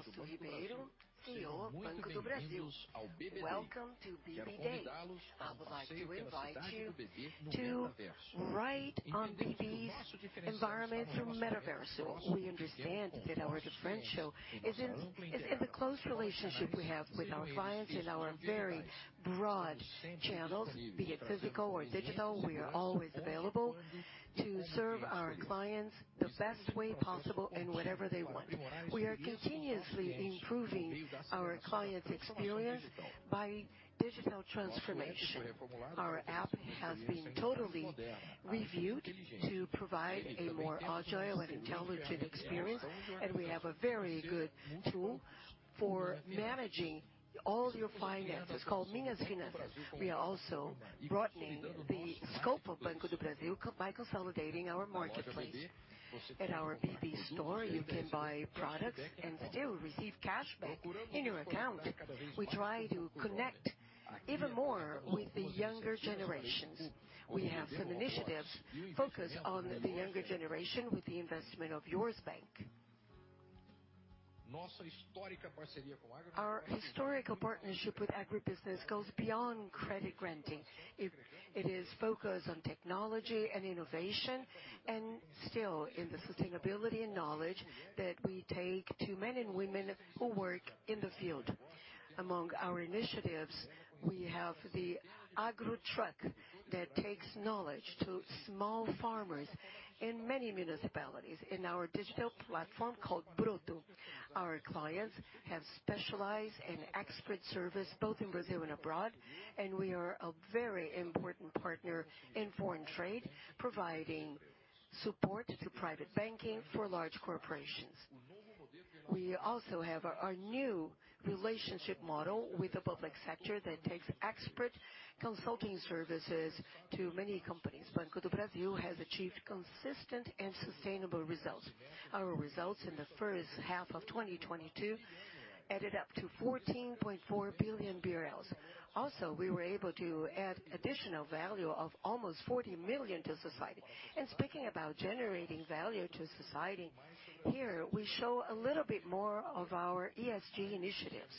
Hello, I'm Fausto Ribeiro, CEO Banco do Brasil. Welcome to BB Day. I would like to invite you to ride on BB's environment through Metaverse. We understand that our differential is in the close relationship we have with our clients and our very broad channels. Be it physical or digital, we are always available to serve our clients the best way possible in whatever they want. We are continuously improving our clients' experience by digital transformation. Our app has been totally reviewed to provide a more agile and intelligent experience, and we have a very good tool for managing all your finances called Minhas Finanças. We are also broadening the scope of Banco do Brasil by consolidating our marketplace. At our BB store, you can buy products and still receive cashback in your account. We try to connect even more with the younger generations. We have some initiatives focused on the younger generation with the investment of Yours Bank. Our historical partnership with agribusiness goes beyond credit granting. It is focused on technology and innovation, and still in the sustainability and knowledge that we take to men and women who work in the field. Among our initiatives, we have the Agro Truck that takes knowledge to small farmers in many municipalities. In our digital platform called Broto, our clients have specialized and expert service both in Brazil and abroad, and we are a very important partner in foreign trade, providing support to private banking for large corporations. We also have a new relationship model with the public sector that takes expert consulting services to many companies. Banco do Brasil has achieved consistent and sustainable results. Our results in the first half of 2022 added up to 14.4 billion BRL. We were able to add additional value of almost 40 million to society. Speaking about generating value to society, here we show a little bit more of our ESG initiatives.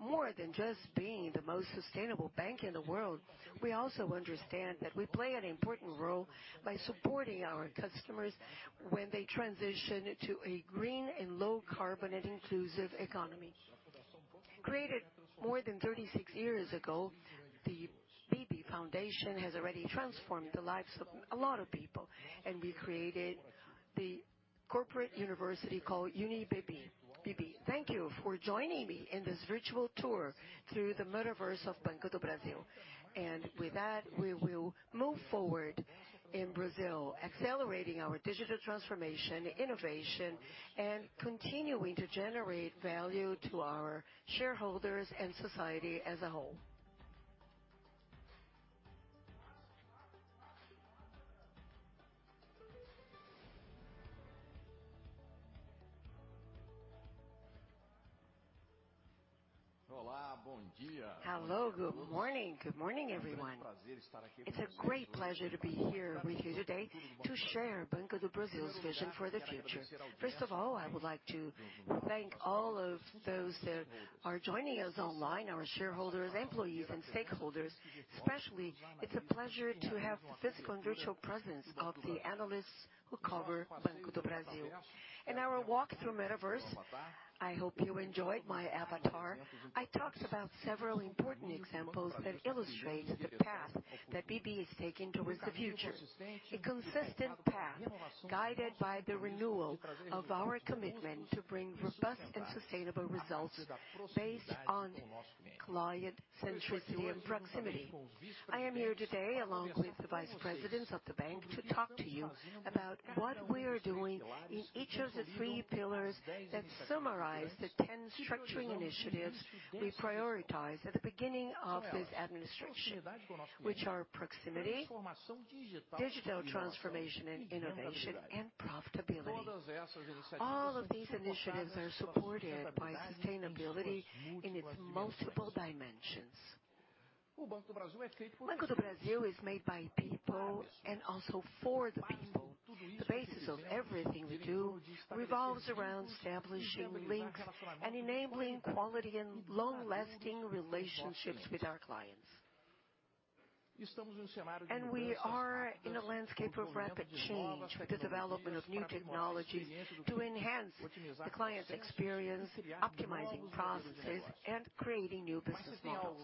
More than just being the most sustainable bank in the world, we also understand that we play an important role by supporting our customers when they transition to a green and low carbon and inclusive economy. Created more than 36 years ago, the BB Foundation has already transformed the lives of a lot of people, and we created the corporate university called UniBB. Thank you for joining me in this virtual tour through the Metaverse of Banco do Brasil. With that, we will move forward in Brazil, accelerating our digital transformation, innovation, and continuing to generate value to our shareholders and society as a whole. Hello, good morning. Good morning, everyone. It's a great pleasure to be here with you today to share Banco do Brasil's vision for the future. First of all, I would like to thank all of those that are joining us online, our shareholders, employees, and stakeholders. Especially, it's a pleasure to have the physical and virtual presence of the analysts who cover Banco do Brasil. In our walk through Metaverse, I hope you enjoyed my avatar. I talked about several important examples that illustrate the path that BB is taking towards the future. A consistent path guided by the renewal of our commitment to bring robust and sustainable results based on client centricity and proximity. I am here today, along with the vice presidents of the bank, to talk to you about what we are doing in each of the three pillars that summarize the ten structuring initiatives we prioritized at the beginning of this administration, which are proximity, digital transformation and innovation, and profitability. All of these initiatives are supported by sustainability in its multiple dimensions. Banco do Brasil is made by people and also for the people. The basis of everything we do revolves around establishing links and enabling quality and long-lasting relationships with our clients. We are in a landscape of rapid change with the development of new technologies to enhance the client experience, optimizing processes, and creating new business models.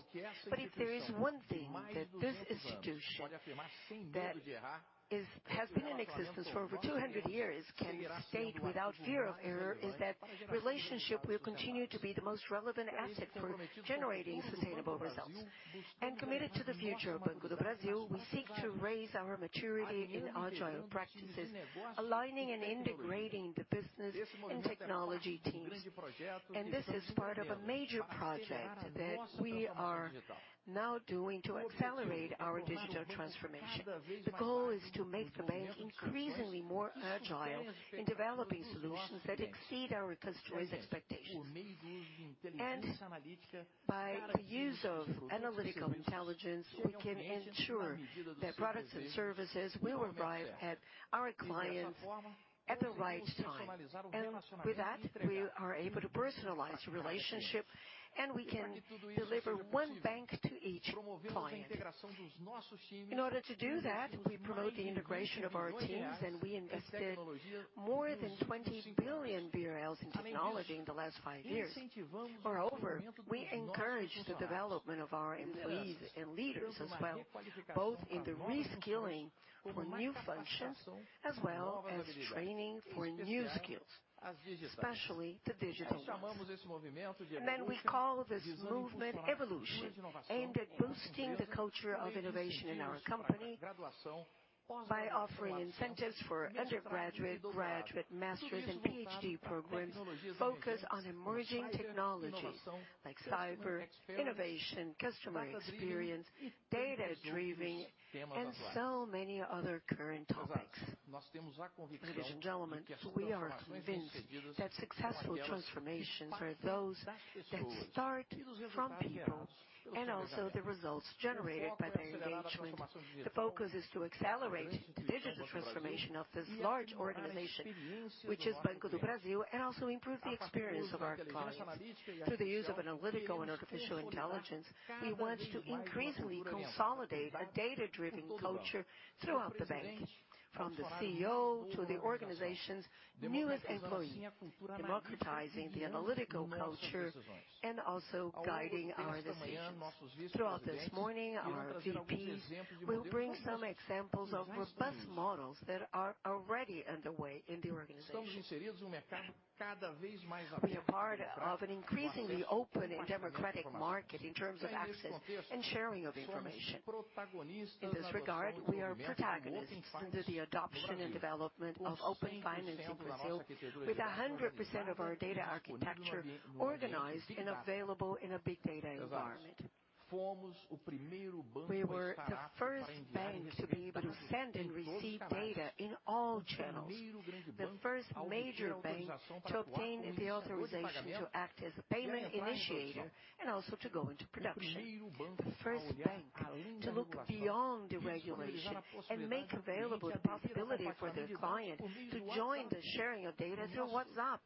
If there is one thing that this institution that is, has been in existence for over 200 years can state without fear of error, is that relationship will continue to be the most relevant asset for generating sustainable results. Committed to the future of Banco do Brasil, we seek to raise our maturity in agile practices, aligning, and integrating the business and technology teams. This is part of a major project that we are now doing to accelerate our digital transformation. The goal is to make the bank increasingly more agile in developing solutions that exceed our customers' expectations. By the use of analytical intelligence, we can ensure that products and services will arrive at our clients at the right time. With that, we are able to personalize relationship, and we can deliver one bank to each client. In order to do that, we promote the integration of our teams, and we invested more than 20 billion BRL in technology in the last five years. Moreover, we encourage the development of our employees and leaders as well, both in the reskilling for new functions as well as training for new skills, especially the digital ones. We call this movement evolution, aimed at boosting the culture of innovation in our company by offering incentives for undergraduate, graduate, master's, and PhD programs focused on emerging technology like cyber, innovation, customer experience, data-driven, and so many other current topics. Ladies and gentlemen, we are convinced that successful transformations are those that start from people and also the results generated by their engagement. The focus is to accelerate digital transformation of this large organization, which is Banco do Brasil, and also improve the experience of our clients. Through the use of analytical and artificial intelligence, we want to increasingly consolidate a data-driven culture throughout the bank, from the CEO to the organization's newest employee, democratizing the analytical culture and also guiding our decisions. Throughout this morning, our VPs will bring some examples of robust models that are already underway in the organization. We are part of an increasingly open and democratic market in terms of access and sharing of information. In this regard, we are protagonists in the adoption and development of Open Finance in Brazil, with 100% of our data architecture organized and available in a big data environment. We were the first bank to be able to send and receive data in all channels. The first major bank to obtain the authorization to act as a payment initiator and also to go into production. The first bank to look beyond the regulation and make available the possibility for their client to join the sharing of data through WhatsApp,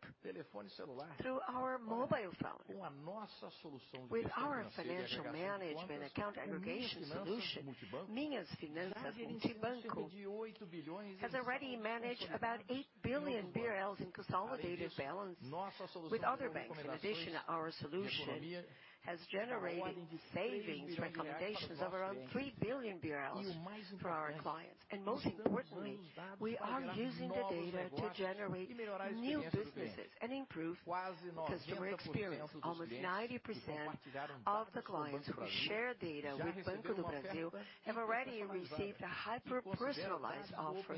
through our mobile phone. With our financial management account aggregation solution, Minhas Finanças Multibanco has already managed about 8 billion BRL in consolidated balance with other banks. In addition, our solution has generated savings recommendations of around BRL 3 billion for our clients. Most importantly, we are using the data to generate new businesses and improve customer experience. Almost 90% of the clients who share data with Banco do Brasil have already received a hyper-personalized offer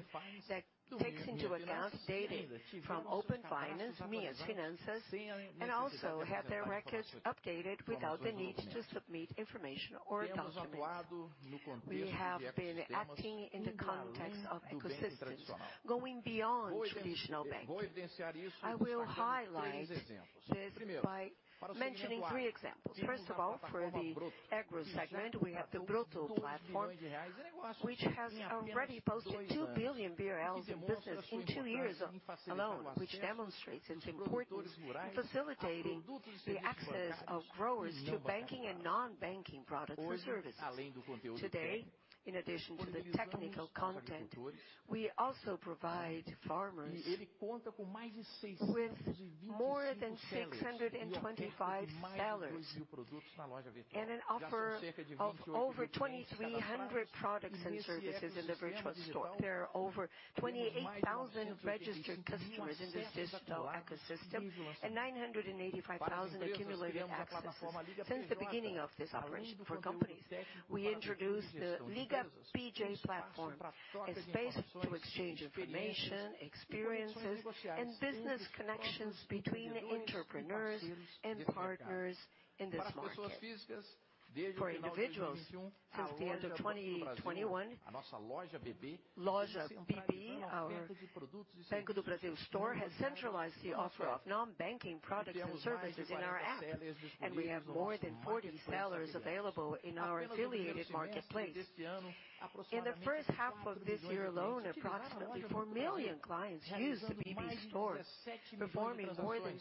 that takes into account data from Open Finance, Minhas Finanças, and also have their records updated without the need to submit information or documents. We have been acting in the context of ecosystems going beyond traditional banking. I will highlight this by mentioning three examples. First of all, for the agro segment, we have the Broto platform, which has already posted 2 billion BRL in business in two years alone, which demonstrates its importance in facilitating the access of growers to banking and non-banking products and services. Today, in addition to the technical content, we also provide farmers with more than 625 sellers and an offer of over 2,300 products and services in the virtual store. There are over 28,000 registered customers in the Broto ecosystem and 985,000 accumulated accesses since the beginning of this operation. For companies, we introduced the Liga PJ platform, a space to exchange information, experiences, and business connections between entrepreneurs and partners in this market. For individuals, since the end of 2021, Loja BB, our Banco do Brasil store, has centralized the offer of non-banking products and services in our app, and we have more than 40 sellers available in our affiliated marketplace. In the first half of this year alone, approximately 4 million clients used the Shopping BB, performing more than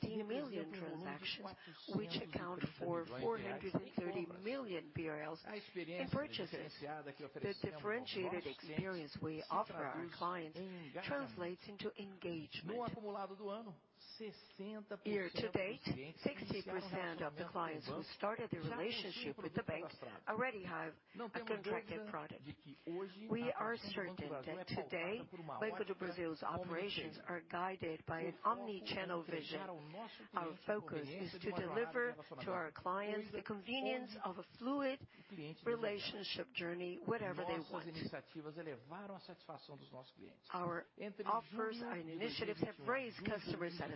17 million transactions, which account for 430 million BRL in purchases. The differentiated experience we offer our clients translates into engagement. Year to date, 60% of the clients who started their relationship with the bank already have a contracted product. We are certain that today, Banco do Brasil's operations are guided by an omnichannel vision. Our focus is to deliver to our clients the convenience of a fluid relationship journey wherever they want. Our offers and initiatives have raised customer satisfaction.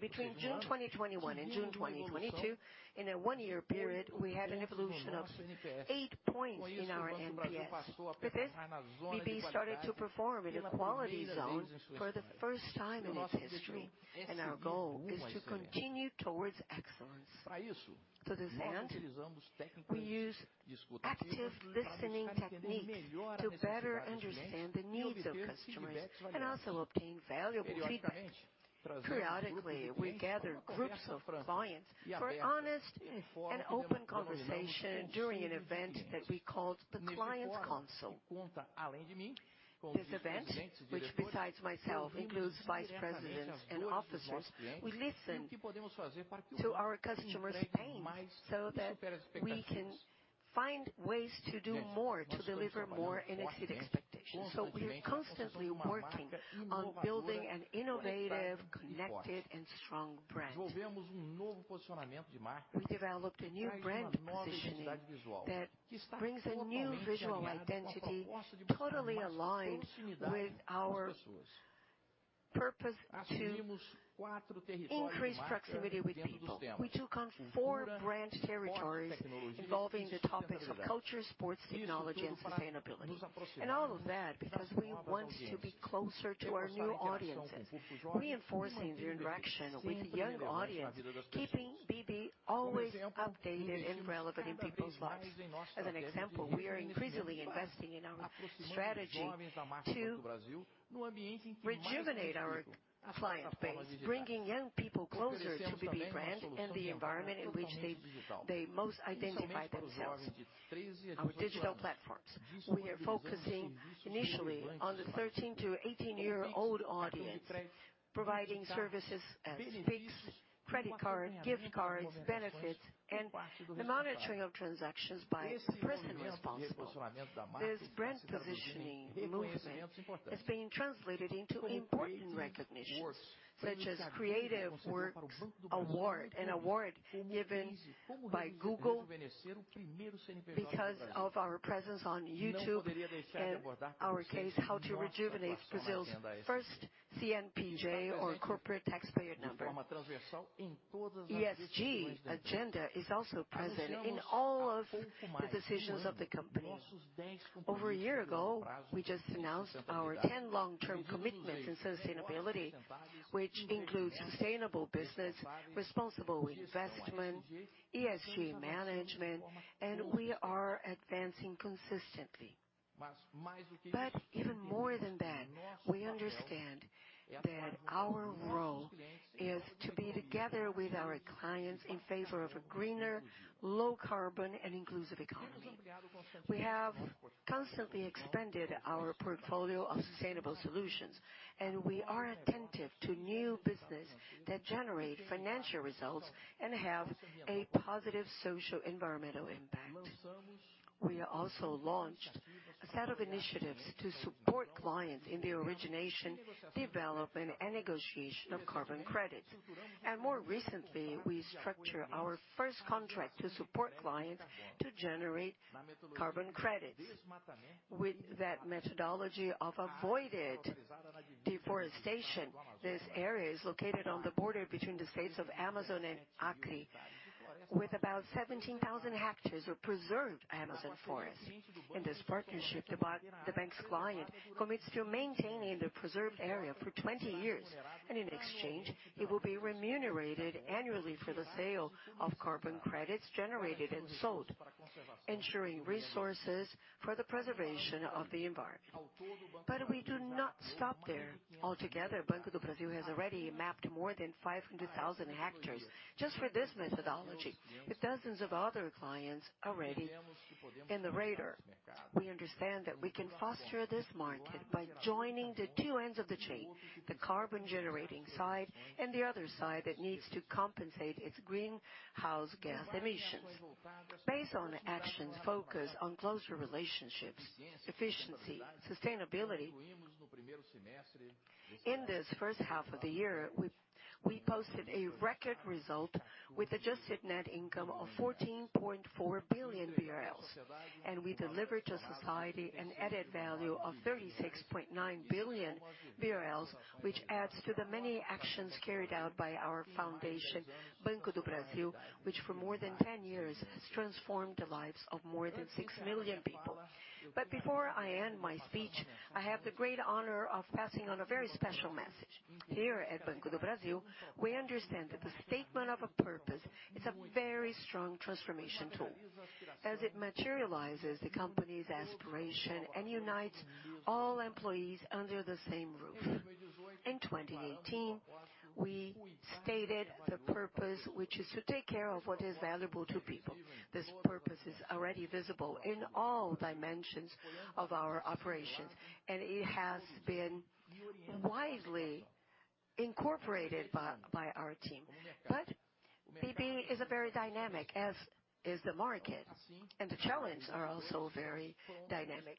Between June 2021 and June 2022, in a one-year period, we had an evolution of eight points in our NPS. With this, BB started to perform in a quality zone for the first time in its history, and our goal is to continue towards excellence. To this end, we use active listening techniques to better understand the needs of customers and also obtain valuable feedback. Periodically, we gather groups of clients for an honest and open conversation during an event that we called the Client's Council. This event, which besides myself, includes vice presidents and officers, we listen to our customers' pain so that we can find ways to do more to deliver more and exceed expectations. We are constantly working on building an innovative, connected, and strong brand. We developed a new brand positioning that brings a new visual identity totally aligned with our purpose to increase proximity with people. We took on four brand territories involving the topics of culture, sports, technology, and sustainability. All of that because we want to be closer to our new audiences, reinforcing the interaction with young audience, keeping BB always updated and relevant in people's lives. As an example, we are increasingly investing in our strategy to rejuvenate our client base, bringing young people closer to BB brand and the environment in which they most identify themselves. Our digital platforms, we are focusing initially on the 13-18-year-old audience, providing services as Pix, credit card, gift cards, benefits, and the monitoring of transactions by the person responsible. This brand positioning movement is being translated into important recognitions, such as Creative Works award. An award given by Google because of our presence on YouTube, in our case, how to rejuvenate Brazil's first CNPJ or corporate taxpayer number. ESG agenda is also present in all of the decisions of the company. Over a year ago, we just announced our 10 long-term commitments in sustainability, which includes sustainable business, responsible investment, ESG management, and we are advancing consistently. Even more than that, we understand that our role is to be together with our clients in favor of a greener, low carbon, and inclusive economy. We have constantly expanded our portfolio of sustainable solutions, and we are attentive to new business that generate financial results and have a positive social environmental impact. We also launched a set of initiatives to support clients in the origination, development, and negotiation of carbon credit. More recently, we structured our first contract to support clients to generate carbon credits. With that methodology of avoided deforestation, this area is located on the border between the states of Amazonas and Acre, with about 17,000 hectares of preserved Amazonas forest. In this partnership, the bank's client commits to maintaining the preserved area for 20 years, and in exchange, he will be remunerated annually for the sale of carbon credits generated and sold, ensuring resources for the preservation of the environment. We do not stop there. Altogether, Banco do Brasil has already mapped more than 500,000 hectares just for this methodology, with dozens of other clients already in the radar. We understand that we can foster this market by joining the two ends of the chain, the carbon generating side, and the other side that needs to compensate its greenhouse gas emissions. Based on actions focused on closer relationships, efficiency, sustainability, in this first half of the year, we posted a record result with adjusted net income of 14.4 billion BRL, and we delivered to society an added value of 36.9 billion BRL, which adds to the many actions carried out by our foundation, Banco do Brasil, which for more than 10 years has transformed the lives of more than 6 million people. Before I end my speech, I have the great honor of passing on a very special message. Here at Banco do Brasil, we understand that the statement of a purpose is a very strong transformation tool, as it materializes the company's aspiration and unites all employees under the same roof. In 2018, we stated the purpose, which is to take care of what is valuable to people. This purpose is already visible in all dimensions of our operations, and it has been widely incorporated by our team. BB is a very dynamic, as is the market, and the challenges are also very dynamic.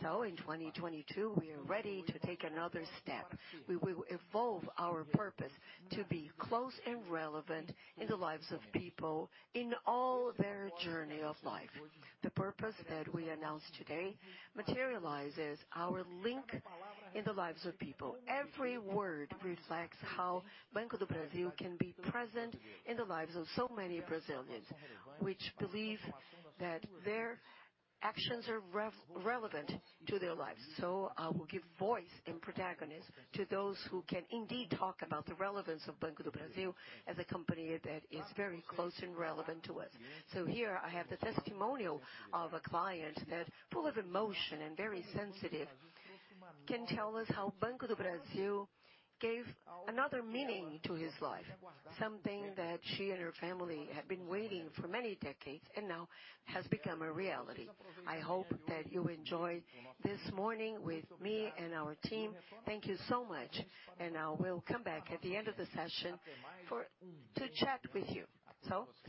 In 2022, we are ready to take another step. We will evolve our purpose to be close and relevant in the lives of people in all their journey of life. The purpose that we announce today materializes our link in the lives of people. Every word reflects how Banco do Brasil can be present in the lives of so many Brazilians, which believe that their actions are relevant to their lives. I will give voice and protagonist to those who can indeed talk about the relevance of Banco do Brasil as a company that is very close and relevant to us. Here I have the testimonial of a client that, full of emotion and very sensitive, can tell us how Banco do Brasil gave another meaning to his life, something that she and her family had been waiting for many decades and now has become a reality. I hope that you enjoyed this morning with me and our team. Thank you so much, and I will come back at the end of the session to chat with you.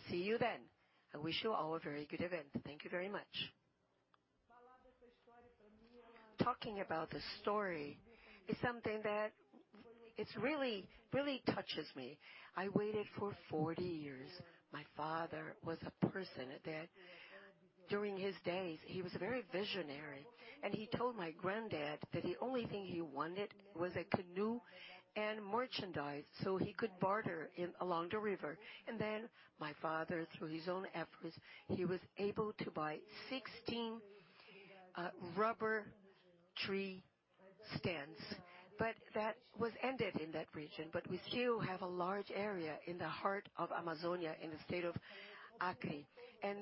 See you then. I wish you all a very good event. Thank you very much. Talking about the story is something that it's really, really touches me. I waited for 40 years. My father was a person that during his days, he was very visionary, and he told my granddad that the only thing he wanted was a canoe and merchandise, so he could barter in along the river. My father, through his own efforts, he was able to buy 16 rubber tree stands, but that was ended in that region. We still have a large area in the heart of Amazonia in the state of Acre.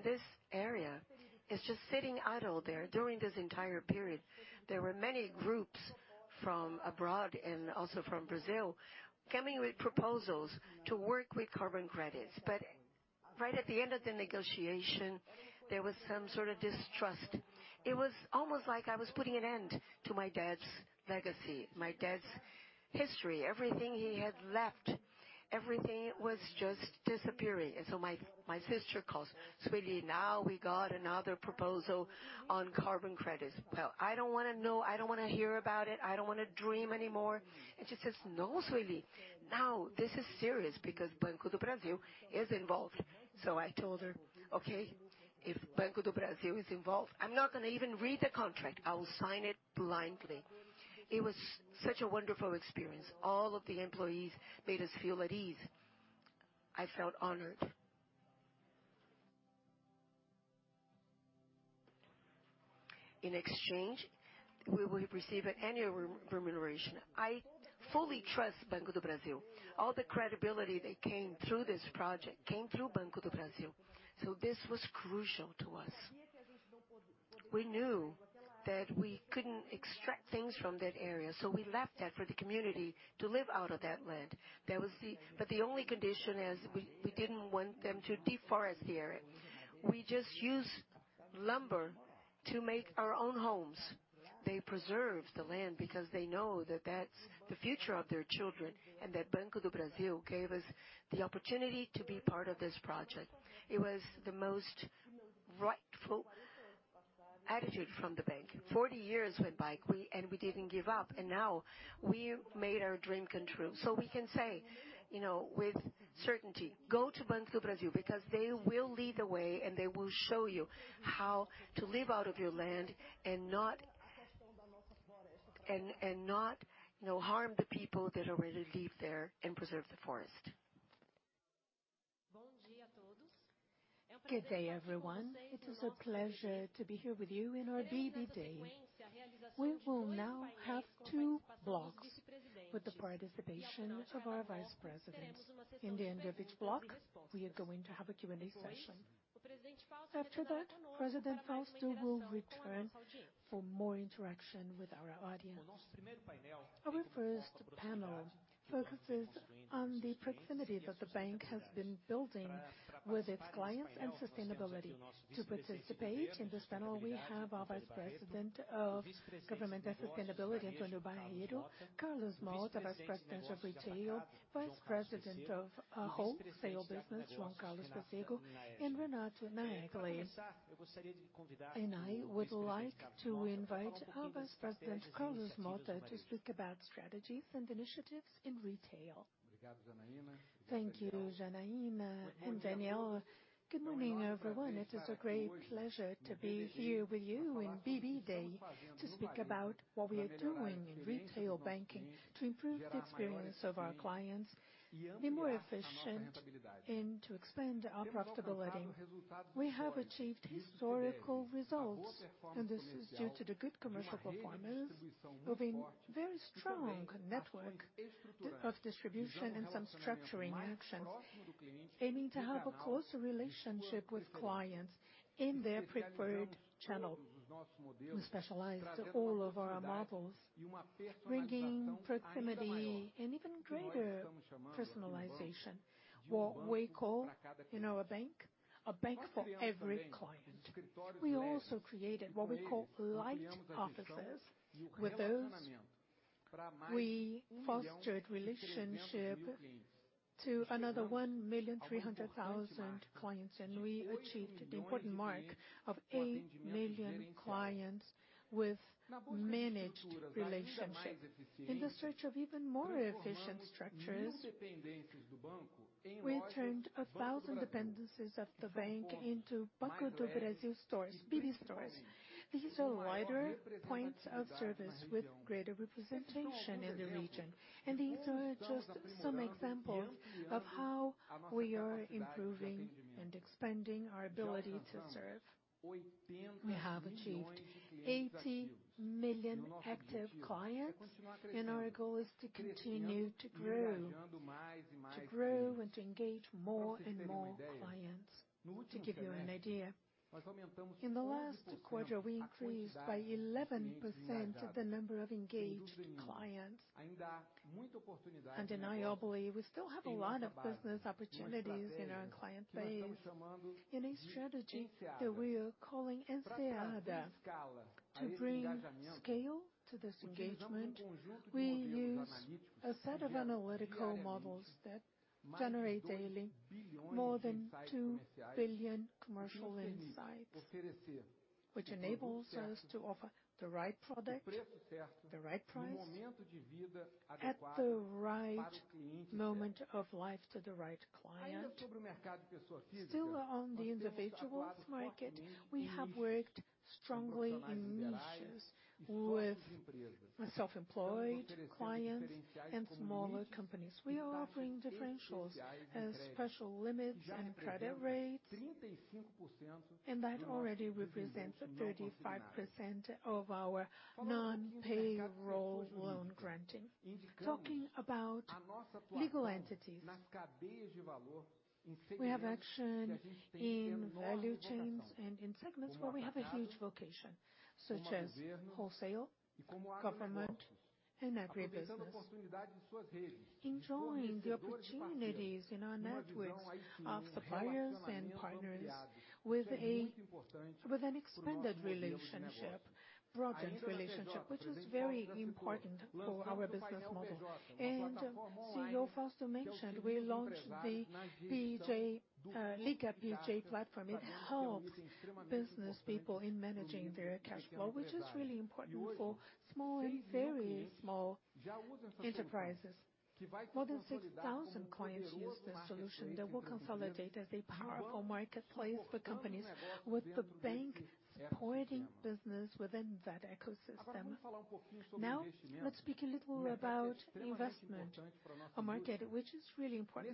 This area is just sitting idle there. During this entire period, there were many groups from abroad and also from Brazil coming with proposals to work with carbon credits. Right at the end of the negotiation, there was some sort of distrust. It was almost like I was putting an end to my dad's legacy, my dad's history, everything he had left. Everything was just disappearing. My sister calls, "Sueli, now we got another proposal on carbon credits." "Well, I don't wanna know. I don't wanna hear about it. I don't wanna dream anymore." She says, "No, Sueli. Now, this is serious because Banco do Brasil is involved. I told her, "Okay, if Banco do Brasil is involved, I'm not gonna even read the contract. I will sign it blindly." It was such a wonderful experience. All of the employees made us feel at ease. I felt honored. In exchange, we will receive an annual remuneration. I fully trust Banco do Brasil. All the credibility that came through this project came through Banco do Brasil, so this was crucial to us. We knew that we couldn't extract things from that area, so we left that for the community to live out of that land. That was but the only condition is we didn't want them to deforest the area. We just use lumber to make our own homes. They preserve the land because they know that that's the future of their children, and that Banco do Brasil gave us the opportunity to be part of this project. It was the most rightful attitude from the bank. 40 years went by, we didn't give up, and now we made our dream come true. We can say, you know, with certainty, go to Banco do Brasil because they will lead the way, and they will show you how to live out of your land and not, you know, harm the people that already live there and preserve the forest. Good day, everyone. It is a pleasure to be here with you in our BB Day. We will now have two blocks with the participation of our vice presidents. In the end of each block, we are going to have a Q&A session. After that, President Fausto will return for more interaction with our audience. Our first panel focuses on the proximity that the bank has been building with its clients and sustainability. To participate in this panel, we have our Vice President of Government and Sustainability, Antônio Barreto, Carlos Motta, Vice President of Retail, Vice President of Wholesale Business, João Carlos Pecego, and Renato Naegele. I would like to invite our Vice President, Carlos Motta, to speak about strategies and initiatives in retail. Thank you, Janaína and Danielle. Good morning, everyone. It is a great pleasure to be here with you in BB Day to speak about what we are doing in retail banking to improve the experience of our clients, be more efficient, and to expand our profitability. We have achieved historical results, and this is due to the good commercial performance of a very strong network of distribution and some structuring actions, aiming to have a closer relationship with clients in their preferred channel. We specialized all of our models, bringing proximity and even greater personalization, what we call in our bank, a bank for every client. We also created what we call light offices. With those, we fostered relationship to another 1,300,000 clients, and we achieved the important mark of 8 million clients with managed relationship. In the search of even more efficient structures, we turned 1,000 dependencies of the bank into Banco do Brasil stores, BB stores. These are wider points of service with greater representation in the region. These are just some examples of how we are improving and expanding our ability to serve. We have achieved 80 million active clients, and our goal is to continue to grow and to engage more and more clients. To give you an idea, in the last quarter, we increased by 11% the number of engaged clients. I believe we still have a lot of business opportunities in our client base in a strategy that we are calling Enseada. To bring scale to this engagement, we use a set of analytical models that generate daily more than 2 billion commercial insights, which enables us to offer the right product, the right price, at the right moment of life to the right client. Still on the individuals market, we have worked strongly in niches with self-employed clients and smaller companies. We are offering differentials as special limits and credit rates, and that already represents 35% of our non-payroll loan granting. Talking about legal entities, we have action in value chains and in segments where we have a huge vocation, such as wholesale, government, and agribusiness. Enjoying the opportunities in our networks of suppliers and partners with an expanded relationship, broadened relationship, which is very important for our business model. CEO Fausto mentioned we launched the BB, Liga PJ platform. It helps business people in managing their cash flow, which is really important for small and very small enterprises. More than 6,000 clients use this solution that will consolidate as a powerful marketplace for companies, with the bank supporting business within that ecosystem. Now, let's speak a little about investment or market, which is really important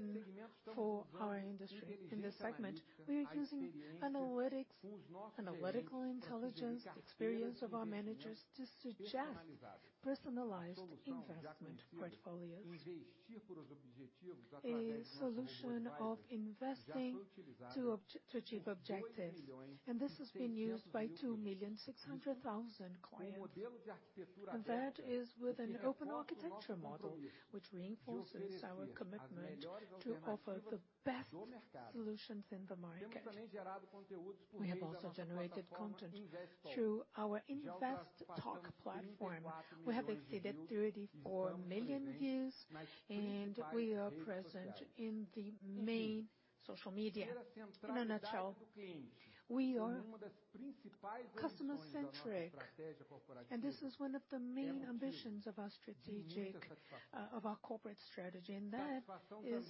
for our industry. In this segment, we are using analytics, analytical intelligence, experience of our managers to suggest personalized investment portfolios. A solution of investing to achieve objectives, and this has been used by 2,600,000 clients. That is with an open architecture model, which reinforces our commitment to offer the best solutions in the market. We have also generated content through our InvesTalk platform. We have exceeded 34 million views, and we are present in the main social media. In a nutshell, we are customer-centric, and this is one of the main ambitions of our strategic, of our corporate strategy, and that is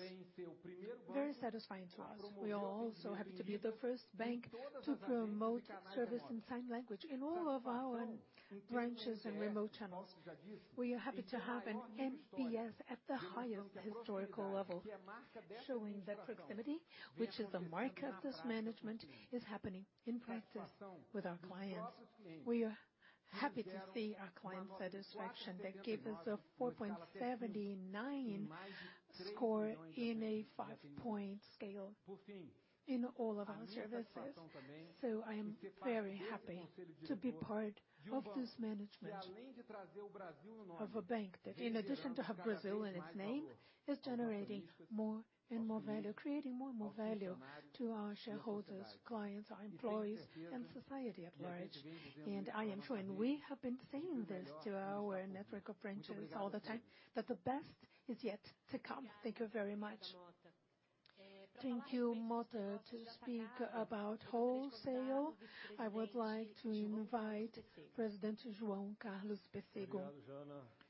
very satisfying to us. We are also happy to be the first bank to promote service in sign language in all of our branches and remote channels. We are happy to have an NPS at the highest historical level, showing that proximity, which is a mark of this management, is happening in practice with our clients. We are happy to see our client satisfaction that gave us a 4.79 score in a five-point scale in all of our services. I am very happy to be part of this management of a bank that, in addition to have Brazil in its name, is generating more and more value, creating more and more value to our shareholders, clients, our employees, and society at large. I am sure, and we have been saying this to our network of branches all the time, that the best is yet to come. Thank you very much. Thank you, Motta. To speak about wholesale, I would like to invite President João Carlos Pecego. Thank you,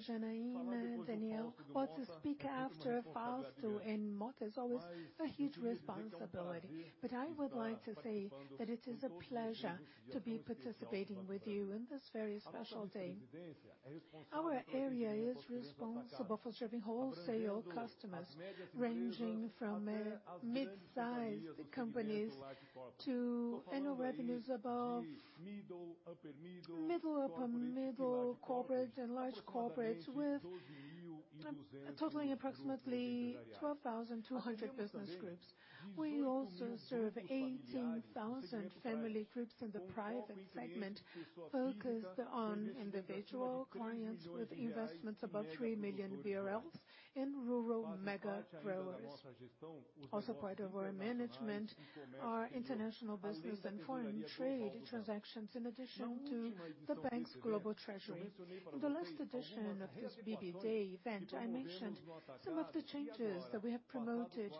Janaína, Daniel. Well, to speak after Fausto and Motta is always a huge responsibility, but I would like to say that it is a pleasure to be participating with you in this very special day. Our area is responsible for serving wholesale customers, ranging from mid-sized companies to annual revenues above middle, upper middle corporate and large corporates totaling approximately 12,200 business groups. We also serve 18,000 family groups in the private segment, focused on individual clients with investments above 3 million in rural mega growers. Also part of our management are international business and foreign trade transactions, in addition to the bank's global treasury. In the last edition of this BB Day event, I mentioned some of the changes that we have promoted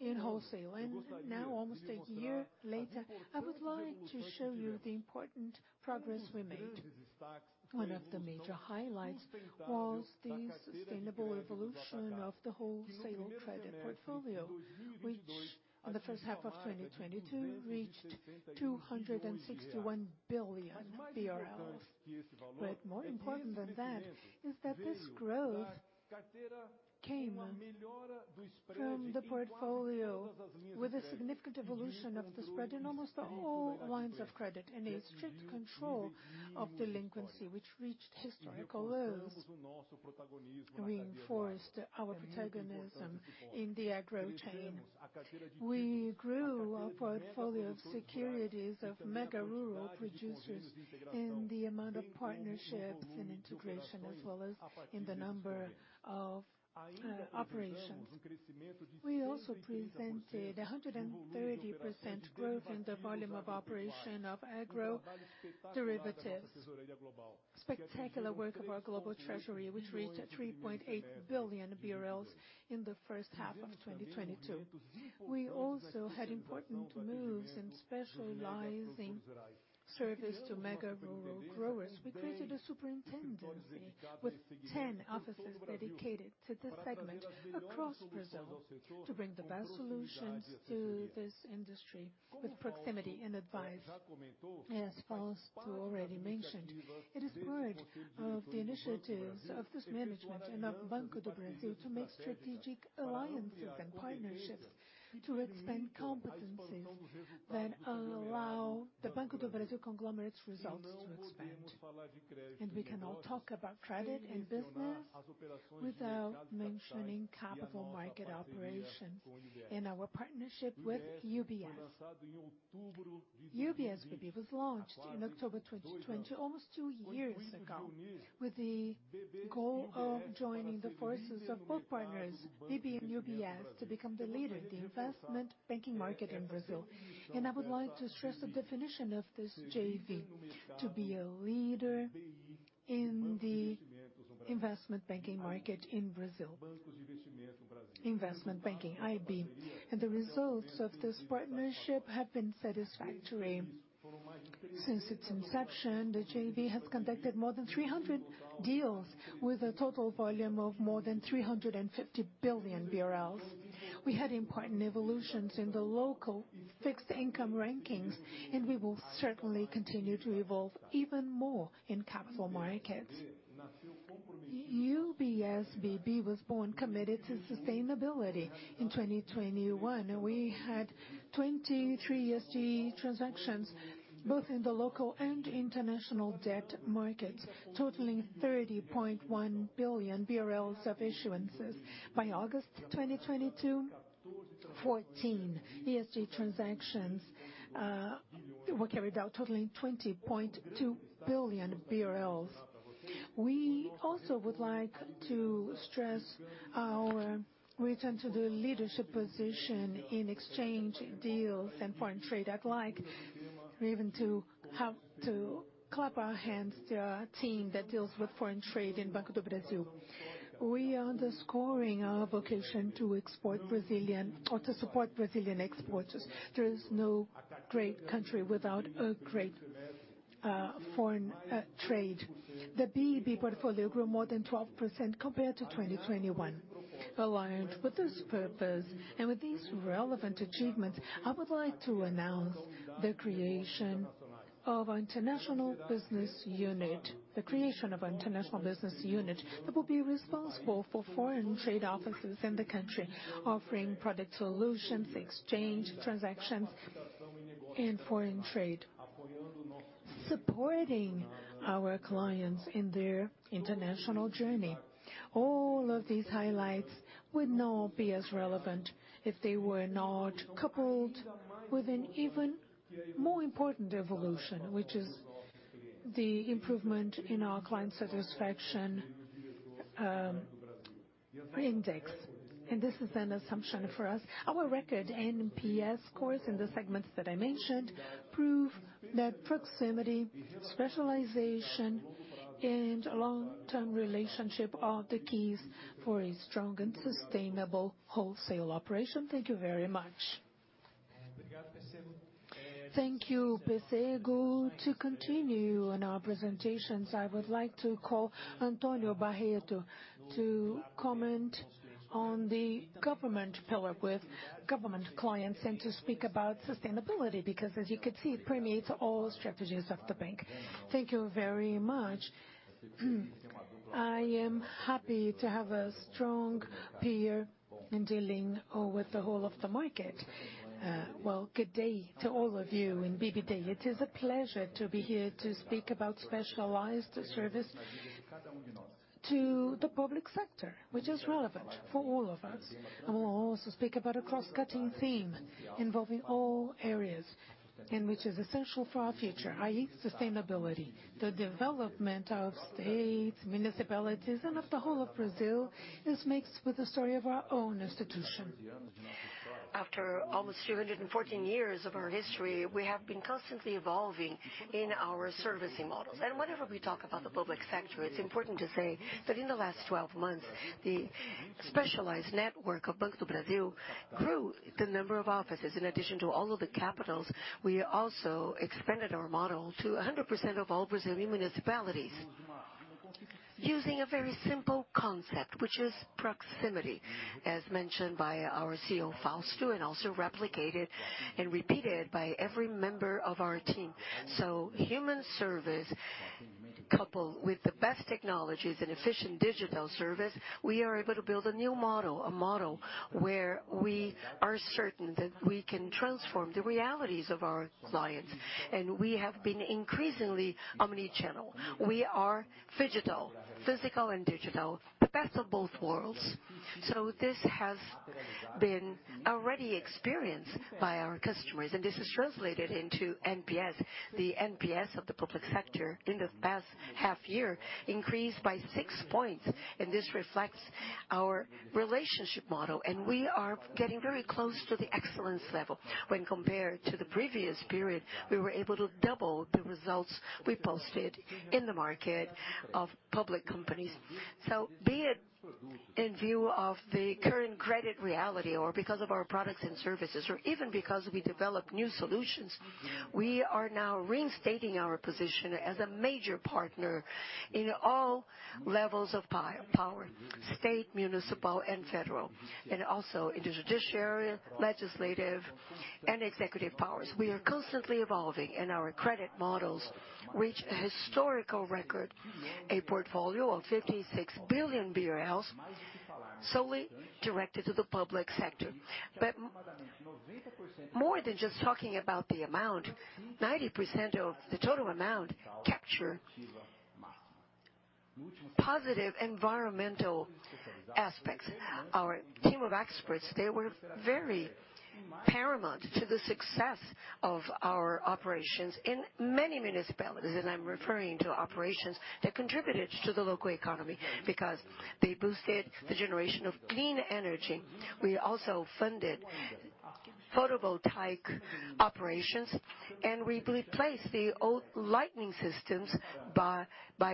in wholesale, and now almost a year later, I would like to show you the important progress we made. One of the major highlights was the sustainable evolution of the wholesale credit portfolio, which on the first half of 2022 reached 261 billion BRL. More important than that is that this growth came from the portfolio with a significant evolution of the spread in almost all lines of credit and a strict control of delinquency, which reached historical lows, reinforced our protagonism in the agro chain. We grew our portfolio of securities of mega rural producers in the amount of partnerships and integration, as well as in the number of operations. We also presented 130% growth in the volume of operation of agro derivatives. Spectacular work of our global treasury, which reached 3.8 billion BRL in the first half of 2022. We also had important moves in specializing service to mega rural growers. We created a superintendency with 10 offices dedicated to this segment across Brazil to bring the best solutions to this industry with proximity and advice. As Fausto already mentioned, it is part of the initiatives of this management and of Banco do Brasil to make strategic alliances and partnerships to expand competencies that allow the Banco do Brasil conglomerate's results to expand. We cannot talk about credit and business without mentioning capital market operations and our partnership with UBS. UBS BB was launched in October 2020, almost two years ago, with the goal of joining the forces of both partners, BB and UBS, to become the leader in the investment banking market in Brazil. I would like to stress the definition of this JV: to be a leader in the investment banking market in Brazil. Investment banking, IB. The results of this partnership have been satisfactory. Since its inception, the JV has conducted more than 300 deals, with a total volume of more than 350 billion BRL. We had important evolutions in the local fixed income rankings, and we will certainly continue to evolve even more in capital markets. UBS BB was born committed to sustainability in 2021. We had 23 ESG transactions, both in the local and international debt markets, totaling 30.1 billion BRL of issuances. By August 2022, 14 ESG transactions were carried out, totaling 20.2 billion BRL. We also would like to stress our return to the leadership position in exchange deals and foreign trade alike, even to have to clap our hands to our team that deals with foreign trade in Banco do Brasil. We are underscoring our vocation to export Brazilian or to support Brazilian exporters. There is no great country without a great foreign trade. The BB portfolio grew more than 12% compared to 2021. Aligned with this purpose and with these relevant achievements, I would like to announce the creation of International Business Unit. The creation of International Business Unit that will be responsible for foreign trade offices in the country, offering product solutions, exchange transactions in foreign trade, supporting our clients in their international journey. All of these highlights would not be as relevant if they were not coupled with an even more important evolution, which is the improvement in our client satisfaction index. This is an assumption for us. Our record NPS scores in the segments that I mentioned prove that proximity, specialization, and long-term relationship are the keys for a strong and sustainable wholesale operation. Thank you very much. Thank you, Pecego. To continue on our presentations, I would like to call Antônio Barreto to comment on the government pillar with government clients and to speak about sustainability, because as you could see, it permeates all strategies of the bank. Thank you very much. I am happy to have a strong peer in dealing with the whole of the market. Good day to all of you in BB Day. It is a pleasure to be here to speak about specialized service to the public sector, which is relevant for all of us. I wanna also speak about a crosscutting theme involving all areas, and which is essential for our future, i.e., sustainability. The development of states, municipalities, and of the whole of Brazil is mixed with the story of our own institution. After almost 214 years of our history, we have been constantly evolving in our servicing models. Whenever we talk about the public sector, it's important to say that in the last 12 months, the specialized network of Banco do Brasil grew the number of offices. In addition to all of the capitals, we also expanded our model to 100% of all Brazilian municipalities, using a very simple concept, which is proximity, as mentioned by our CEO, Fausto, and also replicated and repeated by every member of our team. Human service, coupled with the best technologies and efficient digital service, we are able to build a new model, a model where we are certain that we can transform the realities of our clients. We have been increasingly omni-channel. We are phygital, physical and digital, the best of both worlds. This has been already experienced by our customers, and this is translated into NPS. The NPS of the public sector in the past half year increased by six points, and this reflects our relationship model, and we are getting very close to the excellence level. When compared to the previous period, we were able to double the results we posted in the market of public companies. Be it in view of the current credit reality or because of our products and services, or even because we develop new solutions, we are now reinstating our position as a major partner in all levels of public power, state, municipal, and federal, and also in the judiciary, legislative, and executive powers. We are constantly evolving and our credit models reach a historical record, a portfolio of 56 billion BRL solely directed to the public sector. More than just talking about the amount, 90% of the total amount capture positive environmental aspects. Our team of experts, they were very paramount to the success of our operations in many municipalities, and I'm referring to operations that contributed to the local economy because they boosted the generation of clean energy. We also funded photovoltaic operations, and we replaced the old lighting systems by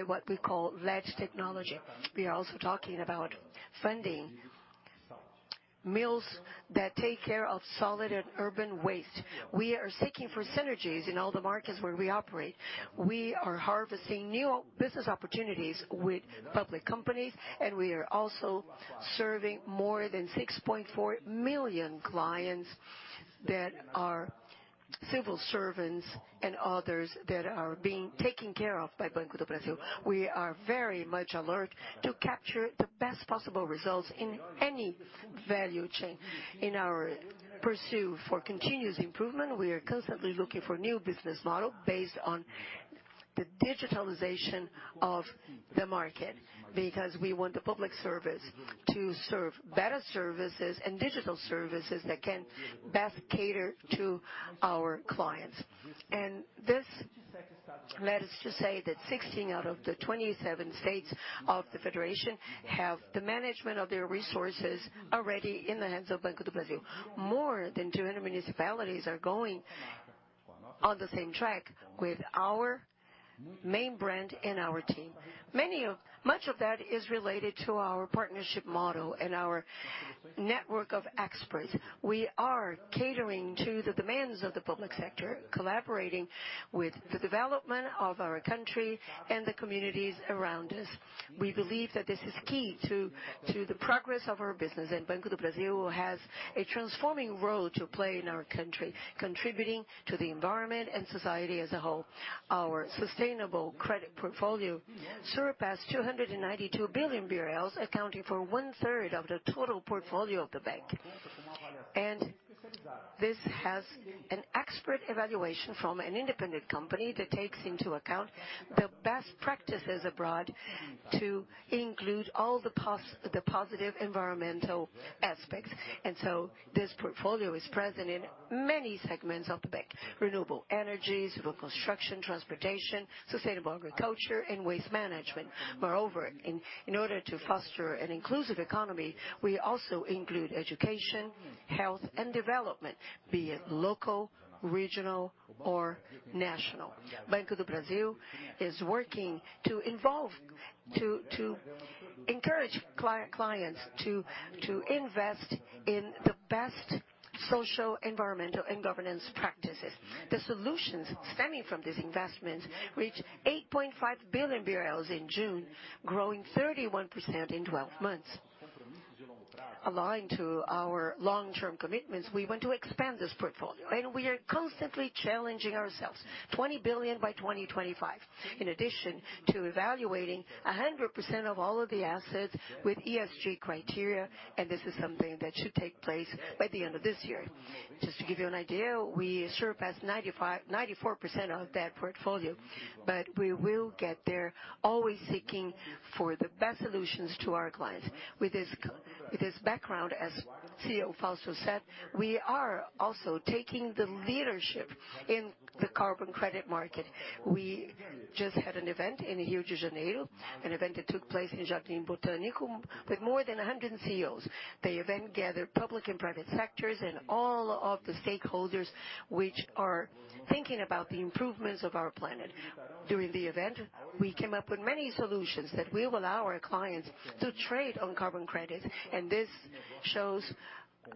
what we call LED technology. We are also talking about funding mills that take care of solid and urban waste. We are seeking for synergies in all the markets where we operate. We are harnessing new business opportunities with public companies, and we are also serving more than 6.4 million clients that are civil servants and others that are being taken care of by Banco do Brasil. We are very much alert to capture the best possible results in any value chain. In our pursue for continuous improvement, we are constantly looking for new business model based on the digitalization of the market, because we want the public service to serve better services and digital services that can best cater to our clients. Let's just say that 16 out of the 27 states of the federation have the management of their resources already in the hands of Banco do Brasil. More than 200 municipalities are going on the same track with our main brand and our team. Much of that is related to our partnership model and our network of experts. We are catering to the demands of the public sector, collaborating with the development of our country and the communities around us. We believe that this is key to the progress of our business and Banco do Brasil has a transforming role to play in our country, contributing to the environment and society as a whole. Our sustainable credit portfolio surpassed 292 billion BRL, accounting for 1/3 of the total portfolio of the bank. This has an expert evaluation from an independent company that takes into account the best practices abroad to include all the positive environmental aspects. This portfolio is present in many segments of the bank. Renewable energies, civil construction, transportation, sustainable agriculture, and waste management. Moreover, in order to foster an inclusive economy, we also include education, health, and development, be it local, regional, or national. Banco do Brasil is working to encourage clients to invest in the best social, environmental, and governance practices. The solutions stemming from these investments reach 8.5 billion BRL in June, growing 31% in 12 months. Aligned to our long-term commitments, we want to expand this portfolio, and we are constantly challenging ourselves, 20 billion by 2025, in addition to evaluating 100% of all of the assets with ESG criteria, and this is something that should take place by the end of this year. Just to give you an idea, we surpassed 94% of that portfolio, but we will get there, always seeking for the best solutions to our clients. With this background, as CEO Fausto said, we are also taking the leadership in the carbon credit market. We just had an event in Rio de Janeiro, an event that took place in Jardim Botânico with more than 100 CEOs. The event gathered public and private sectors and all of the stakeholders which are thinking about the improvements of our planet. During the event, we came up with many solutions that will allow our clients to trade on carbon credits, and this shows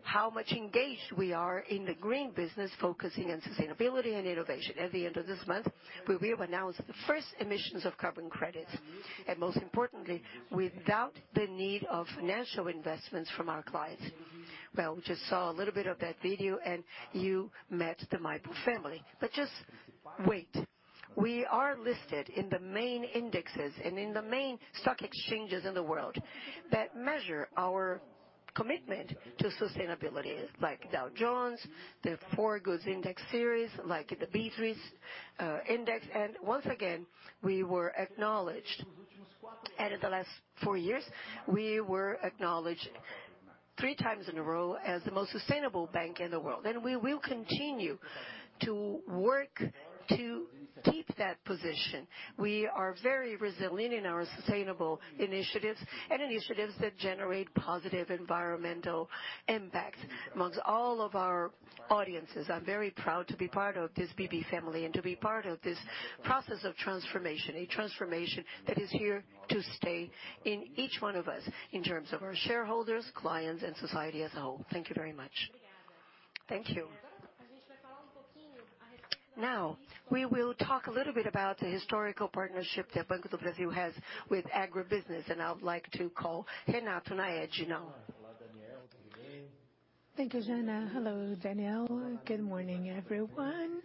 how much engaged we are in the green business, focusing on sustainability and innovation. At the end of this month, we will announce the first emissions of carbon credits, and most importantly, without the need of financial investments from our clients. Well, we just saw a little bit of that video, and you met the Mibra family. But just wait. We are listed in the main indexes and in the main stock exchanges in the world that measure our commitment to sustainability, like Dow Jones, the FTSE4Good index series, like the B3 Index. Once again, we were acknowledged. In the last four years, we were acknowledged three times in a row as the most sustainable bank in the world. We will continue to work to keep that position. We are very resilient in our sustainable initiatives and initiatives that generate positive environmental impact amongst all of our audiences. I'm very proud to be part of this BB family and to be part of this process of transformation, a transformation that is here to stay in each one of us, in terms of our shareholders, clients, and society as a whole. Thank you very much. Thank you. Now, we will talk a little bit about the historical partnership that Banco do Brasil has with agribusiness, and I would like to call Renato Naegele. Thank you, Jana. Hello, Daniel. Good morning, everyone.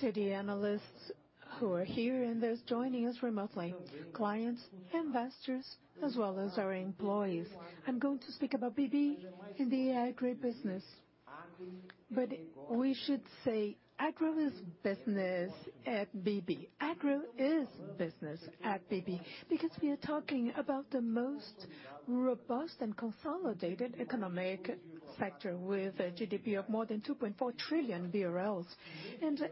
To the analysts who are here and those joining us remotely, clients, investors, as well as our employees, I'm going to speak about BB in the agribusiness. We should say agro is business at BB. Agro is business at BB because we are talking about the most robust and consolidated economic sector with a GDP of more than 2.4 trillion BRL.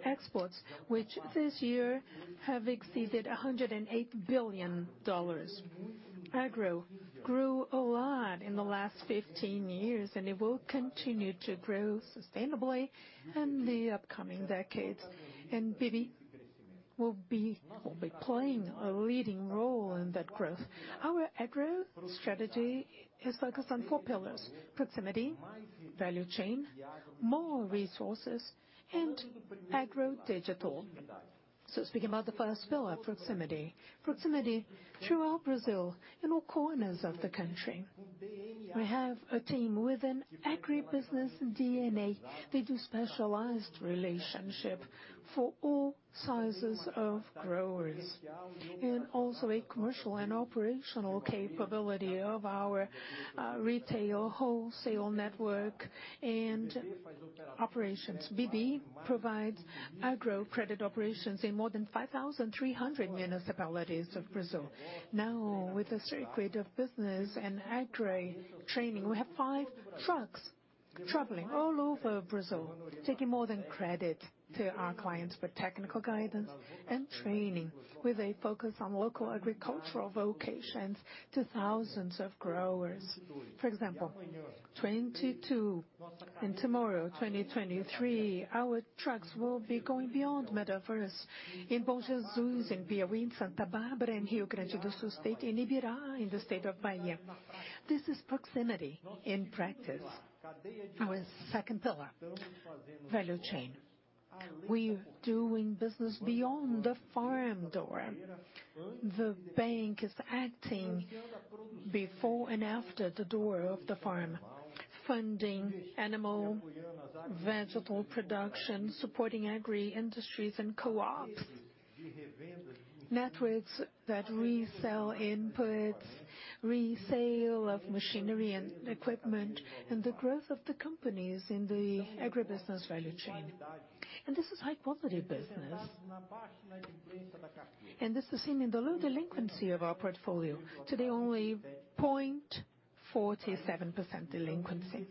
Exports, which this year have exceeded $108 billion. Agro grew a lot in the last 15 years, and it will continue to grow sustainably in the upcoming decades. BB will be playing a leading role in that growth. Our agro strategy is focused on four pillars. Proximity, value chain, more resources, and agro digital. Speaking about the first pillar, proximity. Proximity throughout Brazil, in all corners of the country. We have a team with an agribusiness DNA. They do specialized relationship for all sizes of growers, and also a commercial and operational capability of our retail wholesale network and operations. BB provides agro credit operations in more than 5,300 municipalities of Brazil. Now, with a circuit of business and agri-training, we have five trucks traveling all over Brazil, taking more than credit to our clients for technical guidance and training with a focus on local agricultural vocations to thousands of growers. For example, 2022, and tomorrow 2023, our trucks will be going beyond Metaverse in Bom Jesus, in Piauí, in Santa Bárbara, in Rio Grande do Sul state, in Ibicoara, in the state of Bahia. This is proximity in practice. Our second pillar, value chain. We're doing business beyond the farm door. The bank is acting before and after the door of the farm, funding animal, vegetable production, supporting agri industries and co-ops, networks that resell inputs, resale of machinery and equipment, and the growth of the companies in the agribusiness value chain. This is high-quality business. This is seen in the low delinquency of our portfolio. Today, only 0.47% delinquency.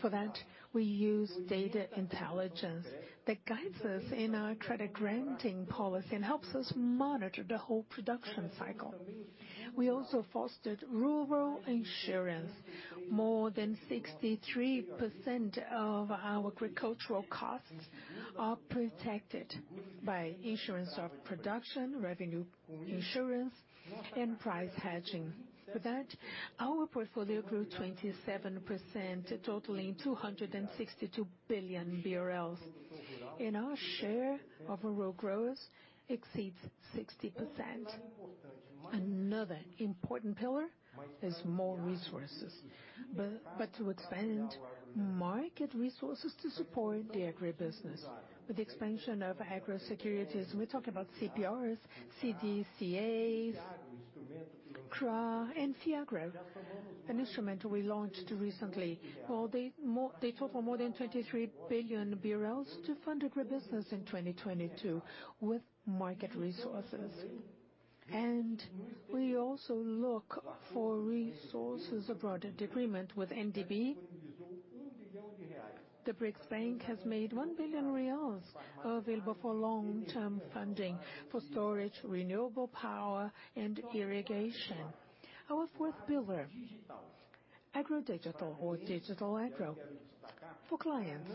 For that, we use data intelligence that guides us in our credit granting policy and helps us monitor the whole production cycle. We also fostered rural insurance. More than 63% of our agricultural costs are protected by insurance of production, revenue insurance, and price hedging. For that, our portfolio grew 27%, totaling 262 billion BRL. Our share of rural growers exceeds 60%. Another important pillar is more resources. To expand market resources to support the agribusiness. With the expansion of agro securities, we're talking about CPRs, CDCAs, CRA, and Fiagro, an instrument we launched recently. Well, they total more than 23 billion BRL to fund agribusiness in 2022 with market resources. We also look for resources abroad. In agreement with NDB, the BRICS Bank has made BRL 1 billion available for long-term funding for storage, renewable power, and irrigation. Our fourth pillar, agro digital or digital agro for clients.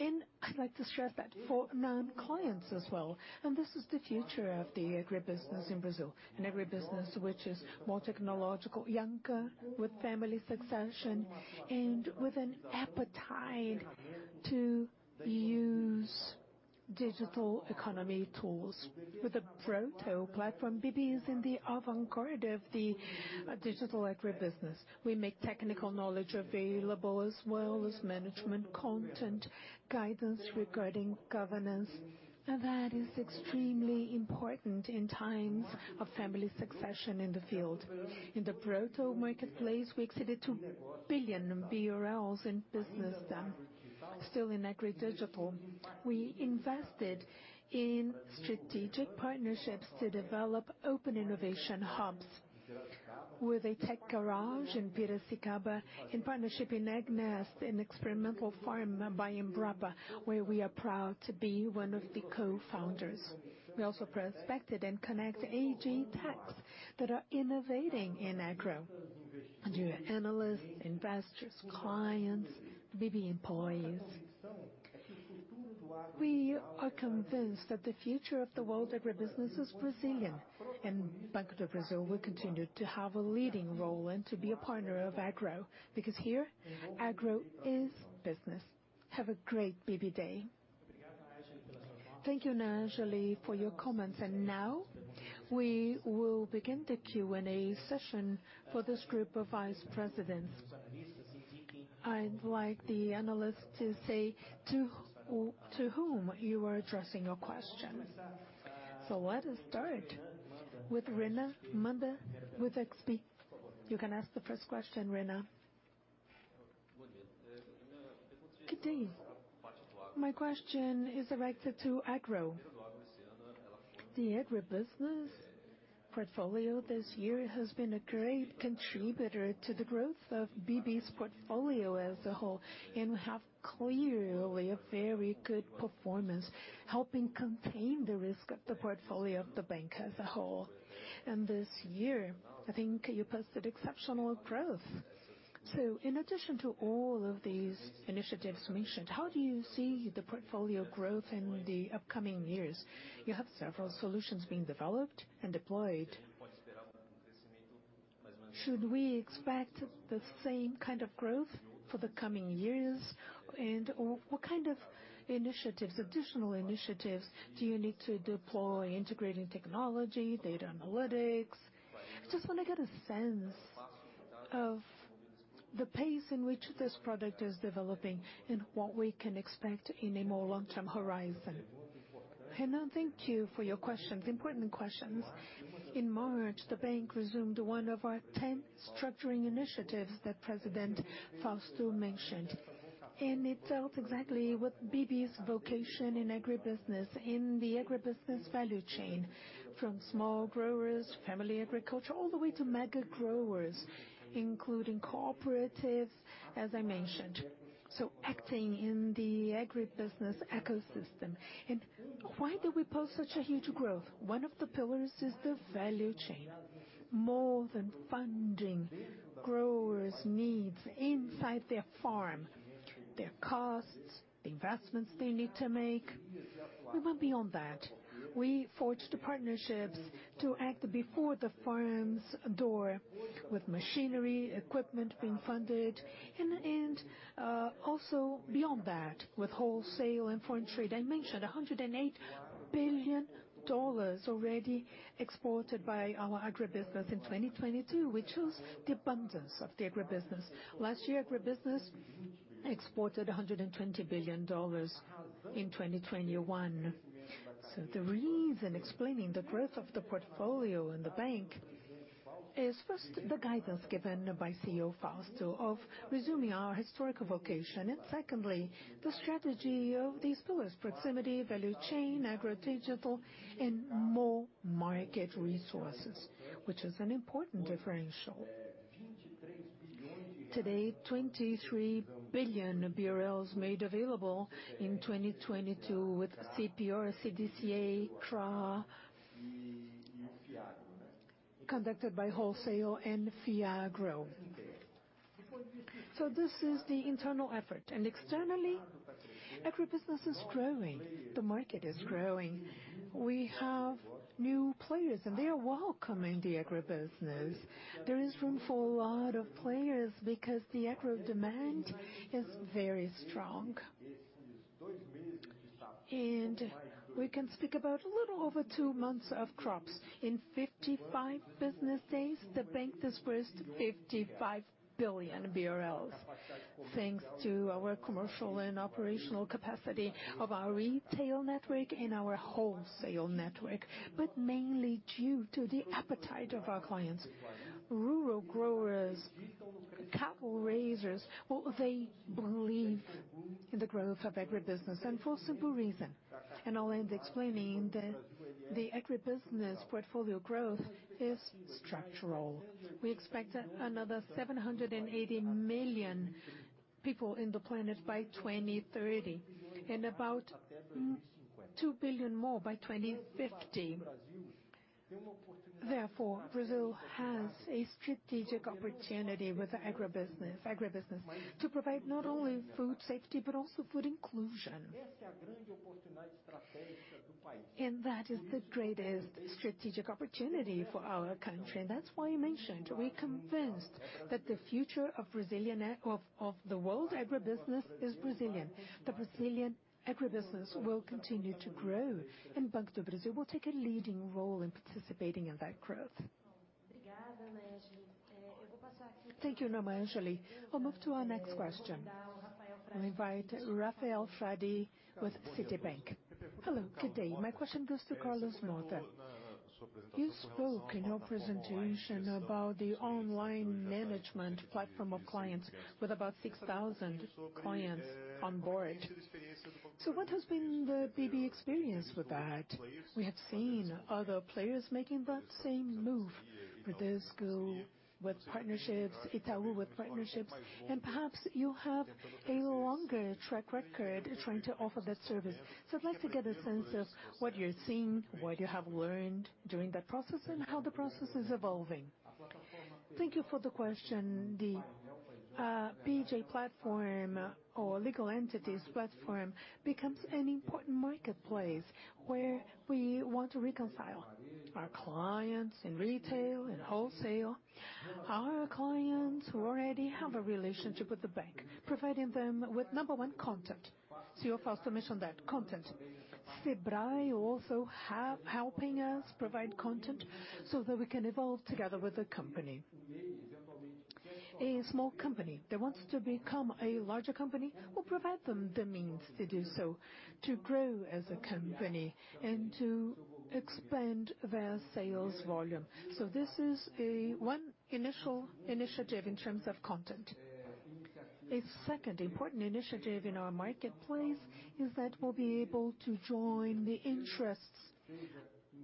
I'd like to stress that for non-clients as well, and this is the future of the agribusiness in Brazil. An agribusiness which is more technological, younger, with family succession, and with an appetite to use digital economy tools. With the Broto platform, BB is in the avant garde of the digital agribusiness. We make technical knowledge available as well as management content, guidance regarding governance. Now, that is extremely important in times of family succession in the field. In the Broto marketplace, we exceeded 2 billion in business done. Still in agri digital, we invested in strategic partnerships to develop open innovation hubs with a tech garage in Piracicaba, in partnership with AgNest, an experimental farm by Embrapa, where we are proud to be one of the co-founders. We also prospected and connect AgTechs that are innovating in agro. You're analysts, investors, clients, BB employees. We are convinced that the future of the world agribusiness is Brazilian. Banco do Brasil will continue to have a leading role and to be a partner of agro because here agro is business. Have a great BB Day. Thank you, Renato Naegele, for your comments. Now we will begin the Q&A session for this group of vice presidents. I'd like the analyst to say to who, to whom you are addressing your question. Let us start with Renan Manda with XP. You can ask the first question, Renan. Good day. My question is directed to agribusiness. The agribusiness portfolio this year has been a great contributor to the growth of BB's portfolio as a whole, and have clearly a very good performance, helping contain the risk of the portfolio of the bank as a whole. This year, I think you posted exceptional growth. In addition to all of these initiatives mentioned, how do you see the portfolio growth in the upcoming years? You have several solutions being developed and deployed. Should we expect the same kind of growth for the coming years? And, or what kind of initiatives, additional initiatives do you need to deploy integrating technology, data analytics? Just wanna get a sense of the pace in which this product is developing and what we can expect in a more long-term horizon. Renan Manda, thank you for your questions, important questions. In March, the bank resumed one of our 10 structuring initiatives that President Fausto Ribeiro mentioned. It tells exactly what BB's vocation in agribusiness, in the agribusiness value chain, from small growers, family agriculture, all the way to mega growers, including cooperatives, as I mentioned. Acting in the agribusiness ecosystem. Why do we post such a huge growth? One of the pillars is the value chain. More than funding growers' needs inside their farm, their costs, the investments they need to make. We went beyond that. We forged partnerships to act before the farm's door with machinery, equipment being funded, and also beyond that, with wholesale and foreign trade. I mentioned $108 billion already exported by our agribusiness in 2022, which was the abundance of the agribusiness. Last year, agribusiness exported $120 billion in 2021. The reason explaining the growth of the portfolio in the bank is, first, the guidance given by CEO Fausto of resuming our historical vocation, and secondly, the strategy of these pillars, proximity, value chain, agro digital, and more market resources, which is an important differential. Today, 23 billion BRL made available in 2022 with CPR or CDCA, CRA, conducted by wholesale and Fiagro. This is the internal effort. Externally, agribusiness is growing. The market is growing. We have new players, and they are welcome in the agribusiness. There is room for a lot of players because the agro demand is very strong. We can speak about a little over two months of crops. In 55 business days, the bank disbursed 55 billion BRL, thanks to our commercial and operational capacity of our retail network and our wholesale network. Mainly due to the appetite of our clients, rural growers, cattle raisers, well, they believe in the growth of agribusiness, and for a simple reason. I'll end explaining that the agribusiness portfolio growth is structural. We expect another 780 million people in the planet by 2030, and about 2 billion more by 2050. Therefore, Brazil has a strategic opportunity with agribusiness to provide not only food safety, but also food inclusion. That is the greatest strategic opportunity for our country. That's why I mentioned, we're convinced that the future of Brazilian of the world agribusiness is Brazilian. The Brazilian agribusiness will continue to grow, and Banco do Brasil will take a leading role in participating in that growth. Thank you. We'll move to our next question. I invite Rafael Frade with Citibank. Hello, good day. My question goes to Carlos Motta. You spoke in your presentation about the online management platform of clients with about 6,000 clients on board. What has been the BB experience with that? We have seen other players making that same move. Bradesco with partnerships, Itaú with partnerships, and perhaps you have a longer track record trying to offer that service. I'd like to get a sense of what you're seeing, what you have learned during that process, and how the process is evolving. Thank you for the question. PJ platform or legal entities platform becomes an important marketplace where we want to reconcile our clients in retail and wholesale, our clients who already have a relationship with the bank, providing them with, number one, content. CEO Fausto Ribeiro mentioned that content. Sebrae also helping us provide content so that we can evolve together with the company. A small company that wants to become a larger company, we'll provide them the means to do so, to grow as a company and to expand their sales volume. This is our initial initiative in terms of content. A second important initiative in our marketplace is that we'll be able to join the interests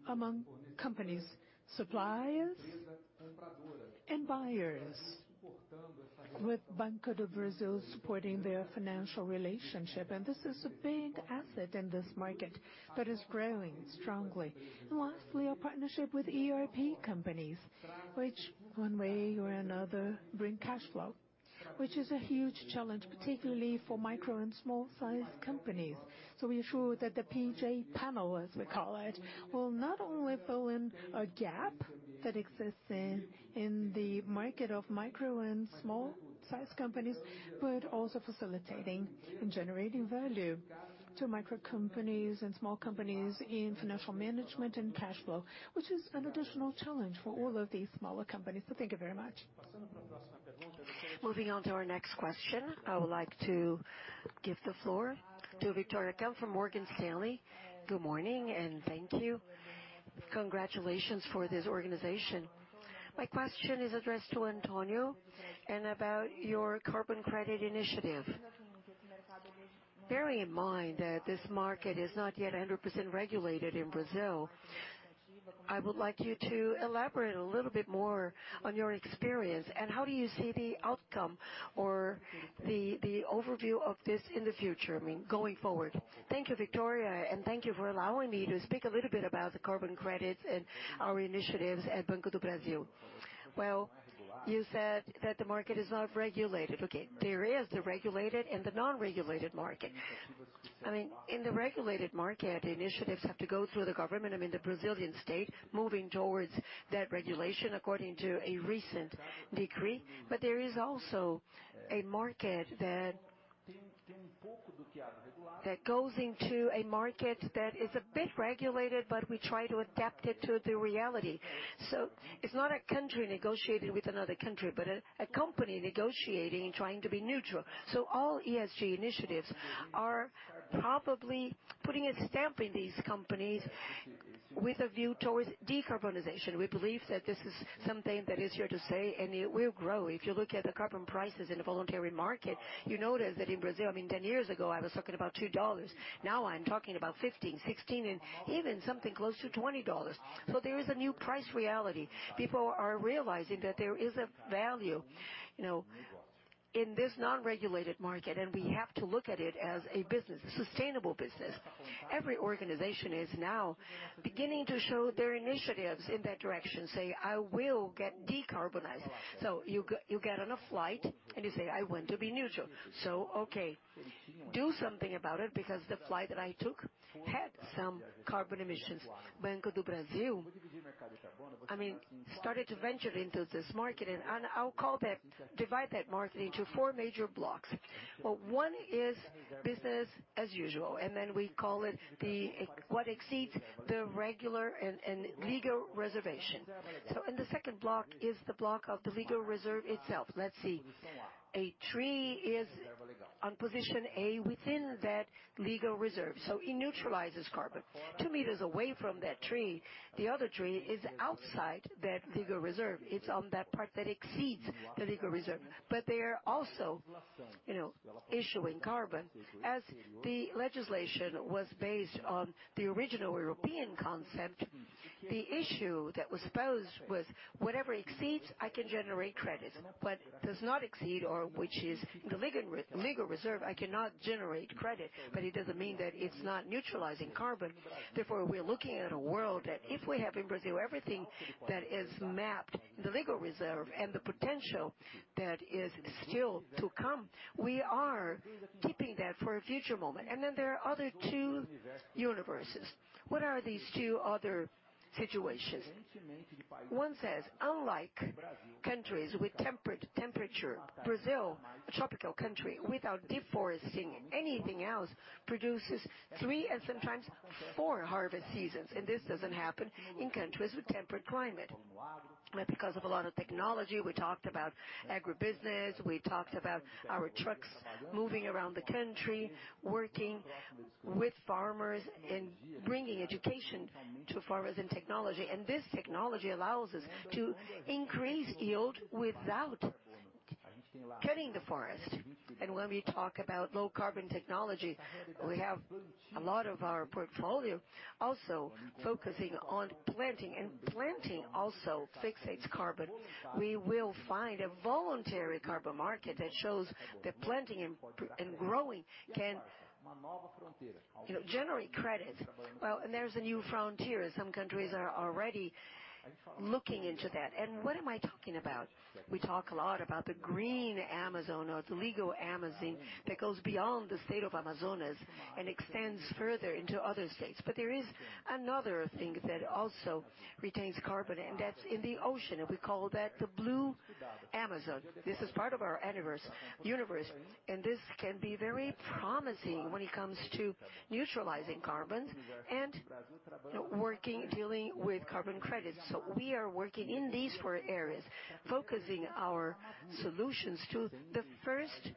among companies, suppliers, and buyers with Banco do Brasil supporting their financial relationship. This is a big asset in this market that is growing strongly. Lastly, our partnership with ERP companies, which one way or another bring cash flow, which is a huge challenge, particularly for micro and small-sized companies. We are sure that the Painel PJ, as we call it, will not only fill in a gap that exists in the market of micro and small-sized companies, but also facilitating and generating value to micro companies and small companies in financial management and cash flow, which is an additional challenge for all of these smaller companies. Thank you very much. Moving on to our next question. I would like to give the floor to Victoria Kang from Morgan Stanley. Good morning, and thank you. Congratulations for this organization. My question is addressed to Antônio and about your carbon credit initiative. Bearing in mind that this market is not yet 100% regulated in Brazil, I would like you to elaborate a little bit more on your experience and how do you see the outcome or the overview of this in the future, I mean, going forward? Thank you, Victoria, and thank you for allowing me to speak a little bit about the carbon credits and our initiatives at Banco do Brasil. Well, you said that the market is not regulated. Okay. There is the regulated and the non-regulated market. I mean, in the regulated market, initiatives have to go through the government, I mean, the Brazilian state, moving towards that regulation according to a recent decree. There is also a market that goes into a market that is a bit regulated, but we try to adapt it to the reality. It's not a country negotiating with another country, but a company negotiating and trying to be neutral. All ESG initiatives are probably putting a stamp in these companies with a view towards decarbonization. We believe that this is something that is here to stay, and it will grow. If you look at the carbon prices in a voluntary market, you notice that in Brazil, I mean, 10 years ago, I was talking about $2. Now I'm talking about $15, $16, and even something close to $20. There is a new price reality. People are realizing that there is a value, you know, in this non-regulated market, and we have to look at it as a business, a sustainable business. Every organization is now beginning to show their initiatives in that direction, say, "I will get decarbonized." You get on a flight and you say, "I want to be neutral." Okay, do something about it because the flight that I took had some carbon emissions. Banco do Brasil, I mean, started to venture into this market, and I'll call that, divide that market into four major blocks. Well, one is business as usual, and then we call it the, what exceeds the regular and legal reservation. In the second block is the block of the legal reserve itself. Let's see. A tree is on position A within that legal reserve, so it neutralizes carbon. Two meters away from that tree, the other tree is outside that legal reserve. It's on that part that exceeds the legal reserve. They are also, you know, issuing carbon. As the legislation was based on the original European concept, the issue that was posed was whatever exceeds, I can generate credit. What does not exceed or which is the legal reserve, I cannot generate credit, but it doesn't mean that it's not neutralizing carbon. Therefore, we're looking at a world that if we have in Brazil everything that is mapped, the legal reserve and the potential that is still to come, we are keeping that for a future moment. Then there are other two universes. What are these two other situations? One says, unlike countries with temperate temperature, Brazil, a tropical country without deforesting anything else, produces three and sometimes four harvest seasons, and this doesn't happen in countries with temperate climate. Because of a lot of technology, we talked about agribusiness, we talked about our trucks moving around the country, working with farmers and bringing education to farmers in technology. This technology allows us to increase yield without cutting the forest. When we talk about low carbon technology, we have a lot of our portfolio also focusing on planting, and planting also fixates carbon. We will find a voluntary carbon market that shows that planting and growing can, you know, generate credit. Well, there's a new frontier. Some countries are already looking into that. What am I talking about? We talk a lot about the green Amazon or the legal Amazon that goes beyond the state of Amazonas and extends further into other states. There is another thing that also retains carbon, and that's in the ocean, and we call that the blue Amazon. This is part of our universe, and this can be very promising when it comes to neutralizing carbon and dealing with carbon credits. We are working in these four areas, focusing our solutions to the first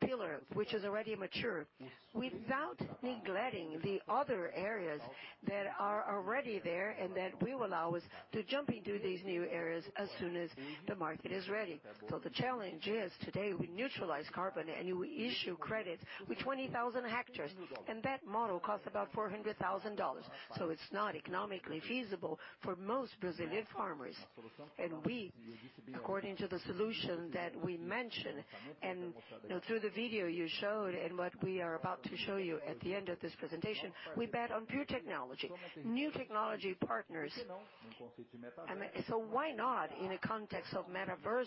pillar, which is already mature, without neglecting the other areas that are already there and that will allow us to jump into these new areas as soon as the market is ready. The challenge is today we neutralize carbon and we issue credit with 20,000 hectares, and that model costs about $400,000. It's not economically feasible for most Brazilian farmers. We, according to the solution that we mentioned, and through the video you showed and what we are about to show you at the end of this presentation, we bet on pure technology, new technology partners. Why not in a context of metaverse?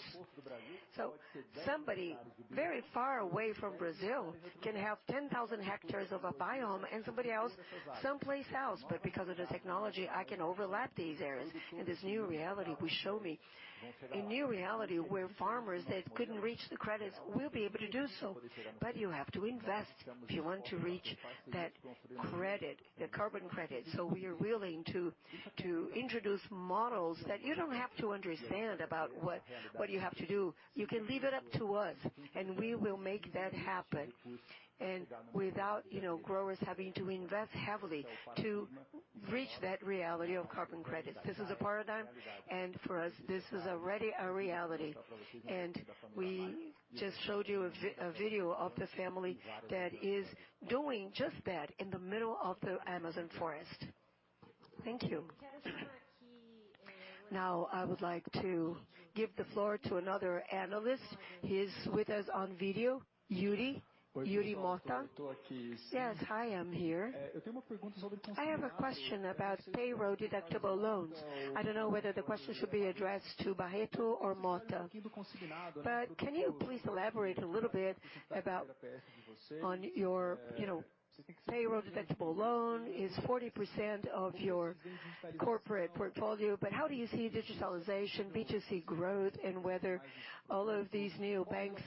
Somebody very far away from Brazil can have 10,000 hectares of a biome and somebody else someplace else. Because of the technology, I can overlap these areas in this new reality we're showing. A new reality where farmers that couldn't reach the credits will be able to do so. You have to invest if you want to reach that credit, the carbon credit. We are willing to introduce models that you don't have to understand about what you have to do. You can leave it up to us, and we will make that happen. Without, you know, growers having to invest heavily to reach that reality of carbon credits. This is a paradigm, and for us, this is already a reality. We just showed you a video of the family that is doing just that in the middle of the Amazonas forest. Thank you. Now, I would like to give the floor to another analyst. He's with us on video, Yuri. Yuri Mota. Yes, hi, I'm here. I have a question about payroll-deductible loans. I don't know whether the question should be addressed to Barreto or Motta. Can you please elaborate a little bit on your, you know, payroll-deductible loan is 40% of your corporate portfolio, but how do you see digitalization, B2C growth and whether all of these neobanks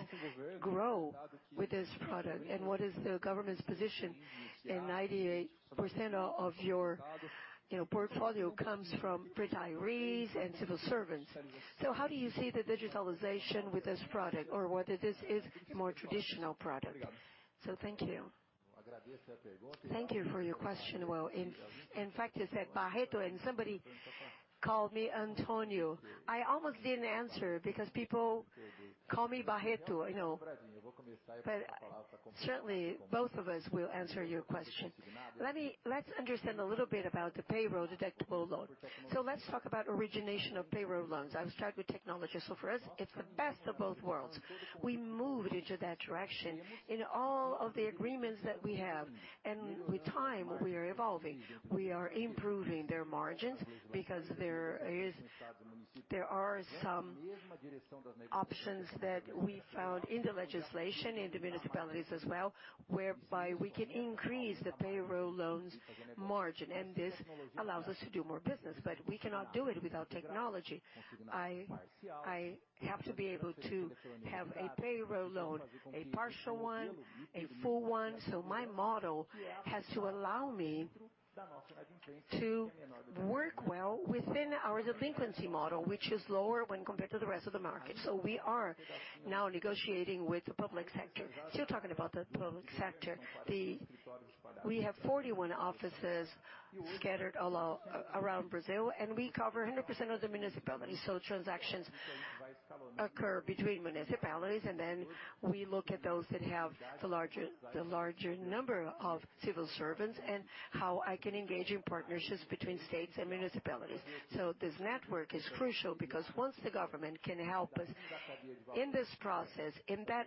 grow with this product? What is the government's position? 98% of your, you know, portfolio comes from retirees and civil servants. How do you see the digitalization with this product or whether this is more traditional product? Thank you. Thank you for your question. Well, in fact, you said Barreto, and somebody called me Antônio. I almost didn't answer because people call me Barreto, you know. Certainly, both of us will answer your question. Let's understand a little bit about the payroll-deductible loan. Let's talk about origination of payroll loans. I'll start with technology. For us, it's the best of both worlds. We moved into that direction in all of the agreements that we have. With time, we are evolving. We are improving their margins because there are some options that we found in the legislation, in the municipalities as well, whereby we can increase the payroll loans margin, and this allows us to do more business, but we cannot do it without technology. I have to be able to have a payroll loan, a partial one, a full one. My model has to allow me to work well within our delinquency model, which is lower when compared to the rest of the market. We are now negotiating with the public sector. Still talking about the public sector. We have 41 offices scattered around Brazil, and we cover 100% of the municipalities. Transactions occur between municipalities, and then we look at those that have the larger number of civil servants and how I can engage in partnerships between states and municipalities. This network is crucial because once the government can help us in this process, in that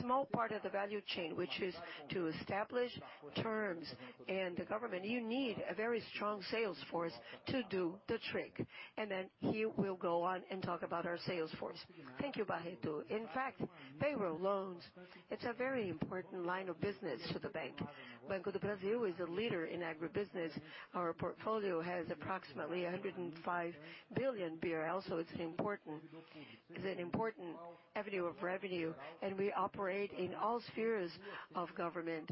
small part of the value chain, which is to establish terms in the government, you need a very strong sales force to do the trick. He will go on and talk about our sales force. Thank you, Barreto. In fact, payroll loans, it's a very important line of business to the bank. Banco do Brasil is a leader in agribusiness. Our portfolio has approximately 105 billion BRL, so it's an important avenue of revenue, and we operate in all spheres of government.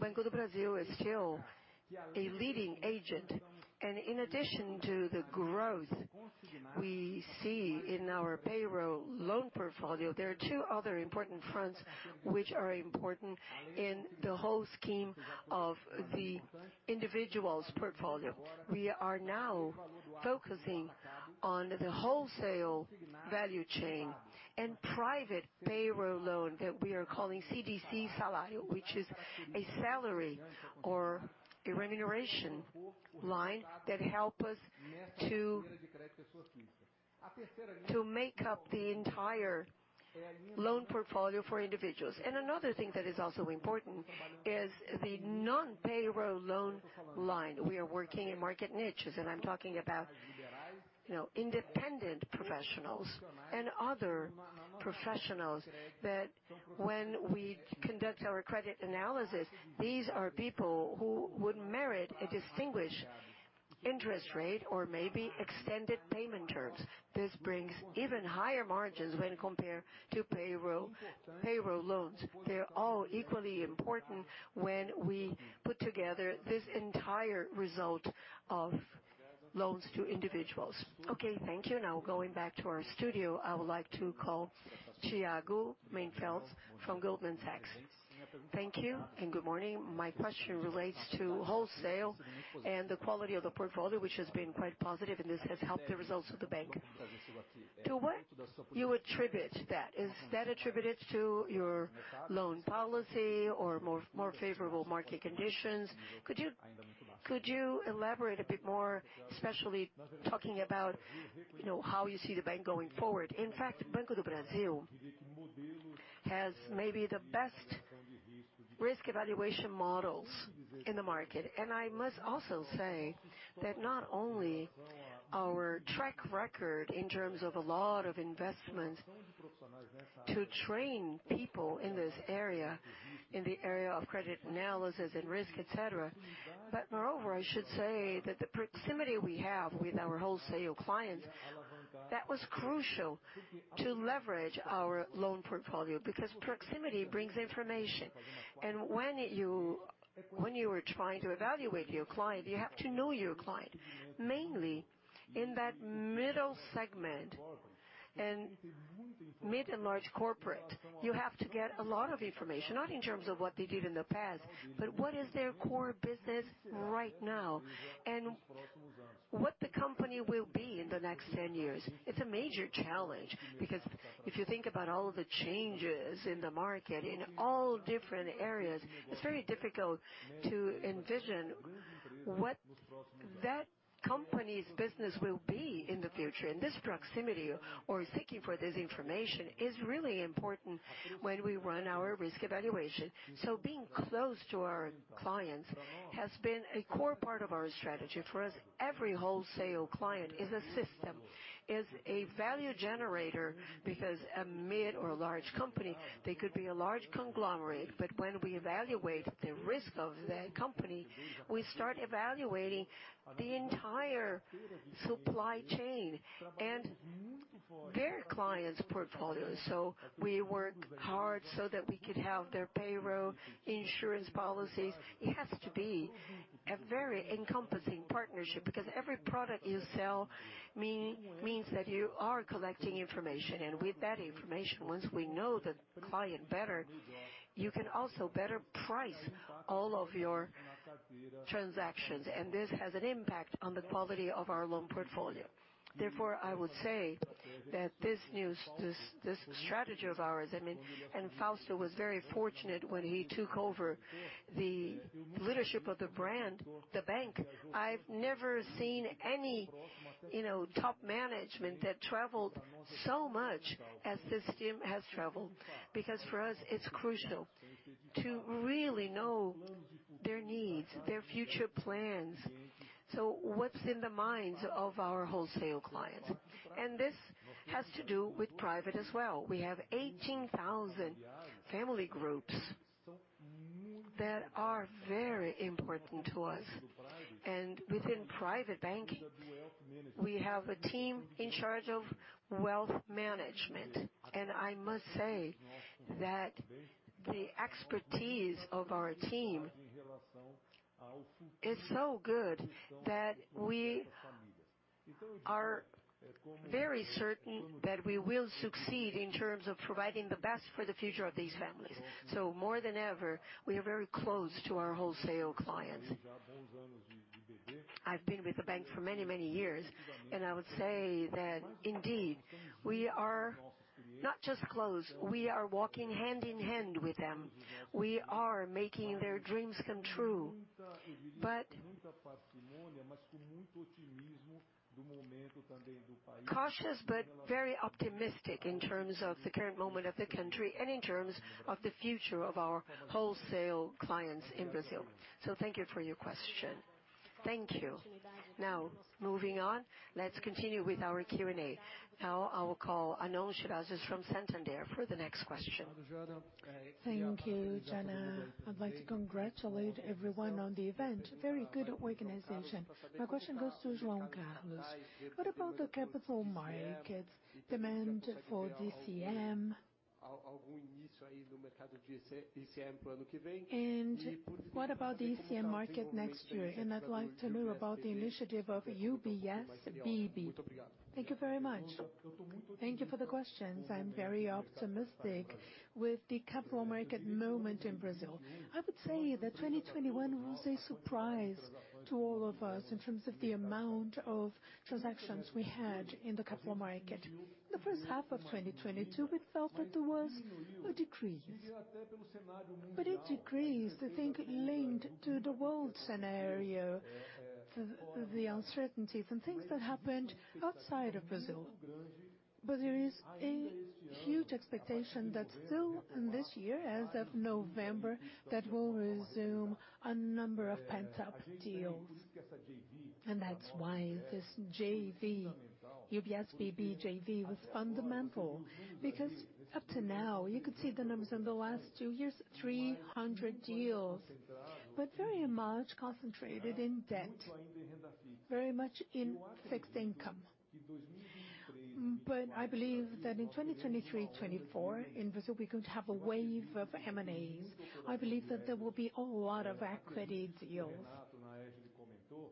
Banco do Brasil is still a leading agent. In addition to the growth we see in our payroll loan portfolio, there are two other important fronts which are important in the whole scheme of the individual's portfolio. We are now focusing on the wholesale value chain and private payroll loan that we are calling CDC Salário, which is a salary or a remuneration line that help us to make up the entire loan portfolio for individuals. Another thing that is also important is the non-payroll loan line. We are working in market niches, and I'm talking about, you know, independent professionals and other professionals that when we conduct our credit analysis, these are people who would merit a distinguished interest rate or maybe extended payment terms. This brings even higher margins when compared to payroll loans. They're all equally important when we put together this entire result of loans to individuals. Okay, thank you. Now going back to our studio, I would like to call Tiago Binsfeld from Goldman Sachs. Thank you and good morning. My question relates to wholesale and the quality of the portfolio, which has been quite positive, and this has helped the results of the bank. To what you attribute that? Is that attributed to your loan policy or more favorable market conditions? Could you elaborate a bit more, especially talking about, you know, how you see the bank going forward? In fact, Banco do Brasil has maybe the best risk evaluation models in the market. I must also say that not only our track record in terms of a lot of investment to train people in this area, in the area of credit analysis and risk, et cetera. Moreover, I should say that the proximity we have with our wholesale clients, that was crucial to leverage our loan portfolio, because proximity brings information. When you are trying to evaluate your client, you have to know your client. Mainly in that middle segment and mid and large corporate, you have to get a lot of information, not in terms of what they did in the past, but what is their core business right now and what the company will be in the next 10 years. It's a major challenge, because if you think about all of the changes in the market in all different areas, it's very difficult to envision what that company's business will be in the future. This proximity or seeking for this information is really important when we run our risk evaluation. Being close to our clients has been a core part of our strategy. For us, every wholesale client is a system, is a value generator, because a mid or a large company, they could be a large conglomerate, but when we evaluate the risk of that company, we start evaluating the entire supply chain and their clients' portfolios. We work hard so that we could have their payroll, insurance policies. It has to be a very encompassing partnership because every product you sell means that you are collecting information. With that information, once we know the client better, you can also better price all of your transactions. This has an impact on the quality of our loan portfolio. Therefore, I would say that this new strategy of ours, I mean, Fausto was very fortunate when he took over the leadership of the bank. I've never seen any, you know, top management that traveled so much as this team has traveled, because for us it's crucial to really know their needs, their future plans. What's in the minds of our wholesale clients, and this has to do with private as well. We have 18,000 family groups that are very important to us. Within private banking we have a team in charge of wealth management. I must say that the expertise of our team is so good that we are very certain that we will succeed in terms of providing the best for the future of these families. More than ever, we are very close to our wholesale clients. I've been with the bank for many, many years, and I would say that indeed we are not just close, we are walking hand in hand with them. We are making their dreams come true. Cautious but very optimistic in terms of the current moment of the country and in terms of the future of our wholesale clients in Brazil. Thank you for your question. Thank you. Now moving on. Let's continue with our Q&A. Now I will call Arnon Shirazi from Santander for the next question. Thank you, Jana. I'd like to congratulate everyone on the event. Very good organization. My question goes to João Carlos. What about the capital markets demand for DCM? What about DCM market next year? I'd like to know about the initiative of UBS BB. Thank you very much. Thank you for the questions. I'm very optimistic with the capital market moment in Brazil. I would say that 2021 was a surprise to all of us in terms of the amount of transactions we had in the capital market. The first half of 2022, we felt that there was a decrease, but it decreased, I think, linked to the world scenario. The uncertainties and things that happened outside of Brazil. There is a huge expectation that still in this year, as of November, that we'll resume a number of pent-up deals. That's why this JV, UBS BB JV was fundamental. Because up to now, you could see the numbers in the last two years, 300 deals, but very much concentrated in debt, very much in fixed income. I believe that in 2023, 2024 in Brazil, we're going to have a wave of M&As. I believe that there will be a lot of equity deals.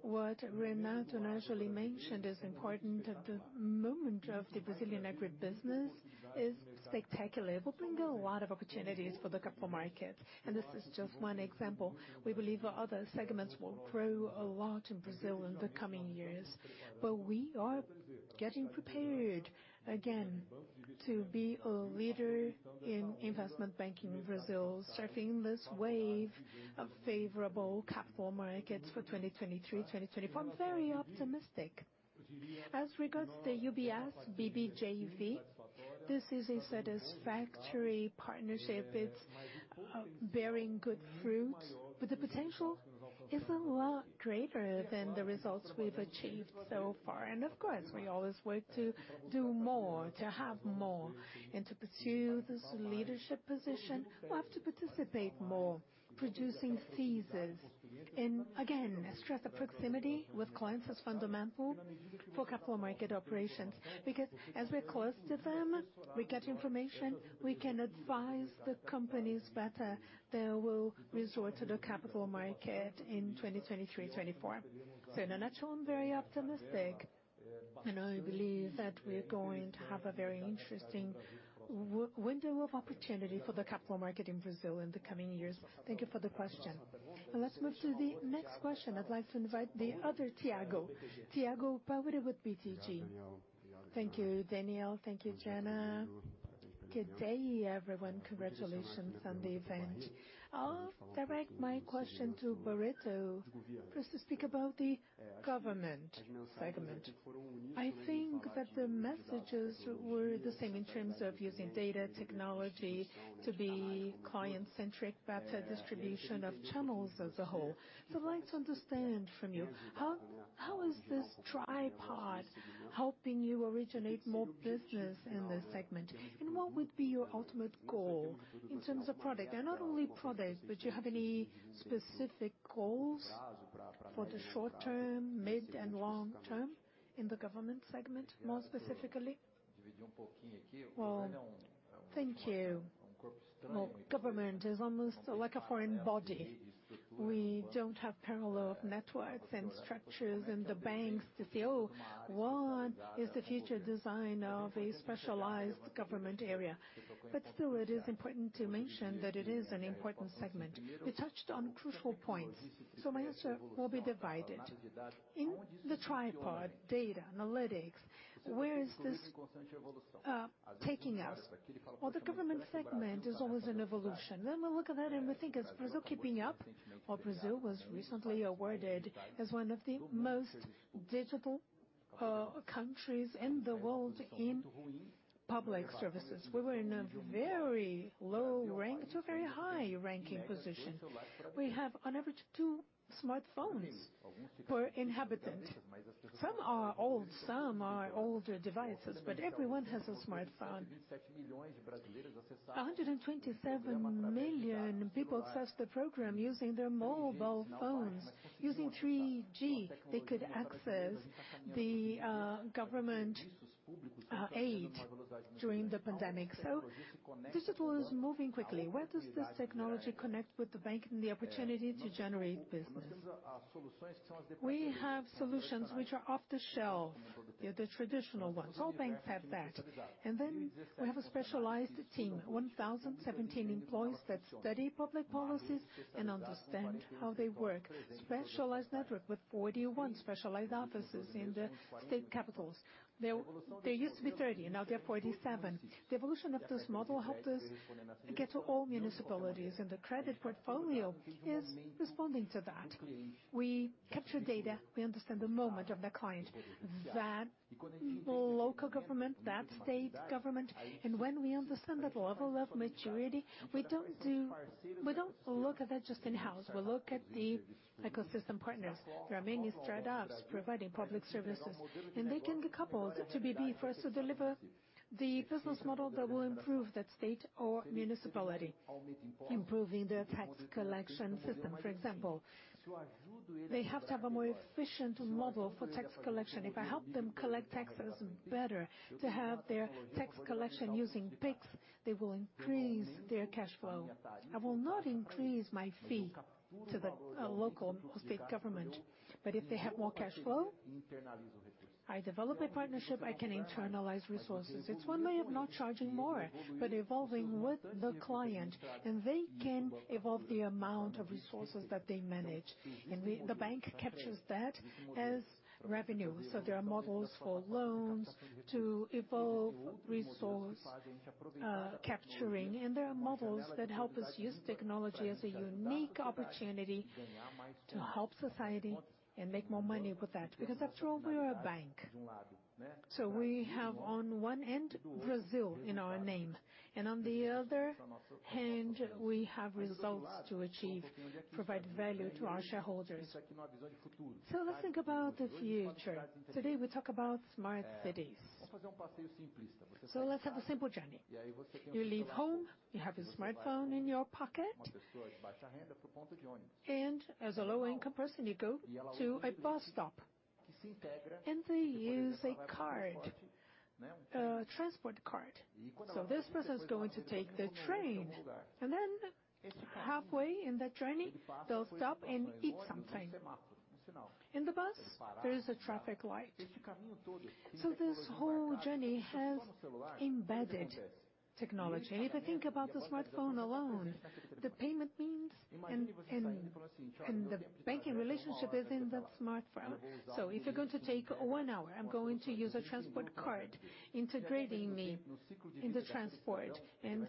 What Renato naturally mentioned is important. The momentum of the Brazilian agribusiness is spectacular. It will bring a lot of opportunities for the capital market, and this is just one example. We believe other segments will grow a lot in Brazil in the coming years. We are getting prepared again to be a leader in investment banking in Brazil, surfing this wave of favorable capital markets for 2023, 2024. I'm very optimistic. As regards to the UBS BB JV, this is a satisfactory partnership. It's bearing good fruit, but the potential is a lot greater than the results we've achieved so far. Of course, we always work to do more, to have more, and to pursue this leadership position, we'll have to participate more, producing thesis. Again, I stress the proximity with clients is fundamental for capital market operations. Because as we're close to them, we get information, we can advise the companies better that will resort to the capital market in 2023, 2024. In a nutshell, I'm very optimistic and I believe that we're going to have a very interesting window of opportunity for the capital market in Brazil in the coming years. Thank you for the question. Let's move to the next question. I'd like to invite the other Thiago. Thiago Paura with BTG Pactual. Thank you, Daniel. Thank you, Jana. Good day, everyone. Congratulations on the event. I'll direct my question to Barreto. First to speak about the government segment. I think that the messages were the same in terms of using data technology to be client-centric, better distribution of channels as a whole. I'd like to understand from you, how is this tripod helping you originate more business in this segment? And what would be your ultimate goal in terms of product? Not only product, but do you have any specific goals for the short term, mid, and long term in the government segment, more specifically? Well, thank you. Well, government is almost like a foreign body. We don't have parallel networks and structures in the banks to say, "Oh, what is the future design of a specialized government area?" Still it is important to mention that it is an important segment. You touched on crucial points, so my answer will be divided. In the tripod data analytics, where is this taking us? Well, the government segment is always an evolution. We look at that and we think, is Brazil keeping up? Well Brazil was recently awarded as one of the most digital countries in the world in public services. We were in a very low rank to a very high ranking position. We have on average two smartphones per inhabitant. Some are old, some are older devices, but everyone has a smartphone. 127 million people access the program using their mobile phones. Using 3G, they could access the government aid during the pandemic. Digital is moving quickly. Where does this technology connect with the bank and the opportunity to generate business? We have solutions which are off the shelf, the traditional ones. All banks have that. We have a specialized team, 1,017 employees that study public policies and understand how they work. Specialized network with 41 specialized offices in the state capitals. There used to be 30, now there are 47. The evolution of this model helped us get to all municipalities, and the credit portfolio is responding to that. We capture data, we understand the moment of the client, that local government, that state government, and when we understand that level of maturity, we don't look at that just in-house. We look at the ecosystem partners. There are many startups providing public services, and they can be coupled to BB for us to deliver the business model that will improve that state or municipality, improving their tax collection system, for example. They have to have a more efficient model for tax collection. If I help them collect taxes better to have their tax collection using Pix, they will increase their cash flow. I will not increase my fee to the local or state government. If they have more cash flow, I develop a partnership, I can internalize resources. It's one way of not charging more, but evolving with the client, and they can evolve the amount of resources that they manage. The bank captures that as revenue. There are models for loans to evolve resource, capturing. There are models that help us use technology as a unique opportunity to help society and make more money with that, because after all, we are a bank. We have on one end Brazil in our name, and on the other hand, we have results to achieve, provide value to our shareholders. Let's think about the future. Today, we talk about smart cities. Let's have a simple journey. You leave home, you have a smartphone in your pocket. As a low-income person, you go to a bus stop, and they use a card, a transport card. This person's going to take the train and then halfway in that journey, they'll stop and eat something. In the bus, there is a traffic light. This whole journey has embedded technology. If I think about the smartphone alone, the payment means and the banking relationship is in that smartphone. If you're going to take one hour, I'm going to use a transport card integrating me in the transport.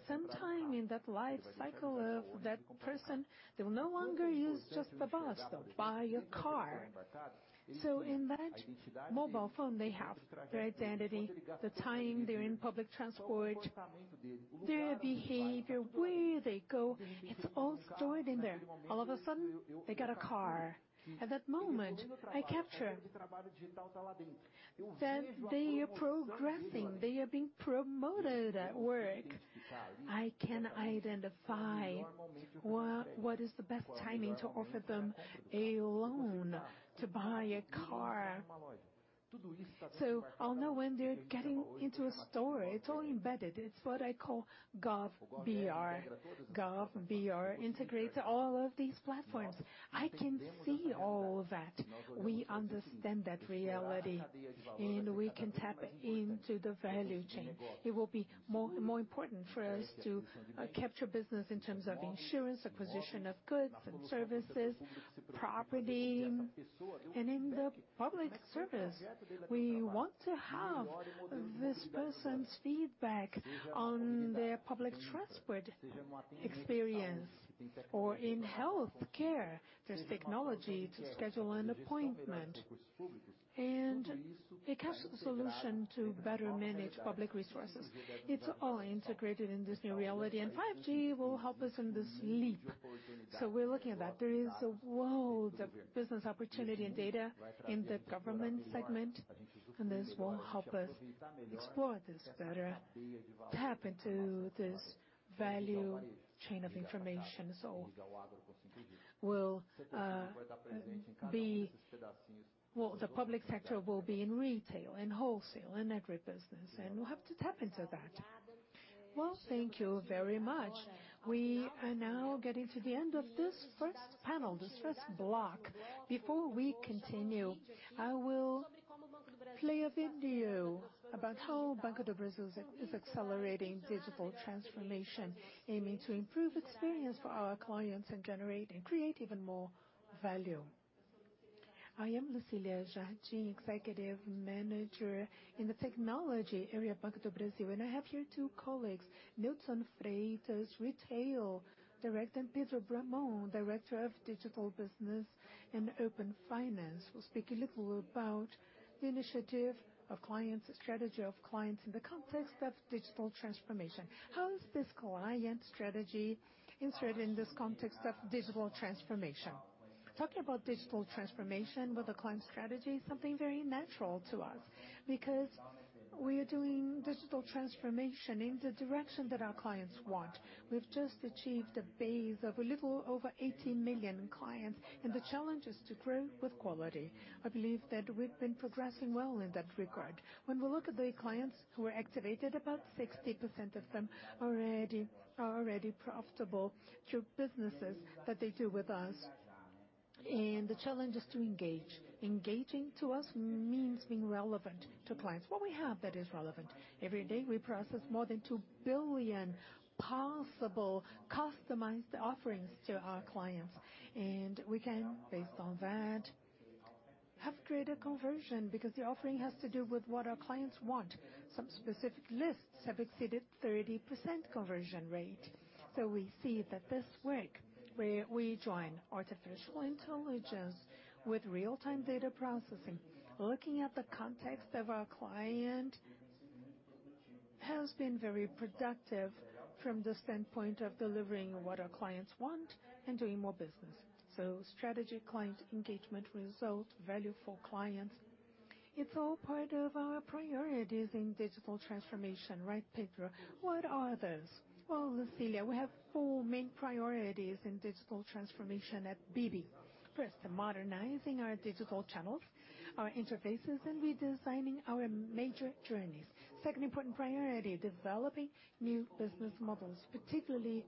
Sometime in that life cycle of that person, they will no longer use just the bus. They'll buy a car. In that mobile phone, they have their identity, the time they're in public transport, their behavior, where they go. It's all stored in there. All of a sudden, they got a car. At that moment, I capture that they are progressing. They are being promoted at work. I can identify what is the best timing to offer them a loan to buy a car. I'll know when they're getting into a store. It's all embedded. It's what I call gov.br. gov.br integrates all of these platforms. I can see all of that. We understand that reality, and we can tap into the value chain. It will be more important for us to capture business in terms of insurance, acquisition of goods and services, property. In the public service, we want to have this person's feedback on their public transport experience. In healthcare, there's technology to schedule an appointment. It has solution to better manage public resources. It's all integrated in this new reality, and 5G will help us in this leap. We're looking at that. There is worlds of business opportunity and data in the government segment, and this will help us explore this better, tap into this value chain of information. We'll. Well, the public sector will be in retail and wholesale and every business, and we'll have to tap into that. Well, thank you very much. We are now getting to the end of this first panel, this first block. Before we continue, I will play a video about how Banco do Brasil is accelerating digital transformation, aiming to improve experience for our clients and generate and create even more value. I am Lucília Jardim, Executive Manager in the technology area at Banco do Brasil, and I have here two colleagues, Marvio Freitas, Retail Director, and Pedro Bramont, Director of Digital Business and Open Finance. We're speaking a little about the initiative of clients, strategy of clients in the context of digital transformation. How is this client strategy inserted in this context of digital transformation? Talking about digital transformation with a client strategy is something very natural to us because we are doing digital transformation in the direction that our clients want. We've just achieved a base of a little over 80 million clients and the challenge is to grow with quality. I believe that we've been progressing well in that regard. When we look at the clients who are activated, about 60% of them already are profitable through businesses that they do with us, and the challenge is to engage. Engaging to us means being relevant to clients. What we have that is relevant, every day, we process more than 2 billion possible customized offerings to our clients, and we can, based on that, have greater conversion because the offering has to do with what our clients want. Some specific lists have exceeded 30% conversion rate. We see that this work where we join artificial intelligence with real-time data processing, looking at the context of our client, has been very productive from the standpoint of delivering what our clients want and doing more business. Strategy, client engagement, result, value for clients. It's all part of our priorities in digital transformation, right, Pedro? What are those? Well, Lucília, we have four main priorities in digital transformation at BB. First, modernizing our digital channels, our interfaces, and redesigning our major journeys. Second important priority, developing new business models, particularly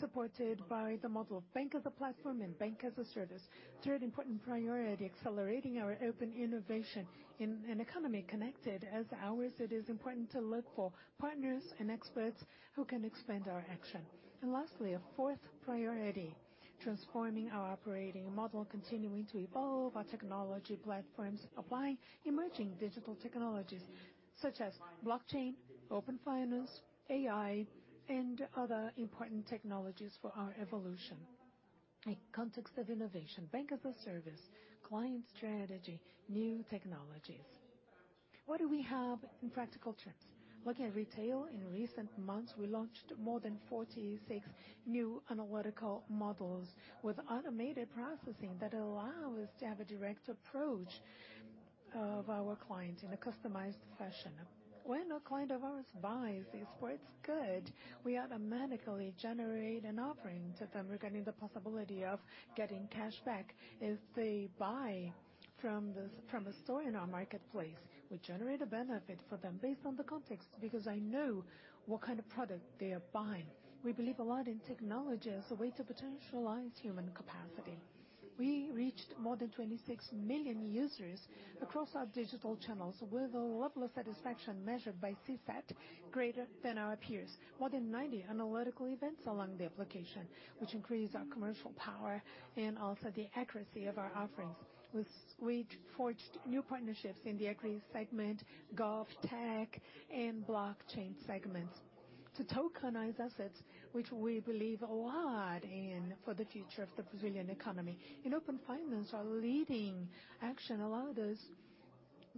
supported by the model of bank as a platform and bank as a service. Third important priority, accelerating our open innovation. In an economy connected as ours, it is important to look for partners and experts who can expand our action. Lastly, a fourth priority, transforming our operating model, continuing to evolve our technology platforms, applying emerging digital technologies such as blockchain, Open Finance, AI, and other important technologies for our evolution. In context of innovation, bank as a service, client strategy, new technologies. What do we have in practical terms? Looking at retail, in recent months, we launched more than 46 new analytical models with automated processing that allow us to have a direct approach of our client in a customized fashion. When a client of ours buys a sports good, we automatically generate an offering to them regarding the possibility of getting cashback. If they buy from a store in our marketplace, we generate a benefit for them based on the context, because I know what kind of product they are buying. We believe a lot in technology as a way to potentialize human capacity. We reached more than 26 million users across our digital channels with a level of satisfaction measured by CSAT greater than our peers. More than 90 analytical events along the application, which increase our commercial power and also the accuracy of our offerings. We forged new partnerships in the agri segment, gov-tech and blockchain segments to tokenize assets which we believe a lot in for the future of the Brazilian economy. In Open Finance, our leading action allowed us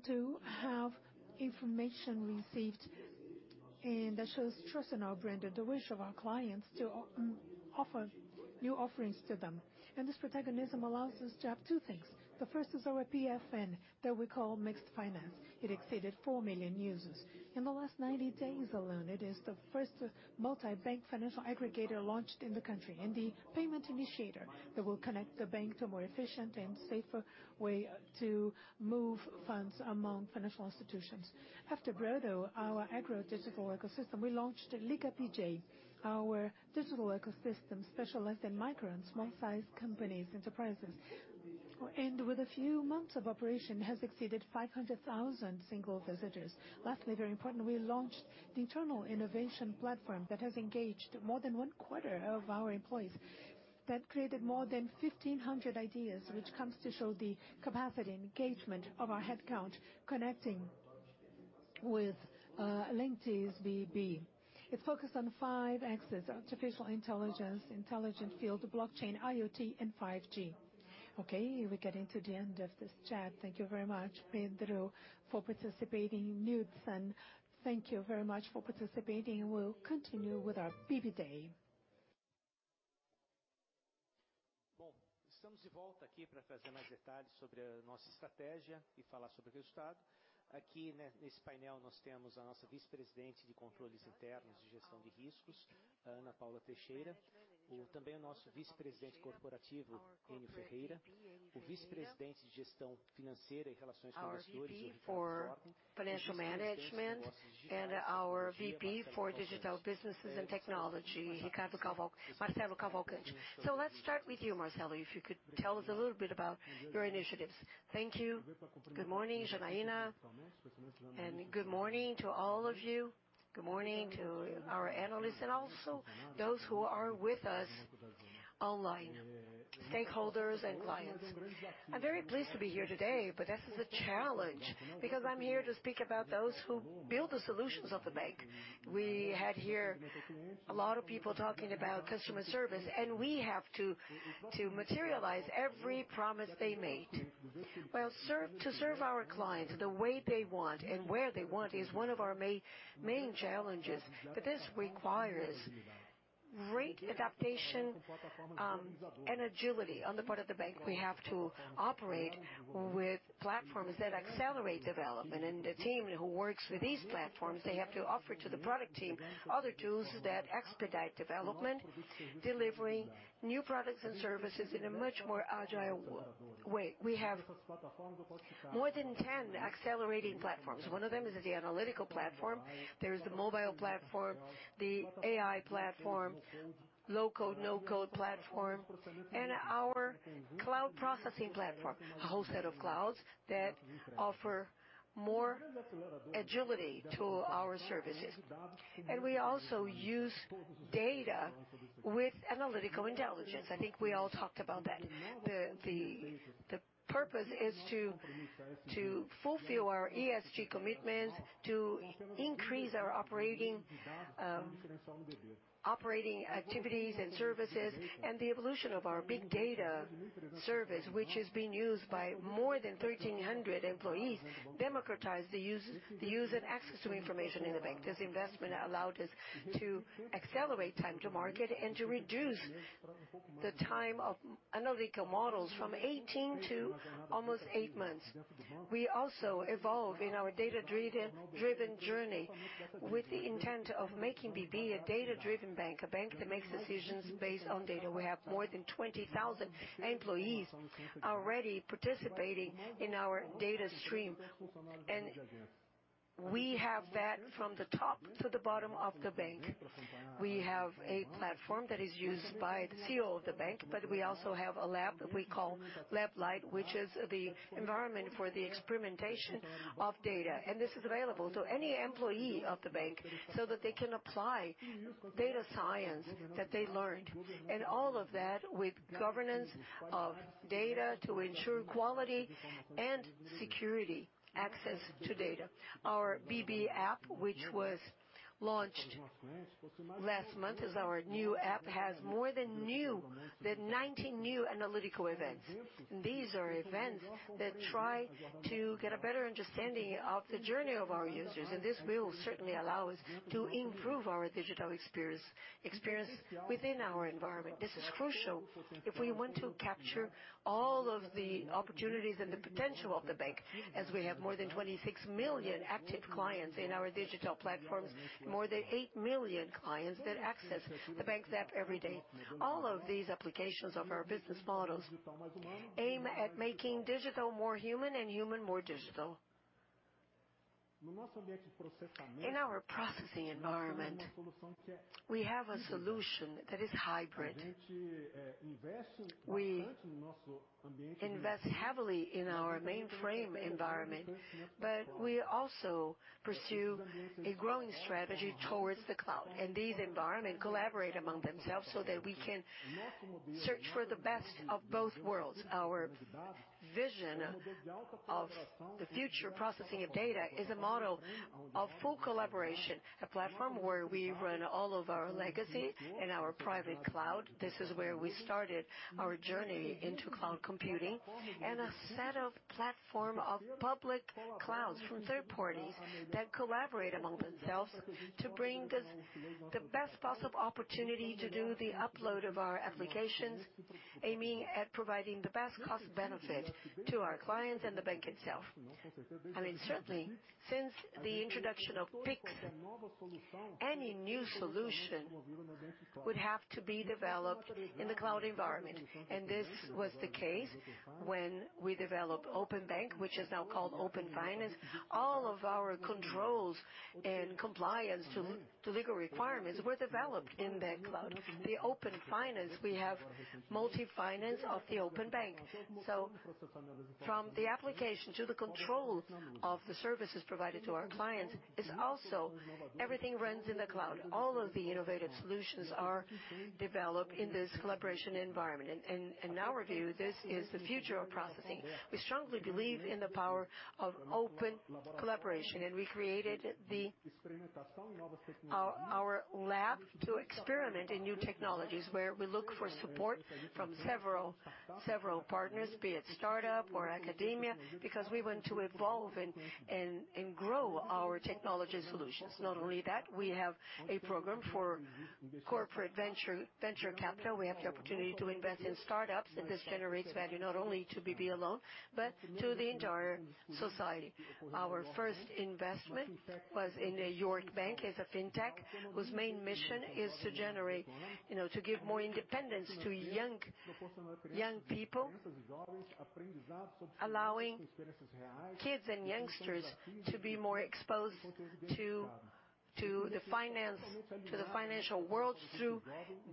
to have information received, and that shows trust in our brand and the wish of our clients to offer new offerings to them. This protagonism allows us to have two things. The first is our Minhas Finanças. It exceeded 4 million users. In the last 90 days alone, it is the first multi-bank financial aggregator launched in the country, and the payment initiator that will connect the bank to a more efficient and safer way to move funds among financial institutions. After Broto, our agro digital ecosystem, we launched Liga PJ, our digital ecosystem specialized in micro and small-sized companies, enterprises. With a few months of operation, it has exceeded 500,000 single visitors. Lastly, very important, we launched the internal innovation platform that has engaged more than one-quarter of our employees. That created more than 1,500 ideas, which comes to show the capacity and engagement of our headcount connecting with LinkTTBB. It focused on five axes: artificial intelligence, intelligent field, blockchain, IoT, and 5G. Okay, we're getting to the end of this chat. Thank you very much, Pedro, for participating. [Knudsen], thank you very much for participating. We'll continue with our BB Day. Our VP for financial management and our VP for digital businesses and technology, Marcelo Cavalcante. So let's start with you, Marcelo, if you could tell us a little bit about your initiatives. Thank you. Good morning, Janaína, and good morning to all of you. Good morning to our analysts and also those who are with us online, stakeholders and clients. I'm very pleased to be here today, but this is a challenge because I'm here to speak about those who build the solutions of the bank. We had here a lot of people talking about customer service, and we have to materialize every promise they made. Well, to serve our clients the way they want and where they want is one of our main challenges, but this requires great adaptation and agility on the part of the bank. We have to operate with platforms that accelerate development. The team who works with these platforms, they have to offer to the product team other tools that expedite development, delivering new products and services in a much more agile way. We have more than 10 accelerating platforms. One of them is the analytical platform. There is the mobile platform, the AI platform, low-code, no-code platform, and our cloud processing platform, a whole set of clouds that offer more agility to our services. We also use data with analytical intelligence. I think we all talked about that. The purpose is to fulfill our ESG commitments, to increase our operating activities and services, and the evolution of our big data service, which is being used by more than 1,300 employees, democratize the use and access to information in the bank. This investment allowed us to accelerate time to market and to reduce the time of analytical models from 18 to almost eight months. We also evolve in our data-driven journey with the intent of making BB a data-driven bank, a bank that makes decisions based on data. We have more than 20,000 employees already participating in our data stream. We have that from the top to the bottom of the bank. We have a platform that is used by the CEO of the bank, but we also have a lab that we call Lab Lite, which is the environment for the experimentation of data. This is available to any employee of the bank, so that they can apply data science that they learned. All of that with governance of data to ensure quality and secure access to data. Our BB app, which was launched last month, is our new app, has more than ninety new analytical events. These are events that try to get a better understanding of the journey of our users, and this will certainly allow us to improve our digital experience within our environment. This is crucial if we want to capture all of the opportunities and the potential of the bank, as we have more than 26 million active clients in our digital platforms, more than 8 million clients that access the bank's app every day. All of these applications of our business models aim at making digital more human and human more digital. In our processing environment, we have a solution that is hybrid. We invest heavily in our mainframe environment, but we also pursue a growing strategy towards the cloud. These environments collaborate among themselves so that we can search for the best of both worlds. Our vision of the future processing of data is a model of full collaboration, a platform where we run all of our legacy in our private cloud. This is where we started our journey into cloud computing. A set of platforms of public clouds from third parties that collaborate among themselves to bring this, the best possible opportunity to do the upload of our applications, aiming at providing the best cost benefit to our clients and the bank itself. I mean, certainly, since the introduction of Pix, any new solution would have to be developed in the cloud environment. This was the case when we developed Open Banking, which is now called Open Finance. All of our controls and compliance to legal requirements were developed in that cloud. The Open Finance, we have multi-finance of the Open Bank. From the application to the control of the services provided to our clients is also everything runs in the cloud. All of the innovative solutions are developed in this collaboration environment. In our view, this is the future of processing. We strongly believe in the power of open collaboration, and we created our lab to experiment in new technologies, where we look for support from several partners, be it startup or academia, because we want to evolve and grow our technology solutions. Not only that, we have a program for corporate venture capital. We have the opportunity to invest in startups, and this generates value not only to BB alone, but to the entire society. Our first investment was in Yours Bank as a fintech, whose main mission is to generate, you know, to give more independence to young people, allowing kids and youngsters to be more exposed to the finance, to the financial world through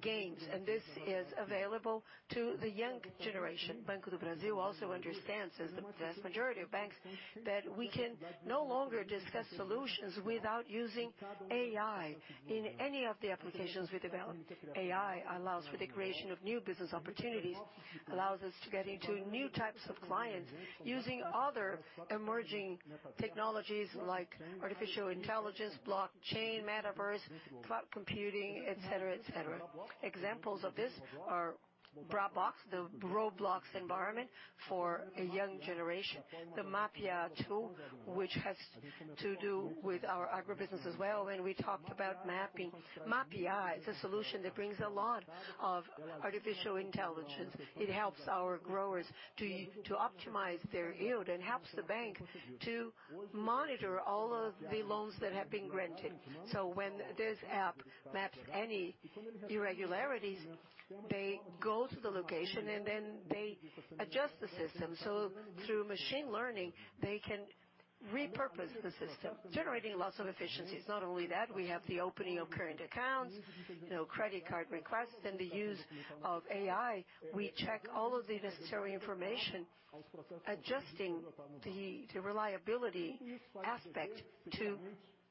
games. This is available to the young generation. Banco do Brasil also understands, as the vast majority of banks, that we can no longer discuss solutions without using AI in any of the applications we develop. AI allows for the creation of new business opportunities, allows us to get into new types of clients using other emerging technologies like artificial intelligence, blockchain, metaverse, cloud computing, et cetera. Examples of this are BraBlox, the Roblox environment for a young generation. The Mappiá tool, which has to do with our agribusiness as well. When we talked about mapping, Mappiá is a solution that brings a lot of artificial intelligence. It helps our growers to optimize their yield and helps the bank to monitor all of the loans that have been granted. When this app maps any irregularities, they go to the location, and then they adjust the system. Through machine learning, they can repurpose the system, generating lots of efficiencies. Not only that, we have the opening of current accounts, you know, credit card requests. In the use of AI, we check all of the necessary information, adjusting the reliability aspect to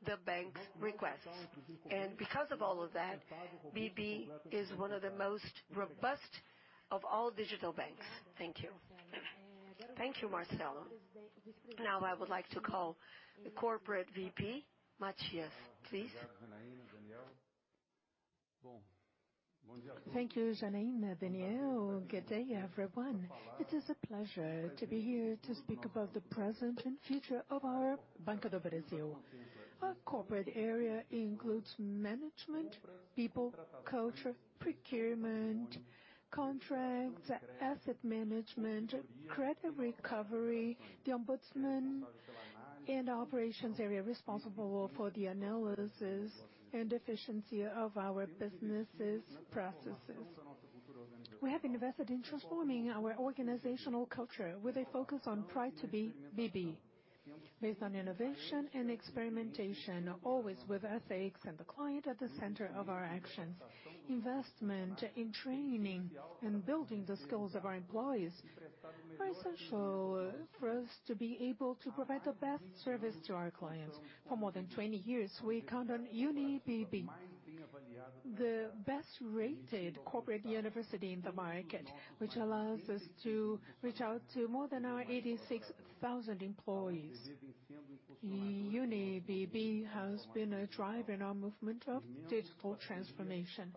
the bank's requests. Because of all of that, BB is one of the most robust of all digital banks. Thank you. Thank you, Marcelo. Now I would like to call the corporate VP, Mathias, please. Thank you, Janaína, Daniel. Good day, everyone. It is a pleasure to be here to speak about the present and future of our Banco do Brasil. Our corporate area includes management, people, culture, procurement, contracts, asset management, credit recovery, the ombudsman, and operations area responsible for the analysis and efficiency of our businesses' processes. We have invested in transforming our organizational culture with a focus on pride to be BB. Based on innovation and experimentation, always with ethics and the client at the center of our actions. Investment in training and building the skills of our employees are essential for us to be able to provide the best service to our clients. For more than 20 years, we count on UniBB, the best-rated corporate university in the market, which allows us to reach out to more than our 86,000 employees. UniBB has been a driver in our movement of digital transformation.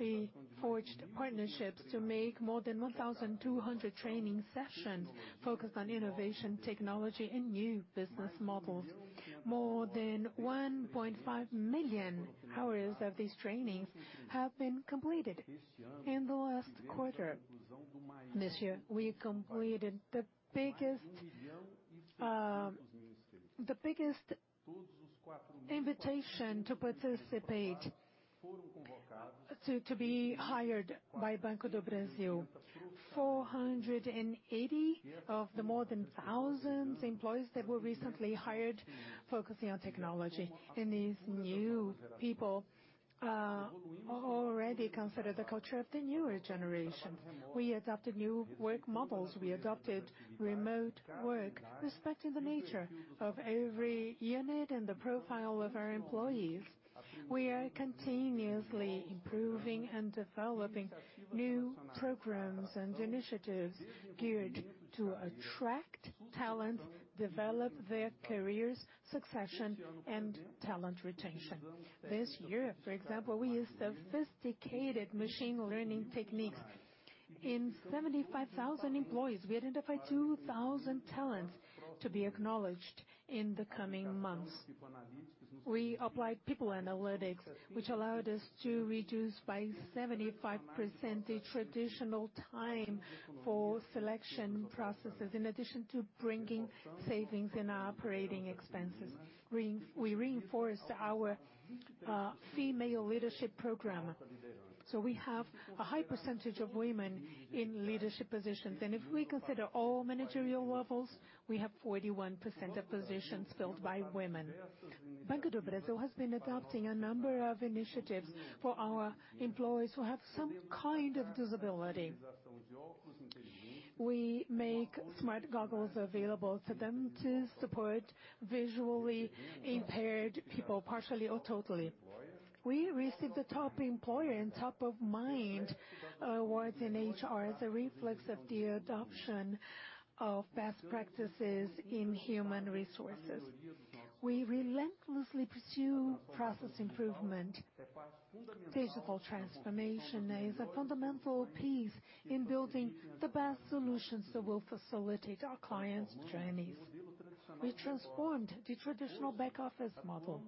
We forged partnerships to make more than 1,200 training sessions focused on innovation, technology, and new business models. More than 1.5 million hours of these trainings have been completed. In the last quarter this year, we completed the biggest invitation to participate to be hired by Banco do Brasil. 480 of the more than thousands employees that were recently hired focusing on technology. These new people already consider the culture of the newer generation. We adopted new work models. We adopted remote work, respecting the nature of every unit and the profile of our employees. We are continuously improving and developing new programs and initiatives geared to attract talent, develop their careers, succession, and talent retention. This year, for example, we used sophisticated machine learning techniques. In 75,000 employees, we identified 2,000 talents to be acknowledged in the coming months. We applied people analytics, which allowed us to reduce by 75% the traditional time for selection processes, in addition to bringing savings in our operating expenses. We reinforced our female leadership program, so we have a high percentage of women in leadership positions. If we consider all managerial levels, we have 41% of positions filled by women. Banco do Brasil has been adopting a number of initiatives for our employees who have some kind of disability. We make smart goggles available to them to support visually impaired people, partially or totally. We received the Top Employer and Top of Mind awards in HR as a reflex of the adoption of best practices in human resources. We relentlessly pursue process improvement. Digital transformation is a fundamental piece in building the best solutions that will facilitate our clients' journeys. We transformed the traditional back office model.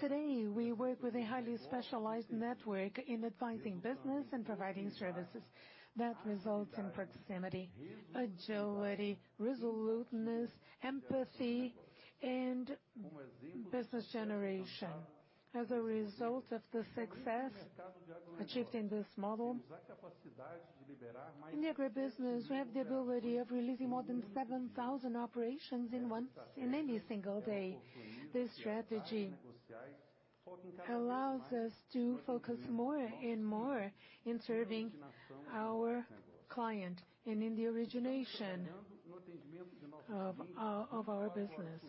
Today, we work with a highly specialized network in advising business and providing services that result in proximity, agility, resoluteness, empathy, and business generation. As a result of the success achieved in this model, in the agribusiness, we have the ability of releasing more than 7,000 operations in any single day. This strategy allows us to focus more and more in serving our client and in the origination of our business.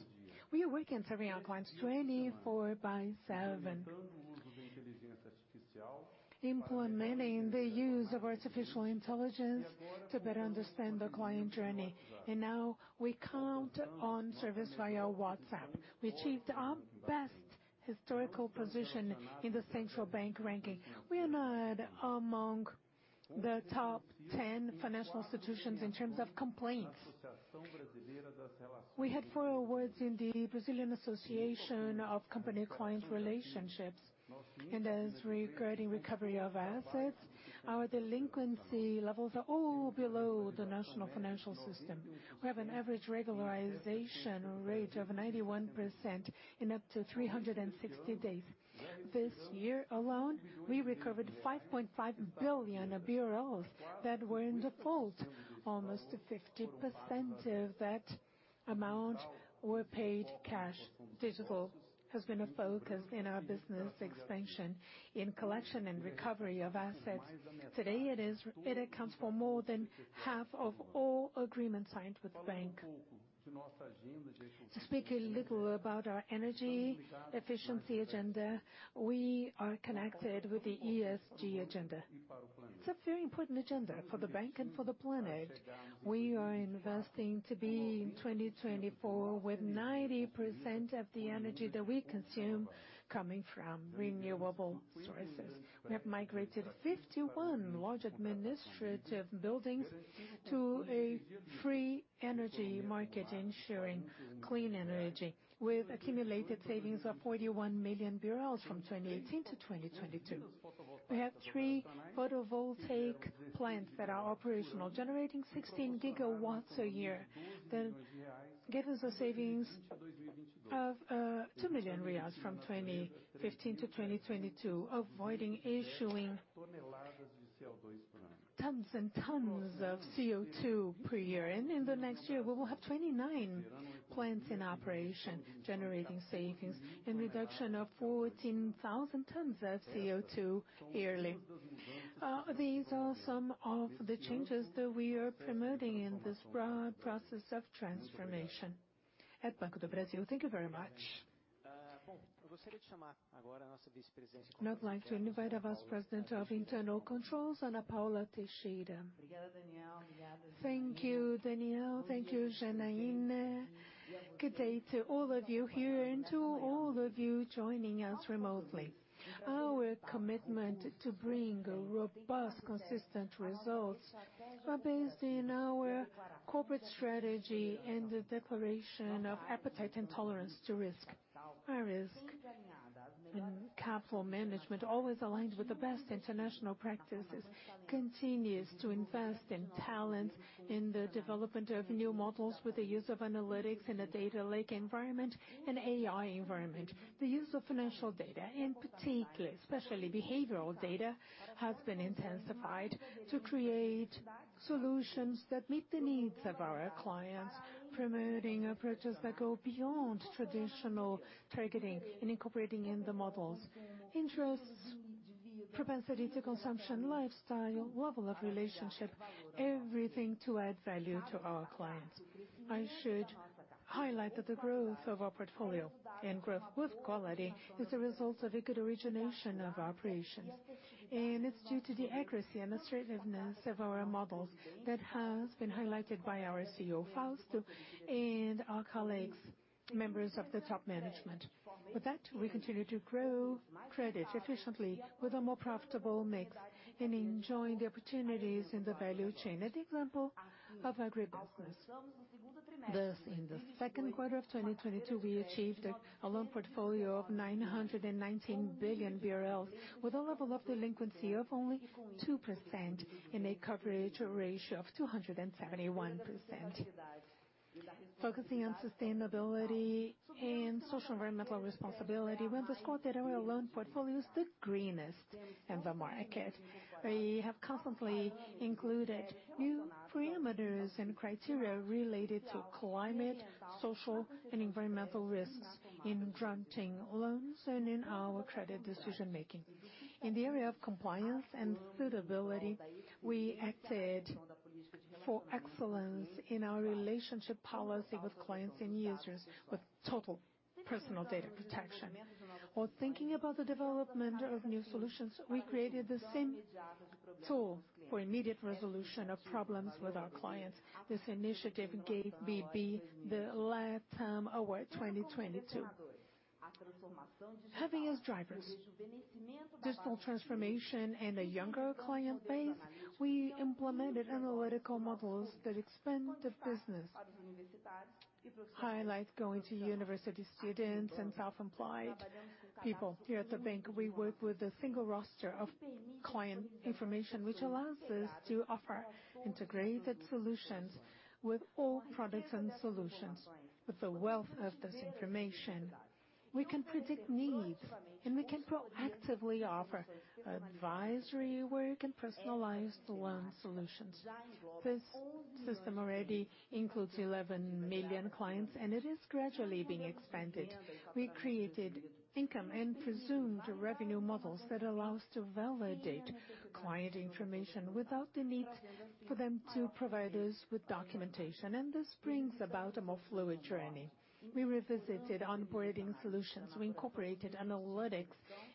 We work in serving our clients 24/7, implementing the use of artificial intelligence to better understand the client journey. Now we count on service via WhatsApp. We achieved our best historical position in the central bank ranking. We are not among the top 10 financial institutions in terms of complaints. We had four awards in the Brazilian Association of Company-Client Relationships. As regarding recovery of assets, our delinquency levels are all below the national financial system. We have an average regularization rate of 91% in up to 360 days. This year alone, we recovered BRL 5.5 billion that were in default. Almost 50% of that amount were paid cash. Digital has been a focus in our business expansion in collection and recovery of assets. Today it accounts for more than half of all agreements signed with the bank. To speak a little about our energy efficiency agenda, we are connected with the ESG agenda. It's a very important agenda for the bank and for the planet. We are investing to be in 2024 with 90% of the energy that we consume coming from renewable sources. We have migrated 51 large administrative buildings to a free energy market, ensuring clean energy with accumulated savings of 41 million BRL from 2018-2022. We have three photovoltaic plants that are operational, generating 16 gigawatts a year that give us a savings of BRL 2 million from 2015-2022, avoiding issuing tons and tons of CO2 per year. In the next year, we will have 29 plants in operation, generating savings and reduction of 14,000 tons of CO2 yearly. These are some of the changes that we are promoting in this broad process of transformation at Banco do Brasil. Thank you very much. I would like to invite our Vice President of Internal Controls, Ana Paula Teixeira. Thank you, Daniel. Thank you, Janaína. Good day to all of you here and to all of you joining us remotely. Our commitment to bring robust, consistent results are based in our corporate strategy and the declaration of appetite and tolerance to risk. Our risk and capital management, always aligned with the best international practices, continues to invest in talent, in the development of new models with the use of analytics in a data lake environment, and AI environment. The use of financial data, in particular, especially behavioral data, has been intensified to create solutions that meet the needs of our clients, promoting approaches that go beyond traditional targeting and incorporating in the models interests, propensity to consumption, lifestyle, level of relationship, everything to add value to our clients. I should highlight that the growth of our portfolio and growth with quality is a result of a good origination of our operations, and it's due to the accuracy and the stringency of our models that has been highlighted by our CEO, Fausto, and our colleagues, members of the top management. With that, we continue to grow credit efficiently with a more profitable mix and enjoying the opportunities in the value chain, an example of agribusiness. Thus, in the second quarter of 2022, we achieved a loan portfolio of 919 billion BRL, with a level of delinquency of only 2% and a coverage ratio of 271%. Focusing on sustainability and socio-environmental responsibility with the score that our loan portfolio is the greenest in the market. We have constantly included new parameters and criteria related to climate, social, and environmental risks in granting loans and in our credit decision-making. In the area of compliance and suitability, we acted for excellence in our relationship policy with clients and users with total personal data protection. While thinking about the development of new solutions, we created the same tool for immediate resolution of problems with our clients. This initiative gave BB the LATAM Award 2022. Having as drivers digital transformation and a younger client base, we implemented analytical models that expand the business, highlight going to university students and self-employed people. Here at the bank, we work with a single roster of client information, which allows us to offer integrated solutions with all products and solutions. With the wealth of this information, we can predict needs, and we can proactively offer advisory work and personalized loan solutions. This system already includes 11 million clients, and it is gradually being expanded. We created income and presumed revenue models that allow us to validate client information without the need for them to provide us with documentation, and this brings about a more fluid journey. We revisited onboarding solutions. We incorporated analytics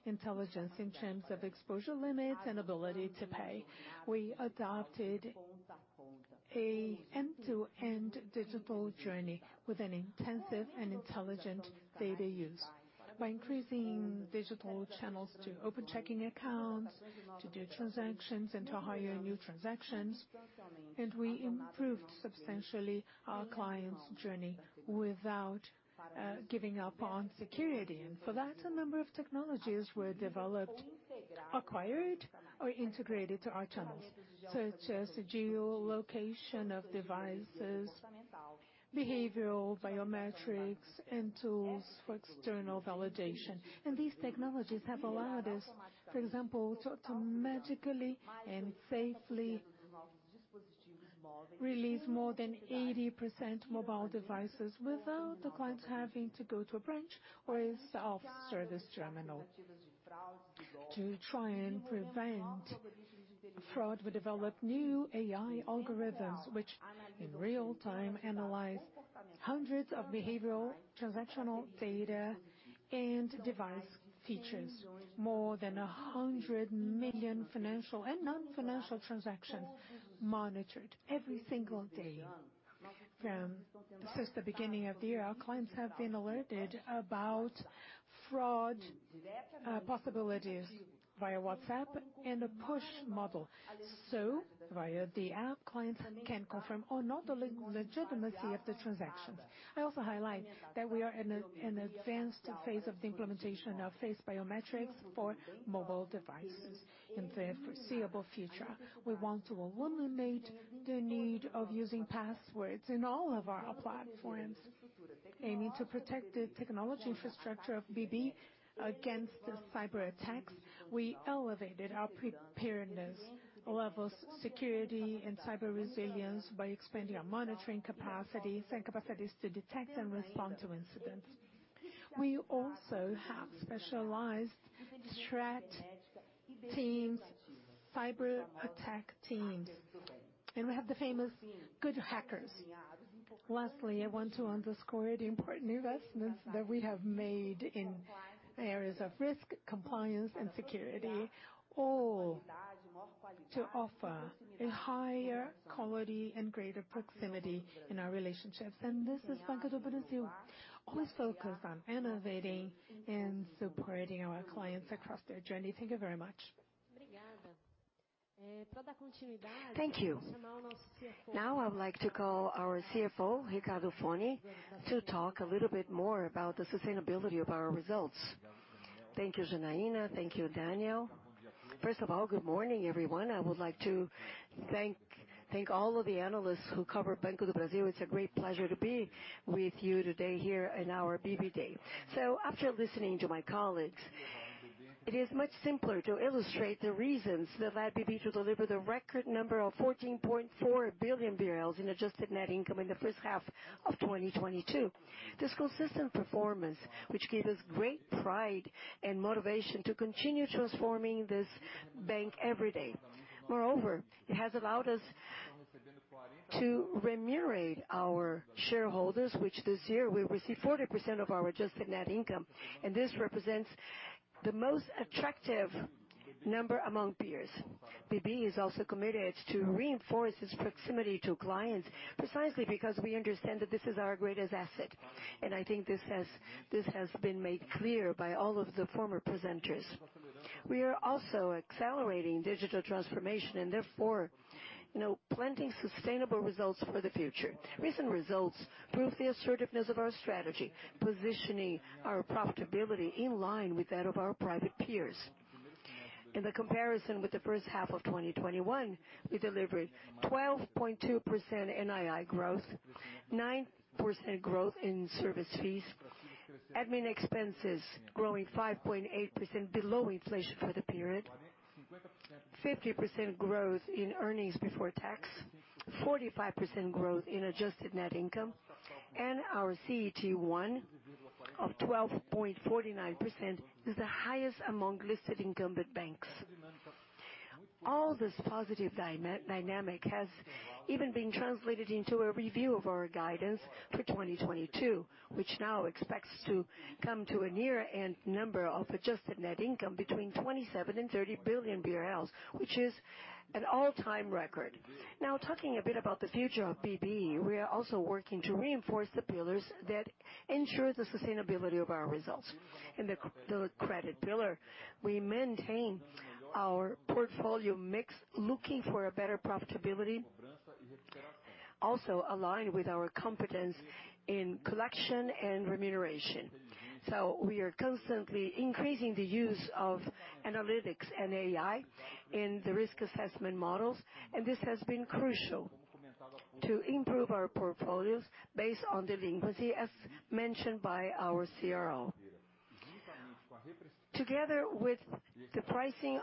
intelligence in terms of exposure limits and ability to pay. We adopted an end-to-end digital journey with an intensive and intelligent data use. By increasing digital channels to open checking accounts, to do transactions, and to hire new transactions, we improved substantially our clients' journey without giving up on security. For that, a number of technologies were developed, acquired, or integrated to our channels, such as geolocation of devices, behavioral biometrics, and tools for external validation. These technologies have allowed us, for example, to magically and safely release more than 80% mobile devices without the clients having to go to a branch or a self-service terminal. To try and prevent fraud, we developed new AI algorithms, which in real-time analyze hundreds of behavioral transactional data and device features. More than 100 million financial and non-financial transactions monitored every single day. Since the beginning of the year, our clients have been alerted about fraud possibilities via WhatsApp and a push model. Via the app, clients can confirm or not the legitimacy of the transactions. I also highlight that we are in an advanced phase of the implementation of face biometrics for mobile devices. In the foreseeable future, we want to eliminate the need of using passwords in all of our platforms. Aiming to protect the technology infrastructure of BB against the cyberattacks, we elevated our preparedness levels, security, and cyber resilience by expanding our monitoring capacity and capacities to detect and respond to incidents. We also have specialized threat teams, cyber attack teams, and we have the famous good hackers. Lastly, I want to underscore the important investments that we have made in areas of risk, compliance and security, all to offer a higher quality and greater proximity in our relationships. This is Banco do Brasil, always focused on innovating and supporting our clients across their journey. Thank you very much. Thank you. Now I would like to call our CFO, Ricardo Forni, to talk a little bit more about the sustainability of our results. Thank you, Janaína. Thank you, Daniel. First of all, good morning, everyone. I would like to thank all of the analysts who cover Banco do Brasil. It's a great pleasure to be with you today here in our BB Day. After listening to my colleagues, it is much simpler to illustrate the reasons that led BB to deliver the record number of 14.4 billion BRL in adjusted net income in the first half of 2022. This consistent performance, which gave us great pride and motivation to continue transforming this bank every day. Moreover, it has allowed us to remunerate our shareholders, which this year will receive 40% of our adjusted net income, and this represents the most attractive number among peers. BB is also committed to reinforce its proximity to clients, precisely because we understand that this is our greatest asset, and I think this has been made clear by all of the former presenters. We are also accelerating digital transformation and therefore, you know, planting sustainable results for the future. Recent results prove the assertiveness of our strategy, positioning our profitability in line with that of our private peers. In the comparison with the first half of 2021, we delivered 12.2% NII growth, 9% growth in service fees, admin expenses growing 5.8% below inflation for the period, 50% growth in earnings before tax, 45% growth in adjusted net income, and our CET1 of 12.49% is the highest among listed incumbent banks. All this positive dynamic has even been translated into a review of our guidance for 2022, which now expects to come to a year-end number of adjusted net income between 27 billion and 30 billion BRL, which is an all-time record. Now talking a bit about the future of BB, we are also working to reinforce the pillars that ensure the sustainability of our results. In the credit pillar, we maintain our portfolio mix looking for a better profitability, also aligned with our competence in collection and remuneration. We are constantly increasing the use of analytics and AI in the risk assessment models, and this has been crucial to improve our portfolios based on delinquency, as mentioned by our CRO. Together with the pricing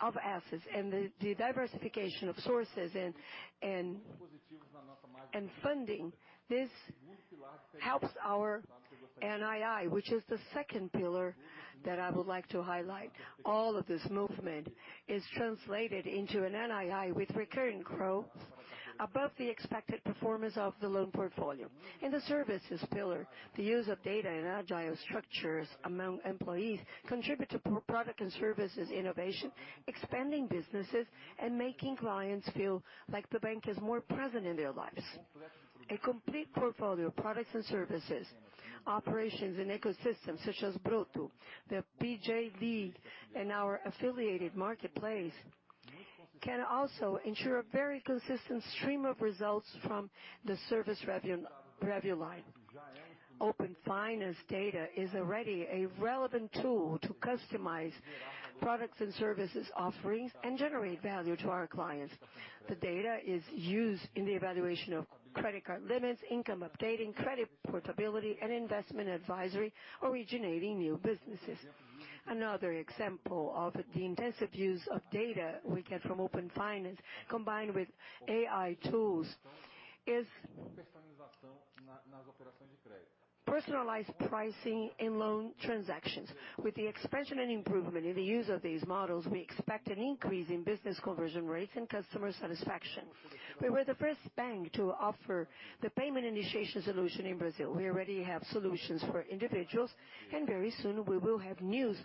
of assets and the diversification of sources and funding, this helps our NII, which is the second pillar that I would like to highlight. All of this movement is translated into an NII with recurring growth above the expected performance of the loan portfolio. In the services pillar, the use of data and agile structures among employees contribute to product and services innovation, expanding businesses and making clients feel like the bank is more present in their lives. A complete portfolio of products and services, operations and ecosystems such as Broto, the Liga PJ and our affiliated marketplace, can also ensure a very consistent stream of results from the service revenue line. Open Finance data is already a relevant tool to customize products and services offerings and generate value to our clients. The data is used in the evaluation of credit card limits, income updating, credit portability and investment advisory, originating new businesses. Another example of the intensive use of data we get from Open Finance combined with AI tools is personalized pricing in loan transactions. With the expansion and improvement in the use of these models, we expect an increase in business conversion rates and customer satisfaction. We were the first bank to offer the payment initiation solution in Brazil. We already have solutions for individuals, and very soon we will have news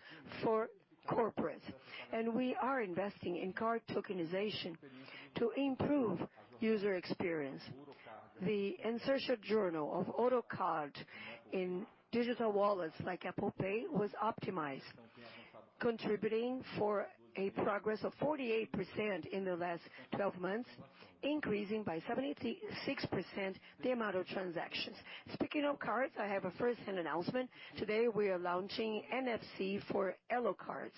for corporate. We are investing in card tokenization to improve user experience. The insertion journal of auto card in digital wallets like Apple Pay was optimized, contributing for a progress of 48% in the last 12 months, increasing by 76% the amount of transactions. Speaking of cards, I have a first-hand announcement. Today, we are launching NFC for Elo cards.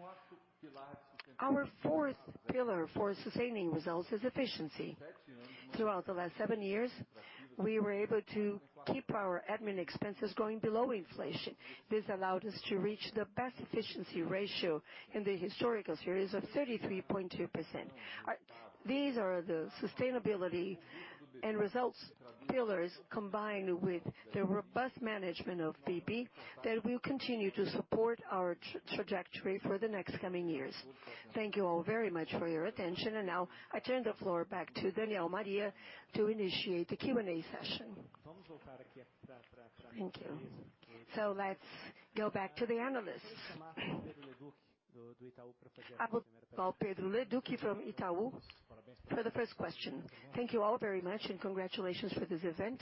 Our fourth pillar for sustaining results is efficiency. Throughout the last seven years, we were able to keep our admin expenses going below inflation. This allowed us to reach the best efficiency ratio in the historical series of 33.2%. These are the sustainability and results pillars combined with the robust management of BB that will continue to support our trajectory for the next coming years. Thank you all very much for your attention. Now I turn the floor back to Daniel Maria to initiate the Q&A session. Thank you. Let's go back to the analysts. I would call Pedro Leduc from Itaú for the first question. Thank you all very much, and congratulations for this event.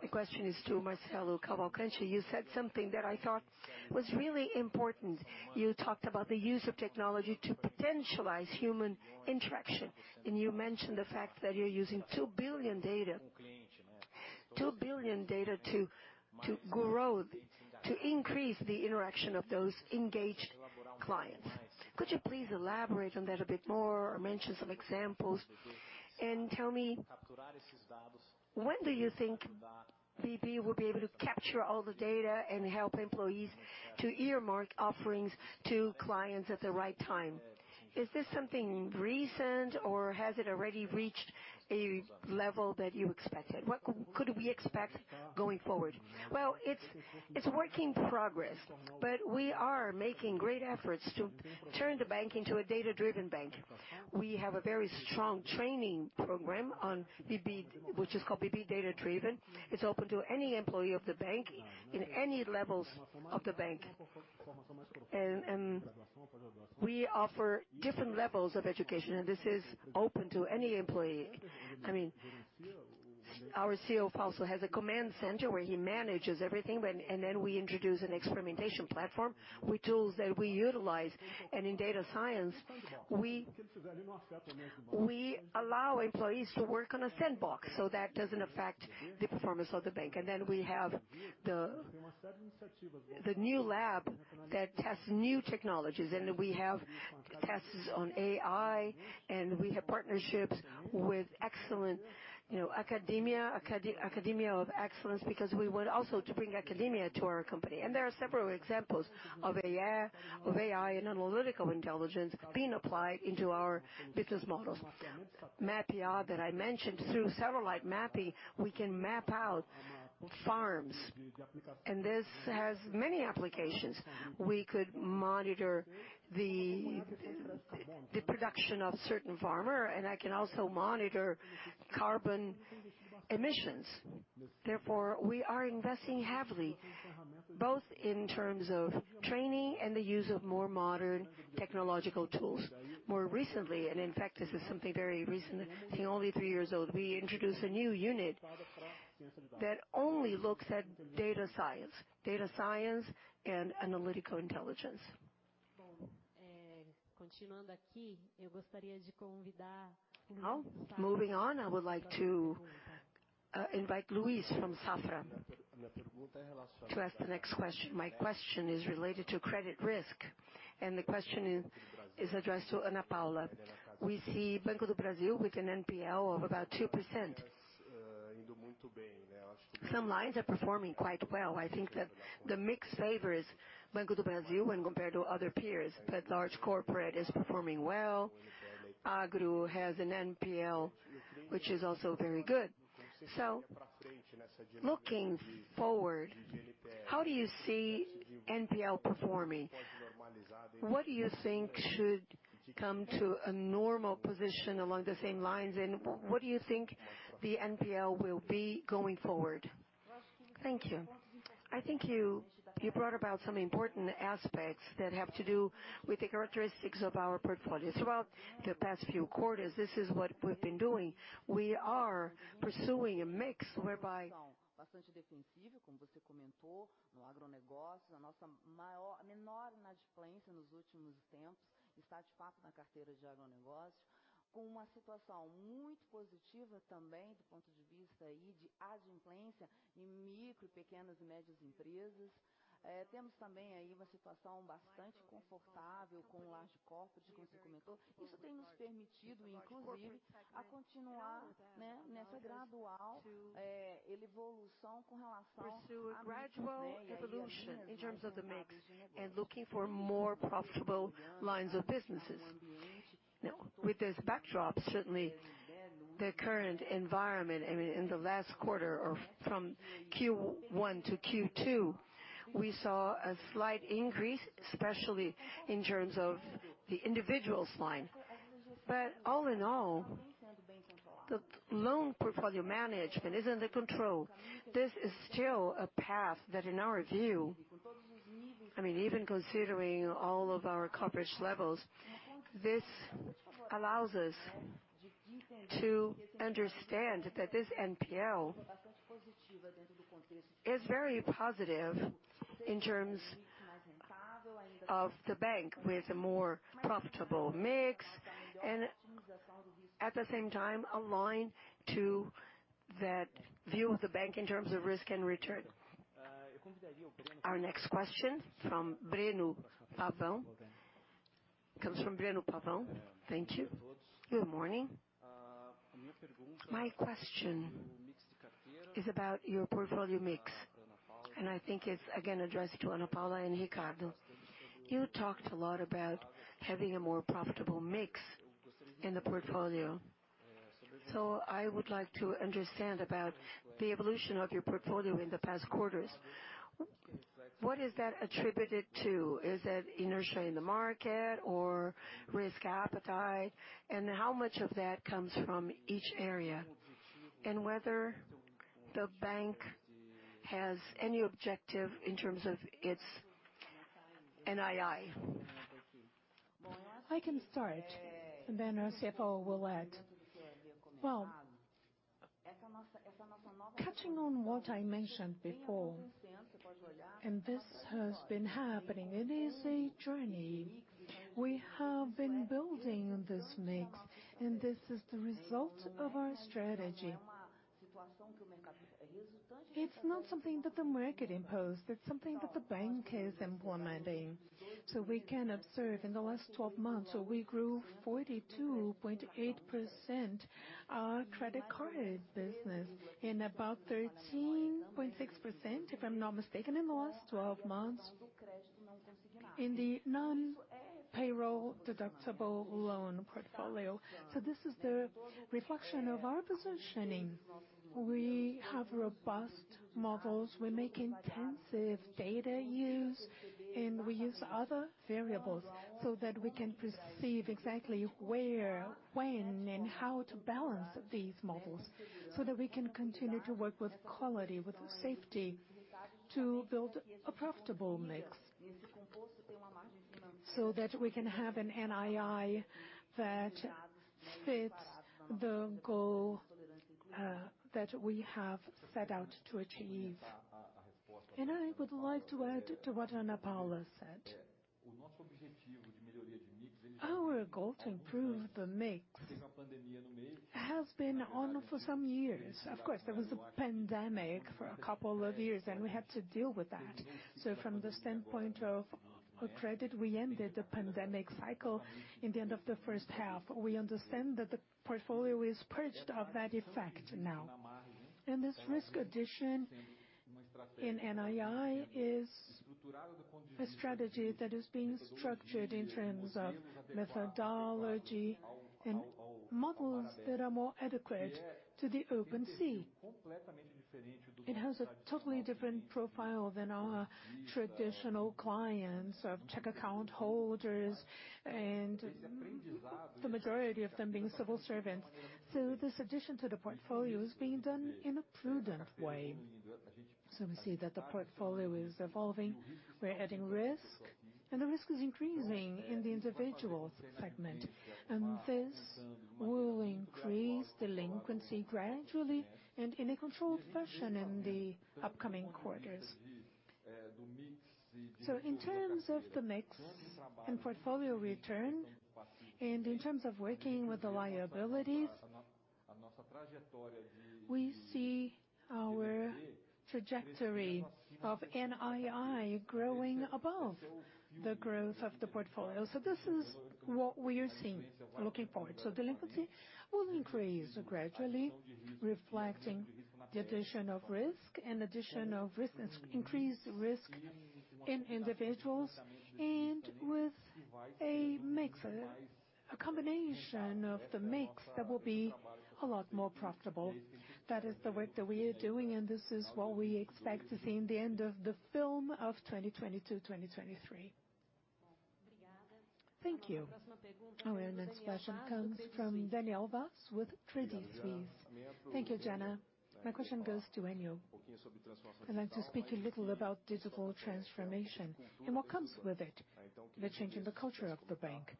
My question is to Marcelo Cavalcante. You said something that I thought was really important. You talked about the use of technology to potentialize human interaction, and you mentioned the fact that you're using 2 billion data to grow, to increase the interaction of those engaged clients. Could you please elaborate on that a bit more or mention some examples, and tell me when do you think BB will be able to capture all the data and help employees to earmark offerings to clients at the right time? Is this something recent, or has it already reached a level that you expected? What could we expect going forward? Well, it's work in progress, but we are making great efforts to turn the bank into a data-driven bank. We have a very strong training program on BB, which is called BB Data Driven. It's open to any employee of the bank in any levels of the bank. We offer different levels of education, and this is open to any employee. I mean, our CEO also has a command center where he manages everything. Then we introduce an experimentation platform with tools that we utilize. In data science, we allow employees to work on a sandbox so that doesn't affect the performance of the bank. Then we have the new lab that tests new technologies. We have tests on AI, and we have partnerships with excellent academia of excellence, you know, because we want also to bring academia to our company. There are several examples of AI and analytical intelligence being applied into our business models. Mappiá that I mentioned, through satellite mapping we can map out farms, and this has many applications. We could monitor the production of certain farmer, and I can also monitor carbon emissions. Therefore, we are investing heavily, both in terms of training and the use of more modern technological tools. More recently, in fact this is something very recent, it's only three years old, we introduced a new unit that only looks at data science and analytical intelligence. Now, moving on, I would like to invite Luis from Safra to ask the next question. My question is related to credit risk, and the question is addressed to Ana Paula. We see Banco do Brasil with an NPL of about 2%. Some lines are performing quite well. I think that the mix favors Banco do Brasil when compared to other peers, but large corporate is performing well. Agro has an NPL which is also very good. Looking forward, how do you see NPL performing? What do you think should come to a normal position along the same lines, and what do you think the NPL will be going forward? Thank you. I think you brought about some important aspects that have to do with the characteristics of our portfolio. Throughout the past few quarters, this is what we've been doing. We are pursuing a mix whereby pursue a gradual evolution in terms of the mix and looking for more profitable lines of businesses. Now, with this backdrop, certainly the current environment in the last quarter or from Q1 to Q2, we saw a slight increase, especially in terms of the individuals line. All in all, the loan portfolio management is under control. This is still a path that in our view, I mean, even considering all of our coverage levels, this allows us to understand that this NPL is very positive in terms of the bank with a more profitable mix and at the same time align to that view of the bank in terms of risk and return. Our next question from Breno Pavão. Comes from Breno Pavão. Thank you. Good morning. My question is about your portfolio mix, and I think it's again addressed to Ana Paula and Ricardo. You talked a lot about having a more profitable mix in the portfolio. I would like to understand about the evolution of your portfolio in the past quarters. What is that attributed to? Is that inertia in the market or risk appetite? And how much of that comes from each area? Whether the bank has any objective in terms of its NII? I can start, and then our CFO will add. Well, touching on what I mentioned before, and this has been happening, it is a journey. We have been building this mix, and this is the result of our strategy. It's not something that the market imposed, it's something that the bank is implementing. We can observe in the last 12 months, we grew 42.8% our credit card business, and about 13.6%, if I'm not mistaken, in the last 12 months in the non-payroll deductible loan portfolio. This is the reflection of our positioning. We have robust models. We make intensive data use, and we use other variables so that we can perceive exactly where, when, and how to balance these models so that we can continue to work with quality, with safety to build a profitable mix so that we can have an NII that fits the goal, that we have set out to achieve. I would like to add to what Ana Paula said. Our goal to improve the mix has been on for some years. Of course, there was a pandemic for a couple of years, and we had to deal with that. From the standpoint of credit, we ended the pandemic cycle in the end of the first half. We understand that the portfolio is purged of that effect now. This risk addition in NII is a strategy that is being structured in terms of methodology and models that are more adequate to Open Finance. It has a totally different profile than our traditional clients of checking account holders and the majority of them being civil servants. We see that the portfolio is evolving. We're adding risk, and the risk is increasing in the individuals segment. This will increase delinquency gradually and in a controlled fashion in the upcoming quarters. In terms of the mix and portfolio return, and in terms of working with the liabilities, we see our trajectory of NII growing above the growth of the portfolio. This is what we are seeing looking forward. Delinquency will increase gradually, reflecting the addition of risk, increased risk in individuals and with a mix, a combination of the mix that will be a lot more profitable. That is the work that we are doing, and this is what we expect to see in the end of the first half of 2022, 2023. Thank you. Our next question comes from Daniel Vaz with Credit Suisse. Thank you, Jana. My question goes to Ênio. I'd like to speak a little about digital transformation and what comes with it, the change in the culture of the bank.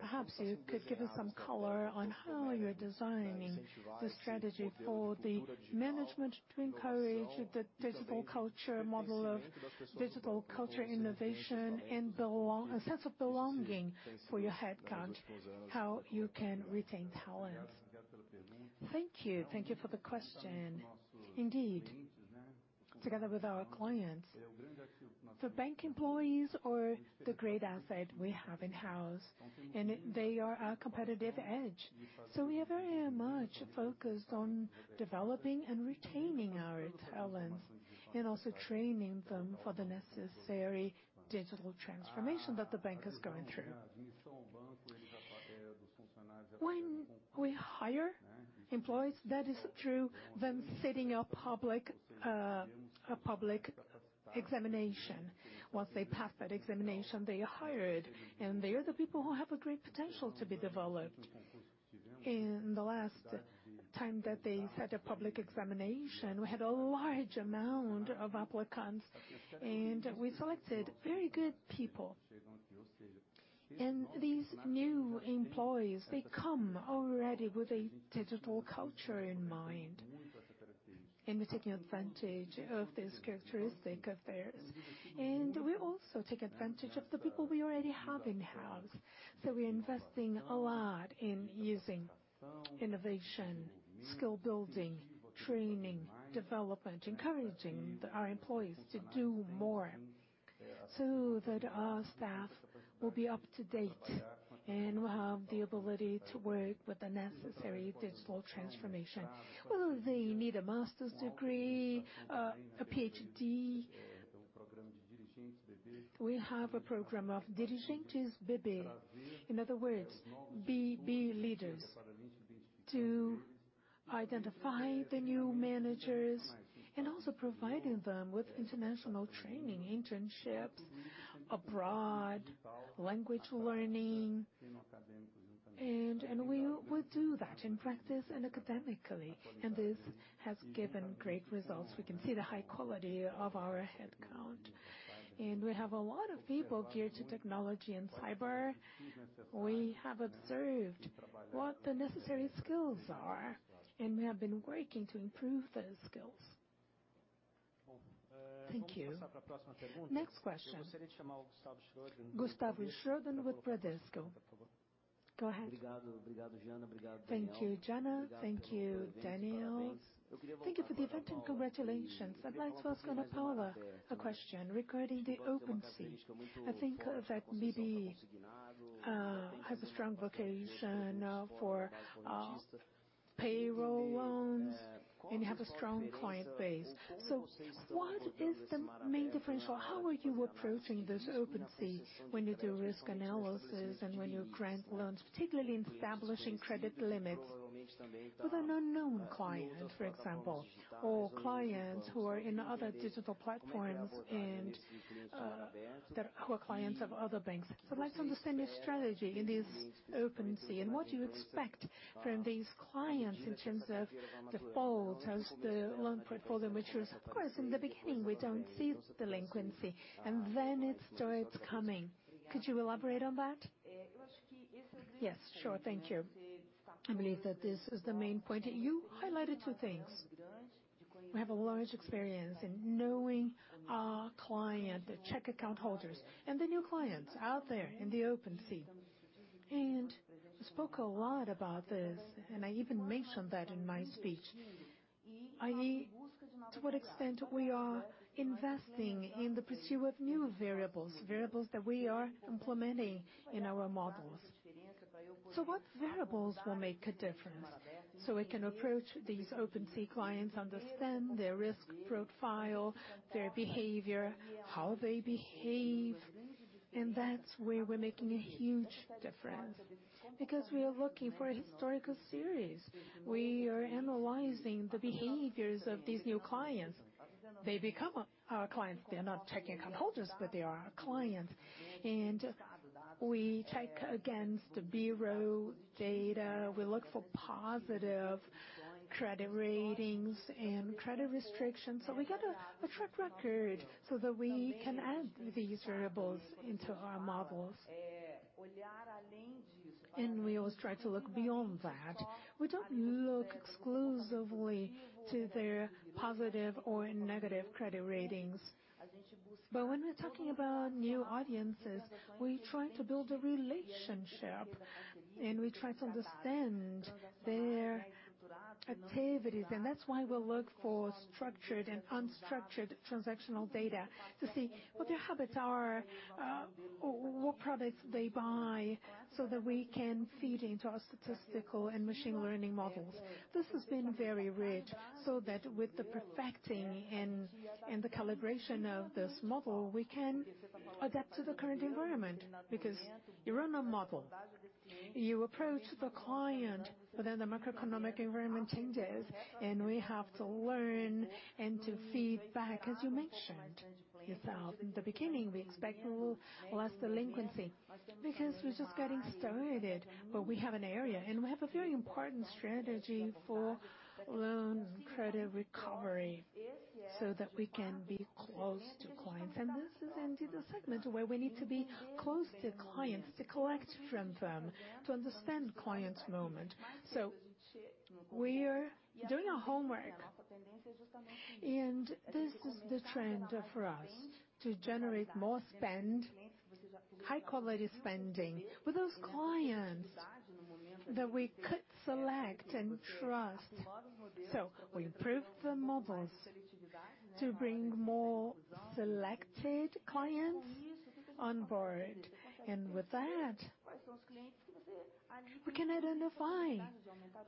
Perhaps you could give us some color on how you're designing the strategy for the management to encourage the digital culture model of digital culture innovation and a sense of belonging for your headcount, how you can retain talent? Thank you. Thank you for the question. Indeed, together with our clients, the bank employees are the great asset we have in-house, and they are our competitive edge. We are very much focused on developing and retaining our talents and also training them for the necessary digital transformation that the bank is going through. When we hire employees, that is through them sitting a public examination. Once they pass that examination, they are hired, and they are the people who have a great potential to be developed. In the last time that they set a public examination, we had a large amount of applicants, and we selected very good people. These new employees, they come already with a digital culture in mind, and we're taking advantage of this characteristic of theirs. We also take advantage of the people we already have in-house. We're investing a lot in using innovation, skill building, training, development, encouraging our employees to do more so that our staff will be up to date and will have the ability to work with the necessary digital transformation. Whether they need a master's degree, a PhD. We have a program of Dirigentes BB. In other words, BB leaders to identify the new managers and also providing them with international training, internships abroad, language learning. We will do that in practice and academically, and this has given great results. We can see the high quality of our headcount, and we have a lot of people geared to technology and cyber. We have observed what the necessary skills are, and we have been working to improve those skills. Thank you. Next question. Gustavo Schroden with Bradesco. Go ahead. Thank you, Jana. Thank you, Daniel. Thank you for the event, and congratulations. I'd like to ask Ana Paula a question regarding the Open Finance. I think that BB has a strong vocation now for payroll loans, and you have a strong client base. What is the main differential? How are you approaching this Open Finance when you do risk analysis and when you grant loans, particularly in establishing credit limits with an unknown client, for example, or clients who are in other digital platforms and that who are clients of other banks? I'd like to understand your strategy in this Open Finance and what you expect from these clients in terms of defaults as the loan portfolio matures. Of course, in the beginning, we don't see delinquency, and then it starts coming. Could you elaborate on that? Yes, sure. Thank you. I believe that this is the main point. You highlighted two things. We have a large experience in knowing our client, the checking account holders and the new clients out there in the open sea. We spoke a lot about this, and I even mentioned that in my speech, i.e., to what extent we are investing in the pursuit of new variables that we are implementing in our models. What variables will make a difference so we can approach these open sea clients, understand their risk profile, their behavior, how they behave? That's where we're making a huge difference because we are looking for a historical series. We are analyzing the behaviors of these new clients. They become our clients. They are not checking account holders, but they are our clients. We check against the bureau data. We look for positive credit ratings and credit restrictions. We got a track record so that we can add these variables into our models. We always try to look beyond that. We don't look exclusively to their positive or negative credit ratings. When we're talking about new audiences, we try to build a relationship, and we try to understand their activities. That's why we look for structured and unstructured transactional data to see what their habits are, or what products they buy so that we can feed into our statistical and machine learning models. This has been very rich so that with the perfecting and the calibration of this model, we can adapt to the current environment because you run a model, you approach the client, but then the macroeconomic environment changes, and we have to learn and to feed back. As you mentioned yourself in the beginning, we expect less delinquency because we're just getting started. We have an area, and we have a very important strategy for loan credit recovery so that we can be close to clients. This is indeed a segment where we need to be close to clients to collect from them, to understand clients' moment. We're doing our homework, and this is the trend for us to generate more spend, high-quality spending with those clients that we could select and trust. We improved the models to bring more selected clients on board. With that, we can identify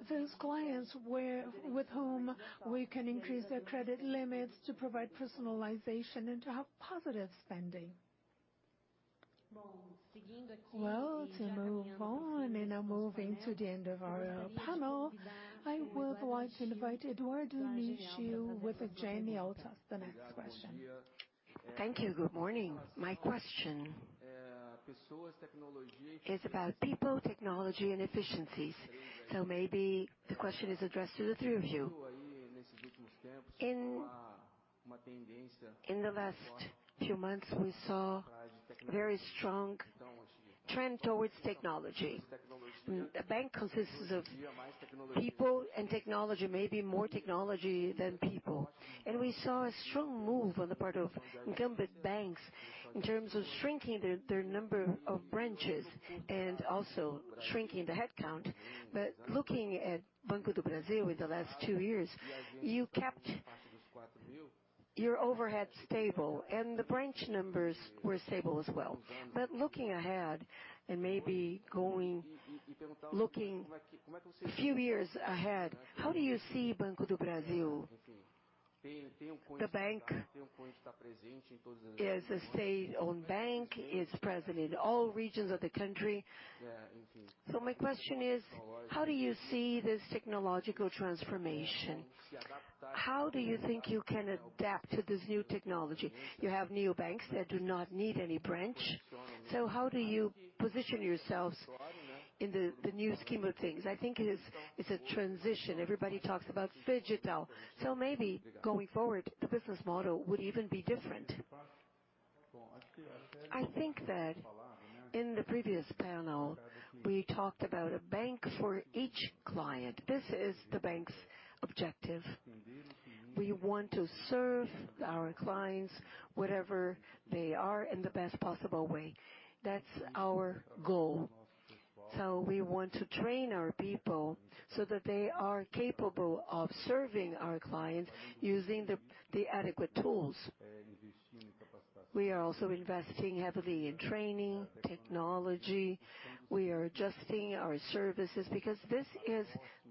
those clients where, with whom we can increase their credit limits to provide personalization and to have positive spending. Well, to move on and now moving to the end of our panel, I would like to invite Eduardo Nishio with Genial Investimentos to ask the next question. Thank you. Good morning. My question is about people, technology, and efficiencies. Maybe the question is addressed to the three of you. In the last few months, we saw very strong trend towards technology. A bank consists of people and technology, maybe more technology than people. We saw a strong move on the part of incumbent banks in terms of shrinking their number of branches and also shrinking the headcount. Looking at Banco do Brasil in the last two years, you kept your overhead stable, and the branch numbers were stable as well. Looking ahead and maybe looking a few years ahead, how do you see Banco do Brasil. The bank is a state-owned bank. It's present in all regions of the country. My question is, how do you see this technological transformation? How do you think you can adapt to this new technology? You have neobanks that do not need any branch. How do you position yourselves in the new scheme of things? I think it's a transition. Everybody talks about phygital. Maybe going forward, the business model would even be different. I think that in the previous panel, we talked about a bank for each client. This is the bank's objective. We want to serve our clients wherever they are in the best possible way. That's our goal. We want to train our people so that they are capable of serving our clients using the adequate tools. We are also investing heavily in training, technology. We are adjusting our services because this is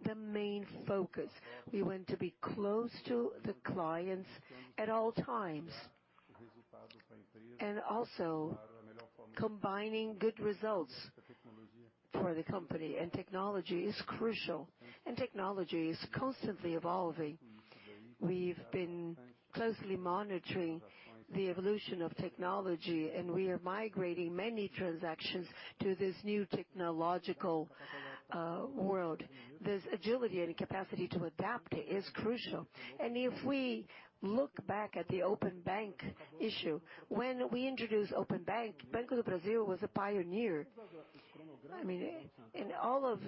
the main focus. We want to be close to the clients at all times. Also combining good results for the company, and technology is crucial, and technology is constantly evolving. We've been closely monitoring the evolution of technology, and we are migrating many transactions to this new technological world. This agility and capacity to adapt is crucial. If we look back at the Open Bank issue, when we introduced Open Bank, Banco do Brasil was a pioneer. I mean, in all of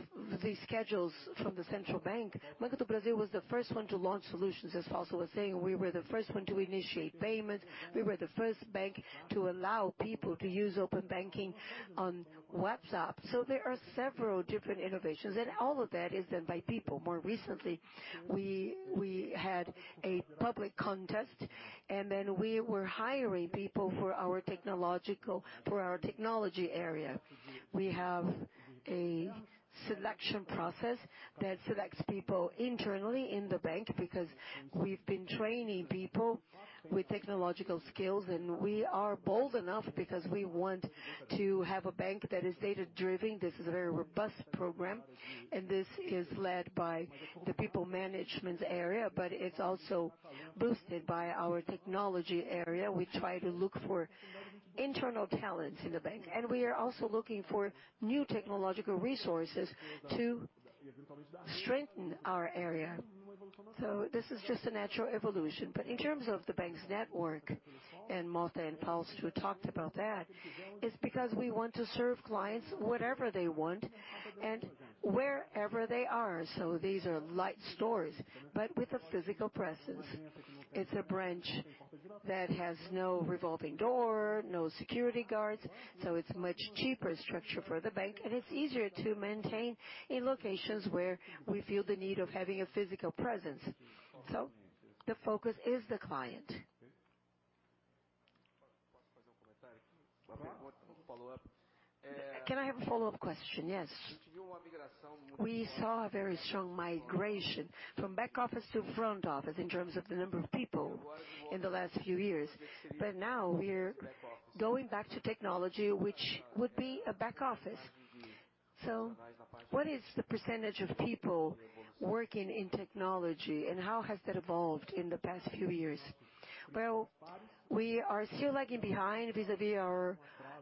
the schedules from the central bank, Banco do Brasil was the first one to launch solutions. As Fausto was saying, we were the first one to initiate payment. We were the first bank to allow people to use Open Banking on WhatsApp. There are several different innovations, and all of that is done by people. More recently, we had a public contest, and then we were hiring people for our technology area. We have a selection process that selects people internally in the bank because we've been training people with technological skills, and we are bold enough because we want to have a bank that is data-driven. This is a very robust program, and this is led by the people management area, but it's also boosted by our technology area. We try to look for internal talents in the bank, and we are also looking for new technological resources to strengthen our area. This is just a natural evolution. In terms of the bank's network, and Motta and Fausto talked about that, it's because we want to serve clients whatever they want and wherever they are. These are light stores, but with a physical presence. It's a branch that has no revolving door, no security guards, so it's a much cheaper structure for the bank, and it's easier to maintain in locations where we feel the need of having a physical presence. The focus is the client. Can I have a follow-up question? Yes. We saw a very strong migration from back office to front office in terms of the number of people in the last few years. Now we're going back to technology, which would be a back office. What is the percentage of people working in technology, and how has that evolved in the past few years? Well, we are still lagging behind vis-à-vis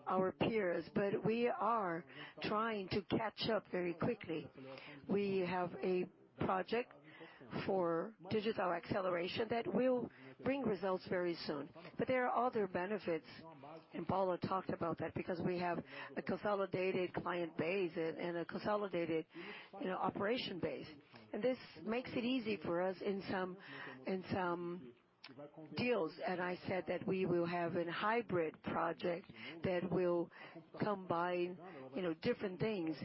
our peers, but we are trying to catch up very quickly. We have a project for digital acceleration that will bring results very soon. There are other benefits, and Paula talked about that, because we have a consolidated client base and a consolidated, you know, operation base. This makes it easy for us in some deals. I said that we will have a hybrid project that will combine, you know, different things.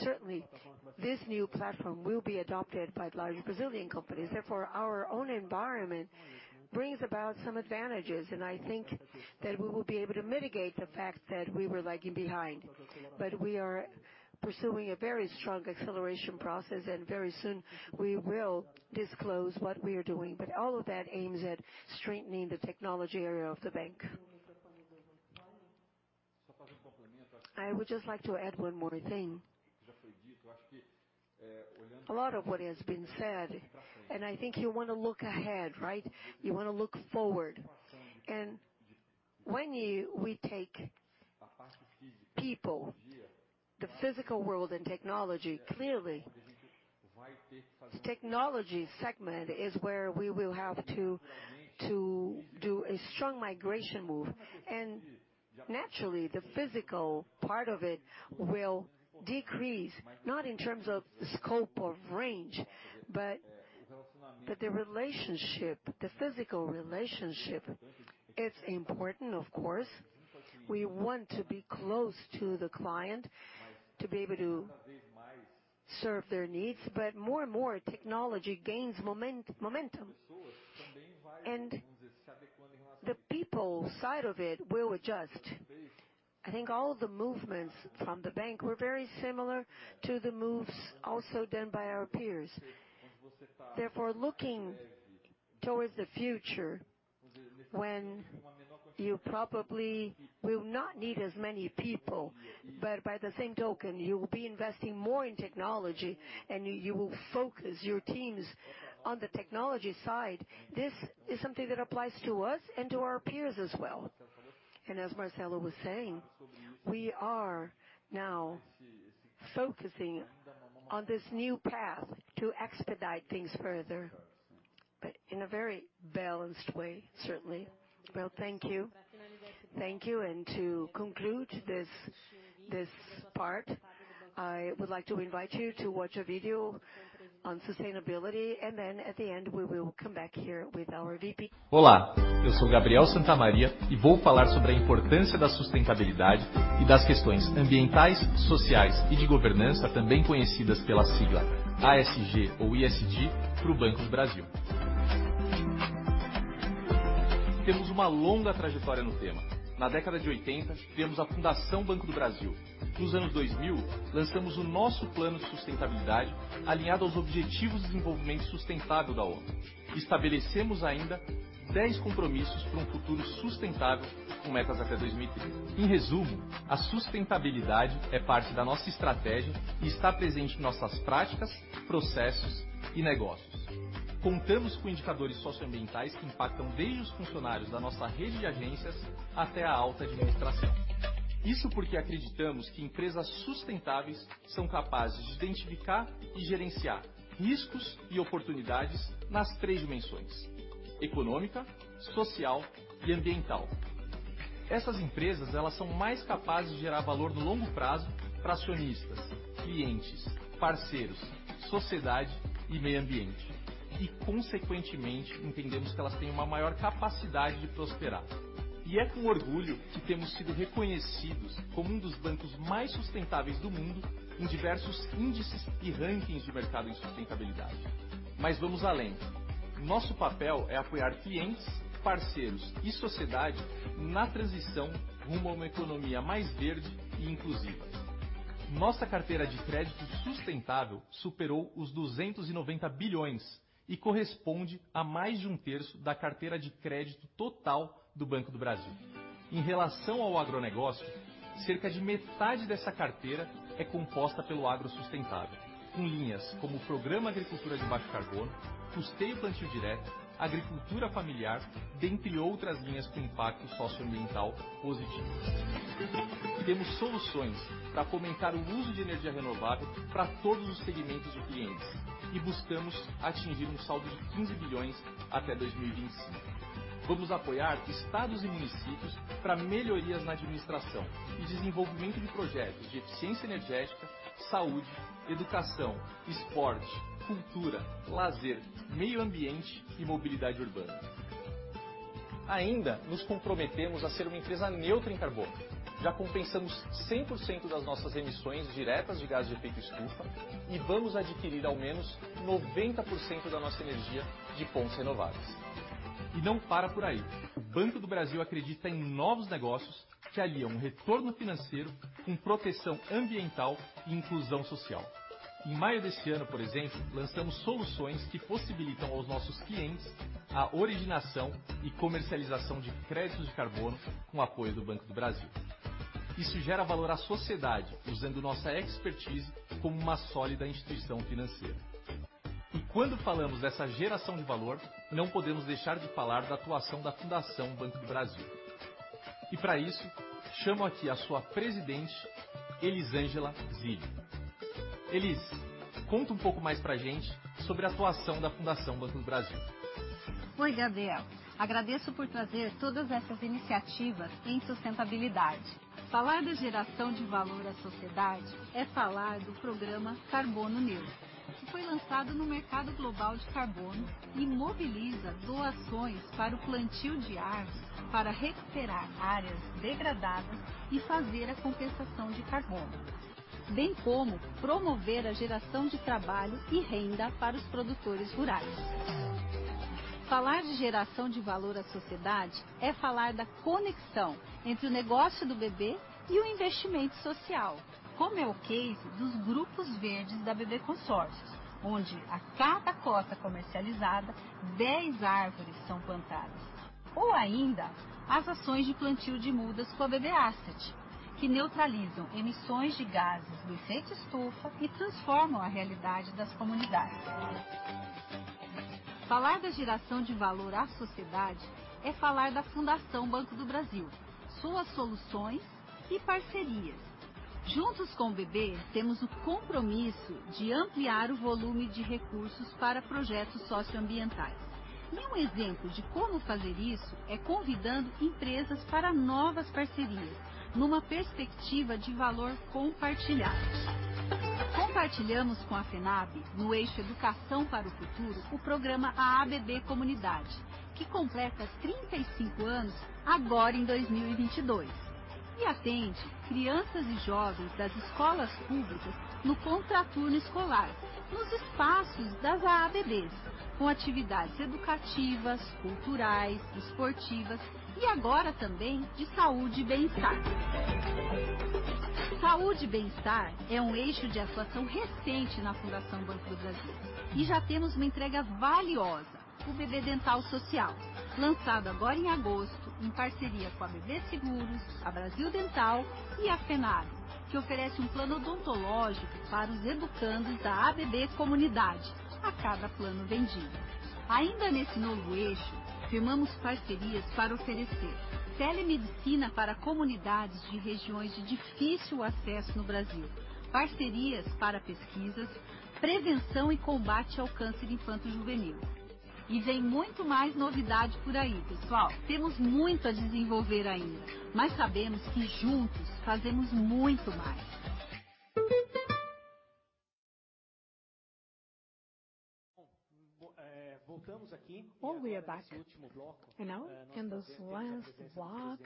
Certainly, this new platform will be adopted by large Brazilian companies. Therefore, our own environment brings about some advantages, and I think that we will be able to mitigate the fact that we were lagging behind. We are pursuing a very strong acceleration process, and very soon we will disclose what we are doing. All of that aims at strengthening the technology area of the bank. I would just like to add one more thing. A lot of what has been said, and I think you wanna look ahead, right? You wanna look forward. We take people, the physical world and technology, clearly, the technology segment is where we will have to to do a strong migration move. Naturally, the physical part of it will decrease, not in terms of scope of range, but the relationship, the physical relationship, it's important, of course. We want to be close to the client to be able to serve their needs. But more and more technology gains momentum, and the people side of it will adjust. I think all the movements from the bank were very similar to the moves also done by our peers. Therefore, looking towards the future, when you probably will not need as many people, but by the same token, you will be investing more in technology and you will focus your teams on the technology side. This is something that applies to us and to our peers as well. As Marcelo was saying, we are now focusing on this new path to expedite things further, but in a very balanced way, certainly. Well, thank you. Thank you. To conclude this part, I would like to invite you to watch a video on sustainability. Then at the end, we will come back here with our VP. Olá, eu sou Gabriel Santamaria e vou falar sobre a importância da sustentabilidade e das questões ambientais, sociais e de governança, também conhecidas pela sigla ASG ou ESG, pro Banco do Brasil. Temos uma longa trajetória no tema. Na década de oitenta, criamos a Fundação Banco do Brasil. Nos anos 2000, lançamos o nosso plano de sustentabilidade, alinhado aos objetivos de desenvolvimento sustentável da ONU. Estabelecemos ainda 10 compromissos prum futuro sustentável, com metas até 2030. Em resumo, a sustentabilidade é parte da nossa estratégia e está presente em nossas práticas, processos e negócios. Contamos com indicadores socioambientais que impactam desde os funcionários da nossa rede de agências até a alta administração. Isso porque acreditamos que empresas sustentáveis são capazes de identificar e gerenciar riscos e oportunidades nas três dimensões econômica, social e ambiental. Essas empresas, elas são mais capazes de gerar valor no longo prazo pra acionistas, clientes, parceiros, sociedade e meio ambiente e, consequentemente, entendemos que elas têm uma maior capacidade de prosperar. É com orgulho que temos sido reconhecidos como um dos bancos mais sustentáveis do mundo, em diversos índices e rankings de mercado em sustentabilidade. Vamos além. Nosso papel é apoiar clientes, parceiros e sociedade na transição rumo a uma economia mais verde e inclusiva. Nossa carteira de crédito sustentável superou 290 bilhões e corresponde a mais de um terço da carteira de crédito total do Banco do Brasil. Em relação ao agronegócio, cerca de metade dessa carteira é composta pelo agro sustentável, com linhas como o Programa Agricultura de Baixo Carbono, Fusteiro e Plantio Direto, Agricultura Familiar, dentre outras linhas com impacto socioambiental positivo. Temos soluções pra fomentar o uso de energia renovável pra todos os segmentos de clientes e buscamos atingir um saldo de 15 bilhões até 2025. Vamos apoiar estados e municípios pra melhorias na administração e desenvolvimento de projetos de eficiência energética, saúde, educação, esporte, cultura, lazer, meio ambiente e mobilidade urbana. Ainda nos comprometemos a ser uma empresa neutra em carbono. Já compensamos 100% das nossas emissões diretas de gases de efeito estufa e vamos adquirir ao menos 90% da nossa energia de fontes renováveis. Não para por aí. O Banco do Brasil acredita em novos negócios que aliam retorno financeiro com proteção ambiental e inclusão social. Em maio desse ano, por exemplo, lançamos soluções que possibilitam aos nossos clientes a originação e comercialização de créditos de carbono, com o apoio do Banco do Brasil. Isso gera valor à sociedade, usando nossa expertise como uma sólida instituição financeira. Quando falamos dessa geração de valor, não podemos deixar de falar da atuação da Fundação Banco do Brasil. Pra isso, chamo aqui a sua presidente, Elisângela Zilli. Elis, conta um pouco mais pra gente sobre a atuação da Fundação Banco do Brasil. Oi, Gabriel. Agradeço por trazer todas essas iniciativas em sustentabilidade. Falar da geração de valor à sociedade é falar do programa Carbono Neutro, que foi lançado no mercado global de carbono e mobiliza doações para o plantio de árvores, para recuperar áreas degradadas e fazer a compensação de carbono, bem como promover a geração de trabalho e renda para os produtores rurais. Falar de geração de valor à sociedade é falar da conexão entre o negócio do BB e o investimento social, como é o case dos grupos verdes da BB Consórcios, onde a cada cota comercializada, dez árvores são plantadas. Ou ainda, as ações de plantio de mudas com a BB Asset, que neutralizam emissões de gases do efeito estufa e transformam a realidade das comunidades. Falar da geração de valor à sociedade é falar da Fundação Banco do Brasil, suas soluções e parcerias. Juntos com o BB, temos o compromisso de ampliar o volume de recursos para projetos socioambientais. Um exemplo de como fazer isso é convidando empresas para novas parcerias, numa perspectiva de valor compartilhado. Compartilhamos com a FENABB, no eixo Educação para o Futuro, o programa AABB Comunidade, que completa 35 anos agora em 2022. and youth, that is called Escolas Públicas. Well, we are back, you know, in this last block.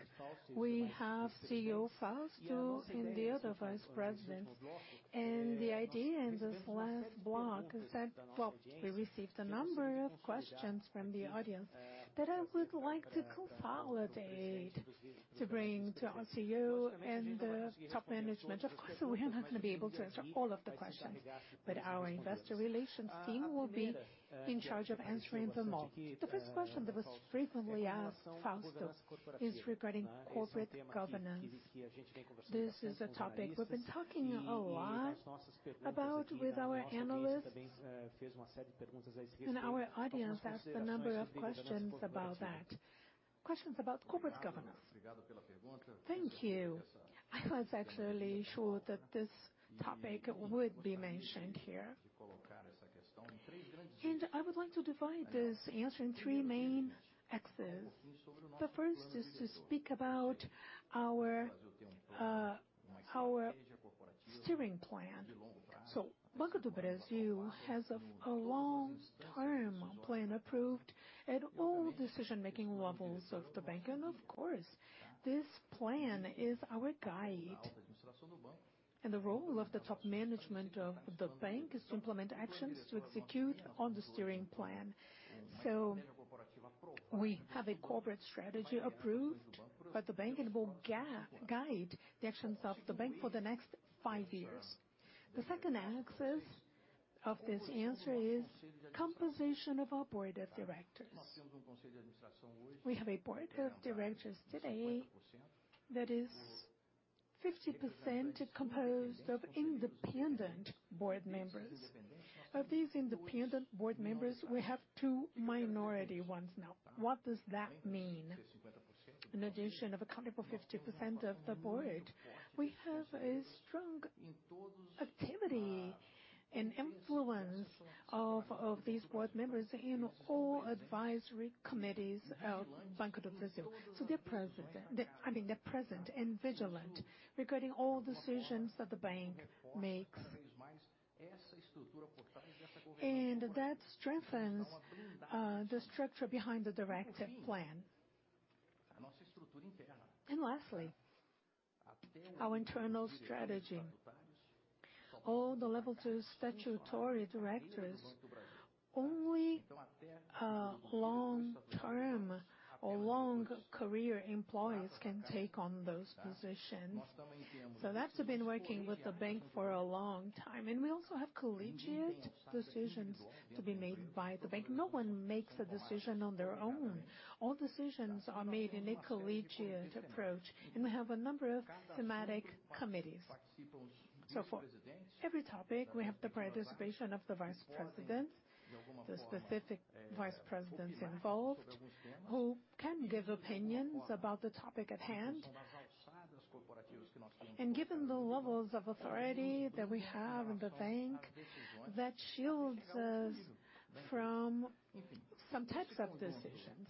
We have CEO Fausto Ribeiro and the other vice presidents. The idea in this last block is that, well, we received a number of questions from the audience that I would like to consolidate to bring to our CEO and the top management. Of course, we are not gonna be able to answer all of the questions, but our investor relations team will be in charge of answering them all. The first question that was frequently asked, Fausto, is regarding corporate governance. This is a topic we've been talking a lot about with our analysts, and our audience asked a number of questions about that. Questions about corporate governance. Thank you. I was actually sure that this topic would be mentioned here. I would like to divide this answer in three main axes. The first is to speak about our steering plan. Banco do Brasil has a long-term plan approved at all decision-making levels of the bank. Of course, this plan is our guide. The role of the top management of the bank is to implement actions to execute on the steering plan. We have a corporate strategy approved by the bank, and it will guide the actions of the bank for the next five years. The second axis of this answer is composition of our board of directors. We have a board of directors today that is 50% composed of independent board members. Of these independent board members, we have two minority ones now. What does that mean? In addition to accounting for 50% of the board, we have a strong activity and influence of these board members in all advisory committees of Banco do Brasil. They're present. I mean, they're present and vigilant regarding all decisions that the bank makes. That strengthens the structure behind the directive plan. Lastly, our internal strategy. All the level two statutory directors, only long-term or long career employees can take on those positions. They have to been working with the bank for a long time. We also have collegiate decisions to be made by the bank. No one makes a decision on their own. All decisions are made in a collegiate approach, and we have a number of thematic committees. For every topic, we have the participation of the vice presidents, the specific vice presidents involved, who can give opinions about the topic at hand. Given the levels of authority that we have in the bank, that shields us from some types of decisions,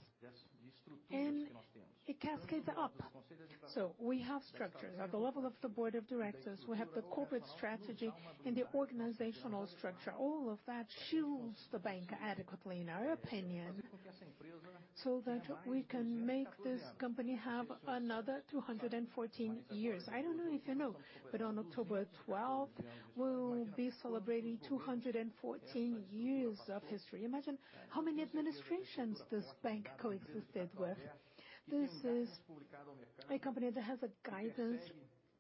and it cascades up. We have structures. At the level of the board of directors, we have the corporate strategy and the organizational structure. All of that shields the bank adequately, in our opinion, so that we can make this company have another 214 years. I don't know if you know, but on October 12, we'll be celebrating 214 years of history. Imagine how many administrations this bank coexisted with. This is a company that has a guidance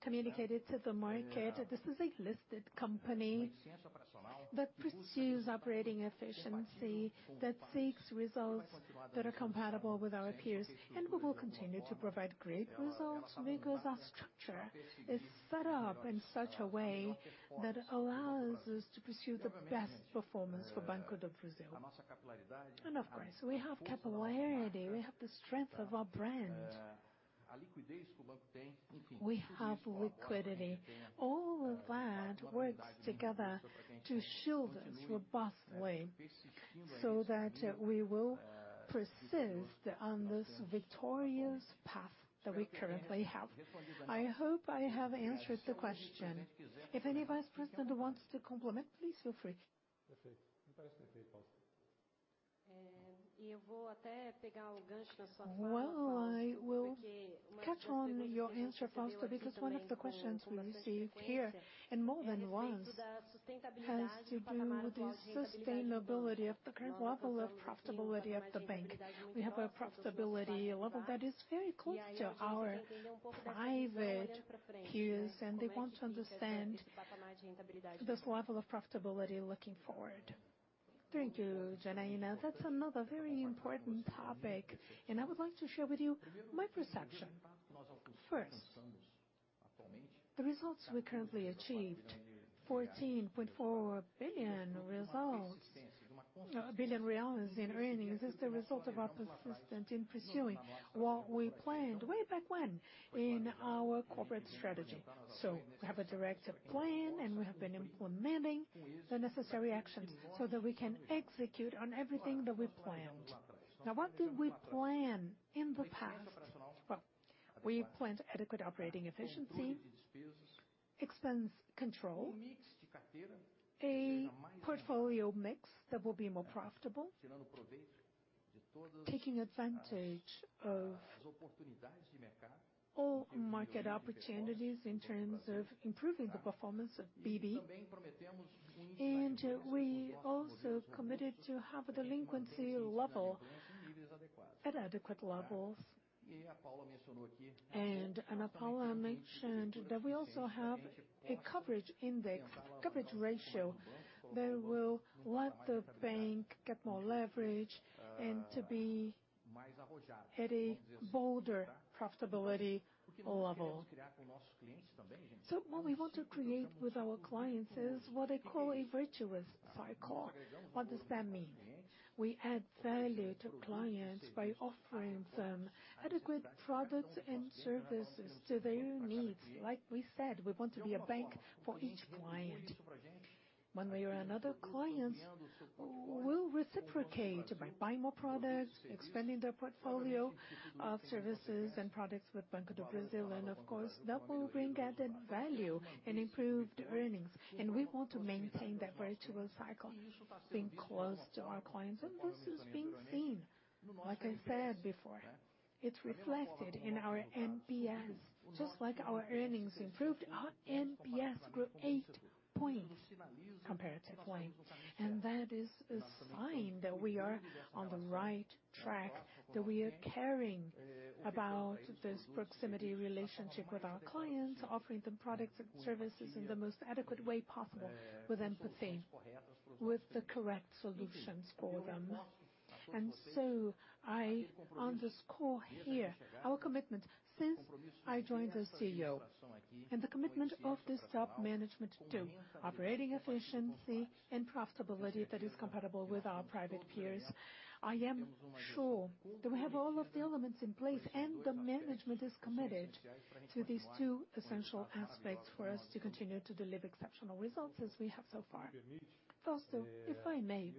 communicated to the market. This is a listed company that pursues operating efficiency, that seeks results that are compatible with our peers, and we will continue to provide great results because our structure is set up in such a way that allows us to pursue the best performance for Banco do Brasil. Of course, we have capability, we have the strength of our brand. We have liquidity. All of that works together to shield us robustly, so that we will persist on this victorious path that we currently have. I hope I have answered the question. If any vice president wants to complement, please feel free. I will catch on your answer, Fausto, because one of the questions we received here, and more than once, has to do with the sustainability of the current level of profitability of the bank. We have a profitability level that is very close to our private peers, and they want to understand this level of profitability looking forward. Thank you, Janaína. That's another very important topic, and I would like to share with you, my perception. First, the results we currently achieved, 14.4 billion in earnings, is the result of our persistence in pursuing what we planned way back when in our corporate strategy. We have a directed plan, and we have been implementing the necessary actions so that we can execute on everything that we planned. Now what did we plan in the past? Well, we planned adequate operating efficiency, expense control, a portfolio mix that will be more profitable, taking advantage of all market opportunities in terms of improving the performance of BB. We also committed to have a delinquency level at adequate levels. Ana Paula mentioned that we also have a coverage index, coverage ratio that will let the bank get more leverage and to be at a bolder profitability level. What we want to create with our clients is what I call a virtuous cycle. What does that mean? We add value to clients by offering them adequate products and services to their needs. Like we said, we want to be a bank for each client. One way or another, clients will reciprocate by buying more products, expanding their portfolio of services and products with Banco do Brasil, and of course, that will bring added value and improved earnings. We want to maintain that virtuous cycle, being close to our clients. This is being seen, like I said before, it's reflected in our NPS. Just like our earnings improved, our NPS grew eight points comparatively. That is a sign that we are on the right track, that we are caring about this proximity relationship with our clients, offering them products and services in the most adequate way possible with empathy, with the correct solutions for them. I underscore here our commitment since I joined as CEO, and the commitment of this top management too, operating efficiency and profitability that is comparable with our private peers. I am sure that we have all of the elements in place, and the management is committed to these two essential aspects for us to continue to deliver exceptional results as we have so far. Fausto, if I may,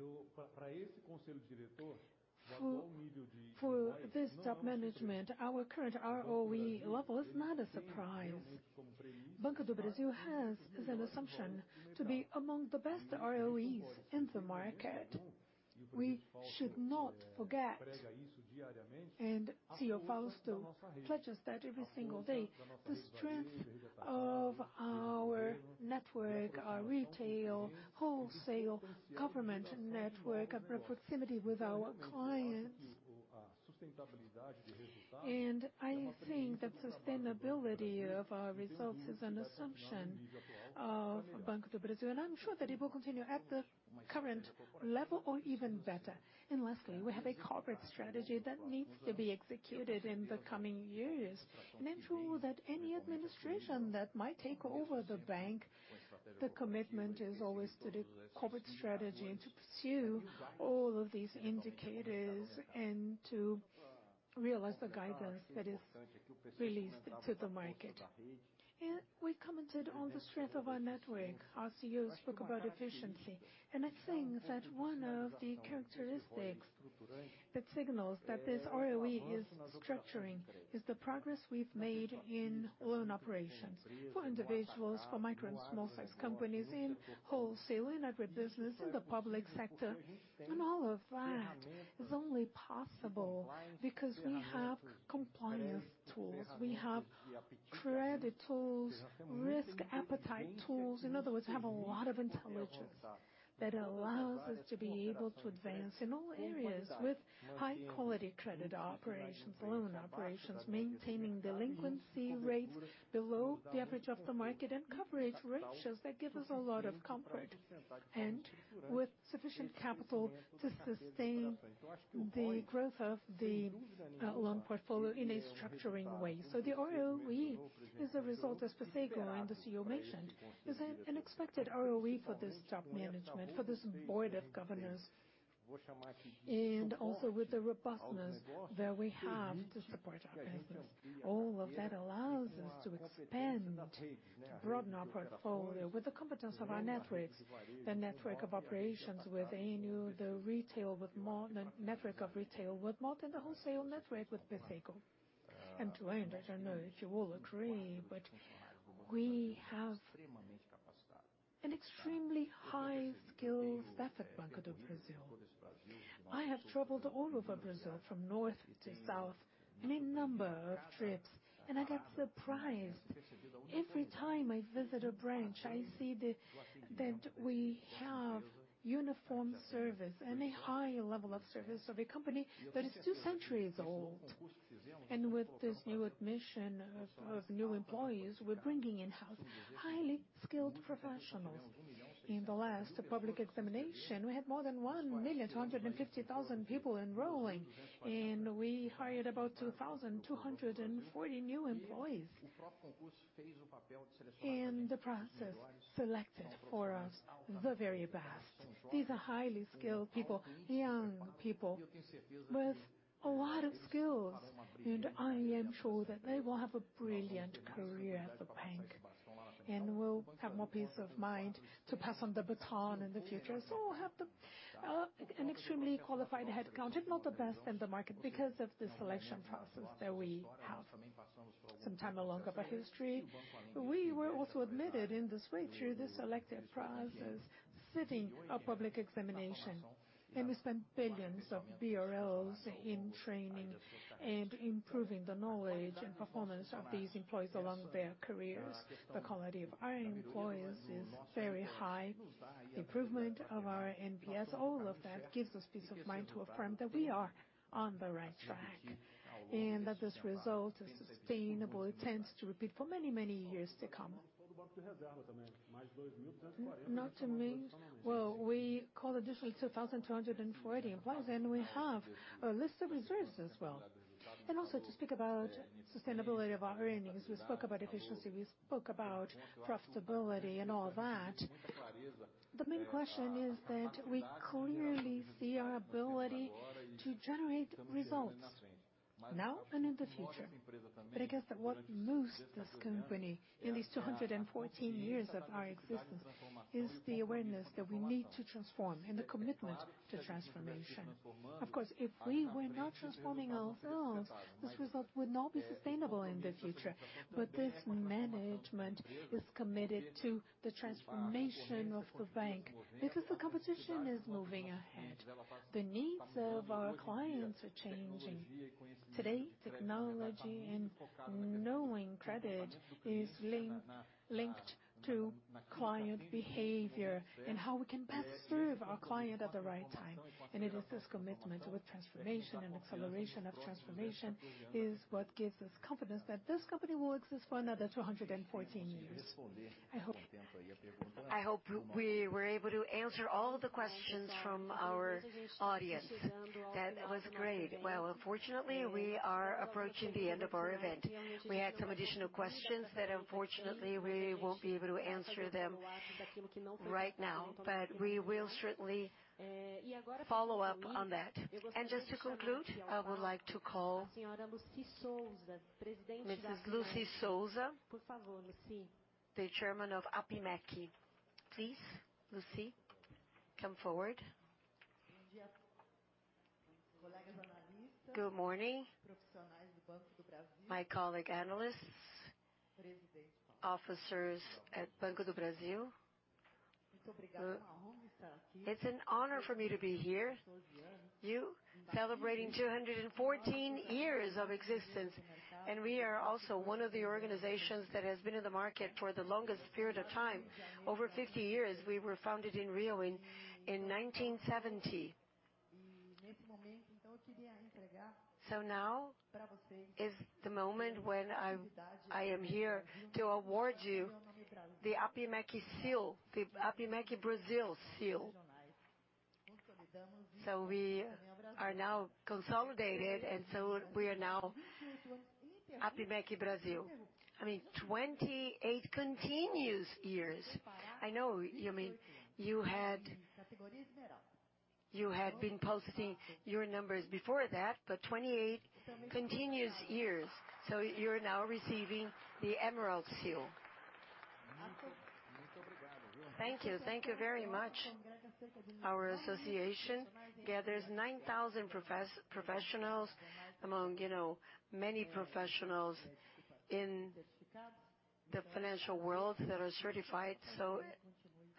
for this top management, our current ROE level is not a surprise. Banco do Brasil has as an assumption to be among the best ROEs in the market. We should not forget, and CEO Fausto Ribeiro pledges that every single day, the strength of our network, our retail, wholesale, government network, and our proximity with our clients. I think the sustainability of our results is an assumption of Banco do Brasil, and I'm sure that it will continue at the current level or even better. Lastly, we have a corporate strategy that needs to be executed in the coming years and ensure that any administration that might take over the bank, the commitment is always to the corporate strategy and to pursue all of these indicators and to realize the guidance that is released to the market. We commented on the strength of our network. Our CEOs spoke about efficiency. I think that one of the characteristics that signals that this ROE is structuring is the progress we've made in loan operations for individuals, for micro and small size companies, in wholesale, in agribusiness, in the public sector. All of that is only possible because we have compliance tools. We have credit tools, risk appetite tools. In other words, we have a lot of intelligence that allows us to be able to advance in all areas with high-quality credit operations, loan operations, maintaining delinquency rates below the average of the market and coverage ratios that give us a lot of comfort, and with sufficient capital to sustain the growth of the loan portfolio in a structuring way. The ROE is a result, as Pecego and as CEO mentioned, is an expected ROE for this top management, for this board of governors, and also with the robustness that we have to support our business. All of that allows us to expand, to broaden our portfolio with the competence of our networks, the network of operations with Ênio, the network of retail with Motta, and the wholesale network with Pecego. To end, I don't know if you all agree, but we have an extremely high skilled staff at Banco do Brasil. I have traveled all over Brazil from north to south, many number of trips, and I get surprised. Every time I visit a branch, I see that we have uniform service and a high level of service of a company that is two centuries old. With this new admission of new employees, we're bringing in-house highly skilled professionals. In the last public examination, we had more than 1,250,000 people enrolling, and we hired about 2,240 new employees. The process selected for us the very best. These are highly skilled people, young people with a lot of skills, and I am sure that they will have a brilliant career at the bank, and we'll have more peace of mind to pass on the baton in the future. We'll have an extremely qualified headcount, if not the best in the market, because of the selection process that we have. Some time along of our history, we were also admitted in this way through this selective process, sitting a public examination, and we spent billions of BRL in training and improving the knowledge and performance of these employees along their careers. The quality of our employees is very high. Improvement of our NPS, all of that gives us peace of mind to affirm that we are on the right track, and that this result is sustainable. It tends to repeat for many, many years to come. Not to me. Well, we call additional 2,240 employees, and we have a list of reserves as well. Also to speak about sustainability of our earnings. We spoke about efficiency, we spoke about profitability and all that. The main question is that we clearly see our ability to generate results now and in the future. I guess that what moves this company in these 214 years of our existence is the awareness that we need to transform and the commitment to transformation. Of course, if we were not transforming ourselves, this result would not be sustainable in the future. This management is committed to the transformation of the bank because the competition is moving ahead. The needs of our clients are changing. Today, technology and knowing credit is linked to client behavior and how we can best serve our client at the right time. It is this commitment with transformation and acceleration of transformation is what gives us confidence that this company will exist for another 214 years. I hope. I hope we were able to answer all of the questions from our audience. That was great. Well, unfortunately, we are approaching the end of our event. We had some additional questions that, unfortunately, we won't be able to answer them right now, but we will certainly follow up on that. Just to conclude, I would like to call Mrs. Lucy Sousa, the chairman of APIMEC. Please, Lucy, come forward. Good morning, my colleague analysts, officers at Banco do Brasil. It's an honor for me to be here. You celebrating 214 years of existence, and we are also one of the organizations that has been in the market for the longest period of time, over 50 years. We were founded in Rio in 1970. Now is the moment when I am here to award you the APIMEC seal, the APIMEC Brasil seal. We are now consolidated, and so we are now APIMEC Brasil. I mean, 28 continuous years. I know you mean you had been posting your numbers before that, but 28 continuous years. You're now receiving the Emerald Seal. Thank you. Thank you very much. Our association gathers 9,000 professionals among, you know, many professionals in the financial world that are certified.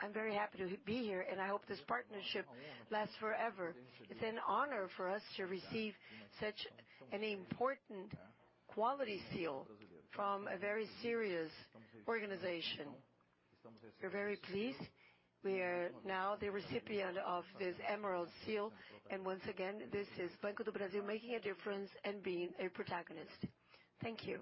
I'm very happy to be here, and I hope this partnership lasts forever. It's an honor for us to receive such an important quality seal from a very serious organization. We're very pleased. We are now the recipient of this Emerald Seal. Once again, this is Banco do Brasil making a difference and being a protagonist. Thank you.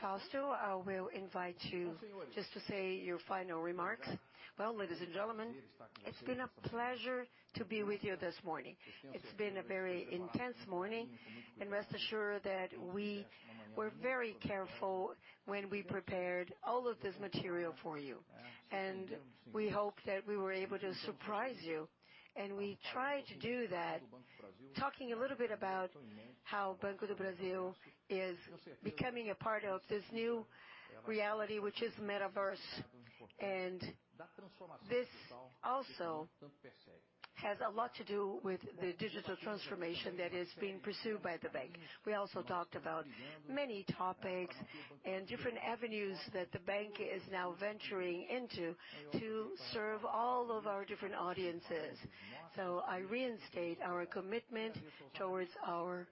Fausto, I will invite you just to say your final remarks. Well, ladies and gentlemen, it's been a pleasure to be with you this morning. It's been a very intense morning, and rest assured that we were very careful when we prepared all of this material for you, and we hope that we were able to surprise you. We tried to do that, talking a little bit about how Banco do Brasil is becoming a part of this new reality, which is Metaverse. This also has a lot to do with the digital transformation that is being pursued by the bank. We also talked about many topics and different avenues that the bank is now venturing into to serve all of our different audiences. I reinstate our commitment towards our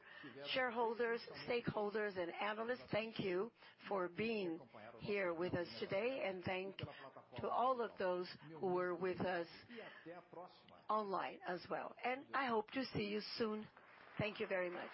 shareholders, stakeholders and analysts. Thank you for being here with us today and thanks to all of those who were with us online as well. I hope to see you soon. Thank you very much.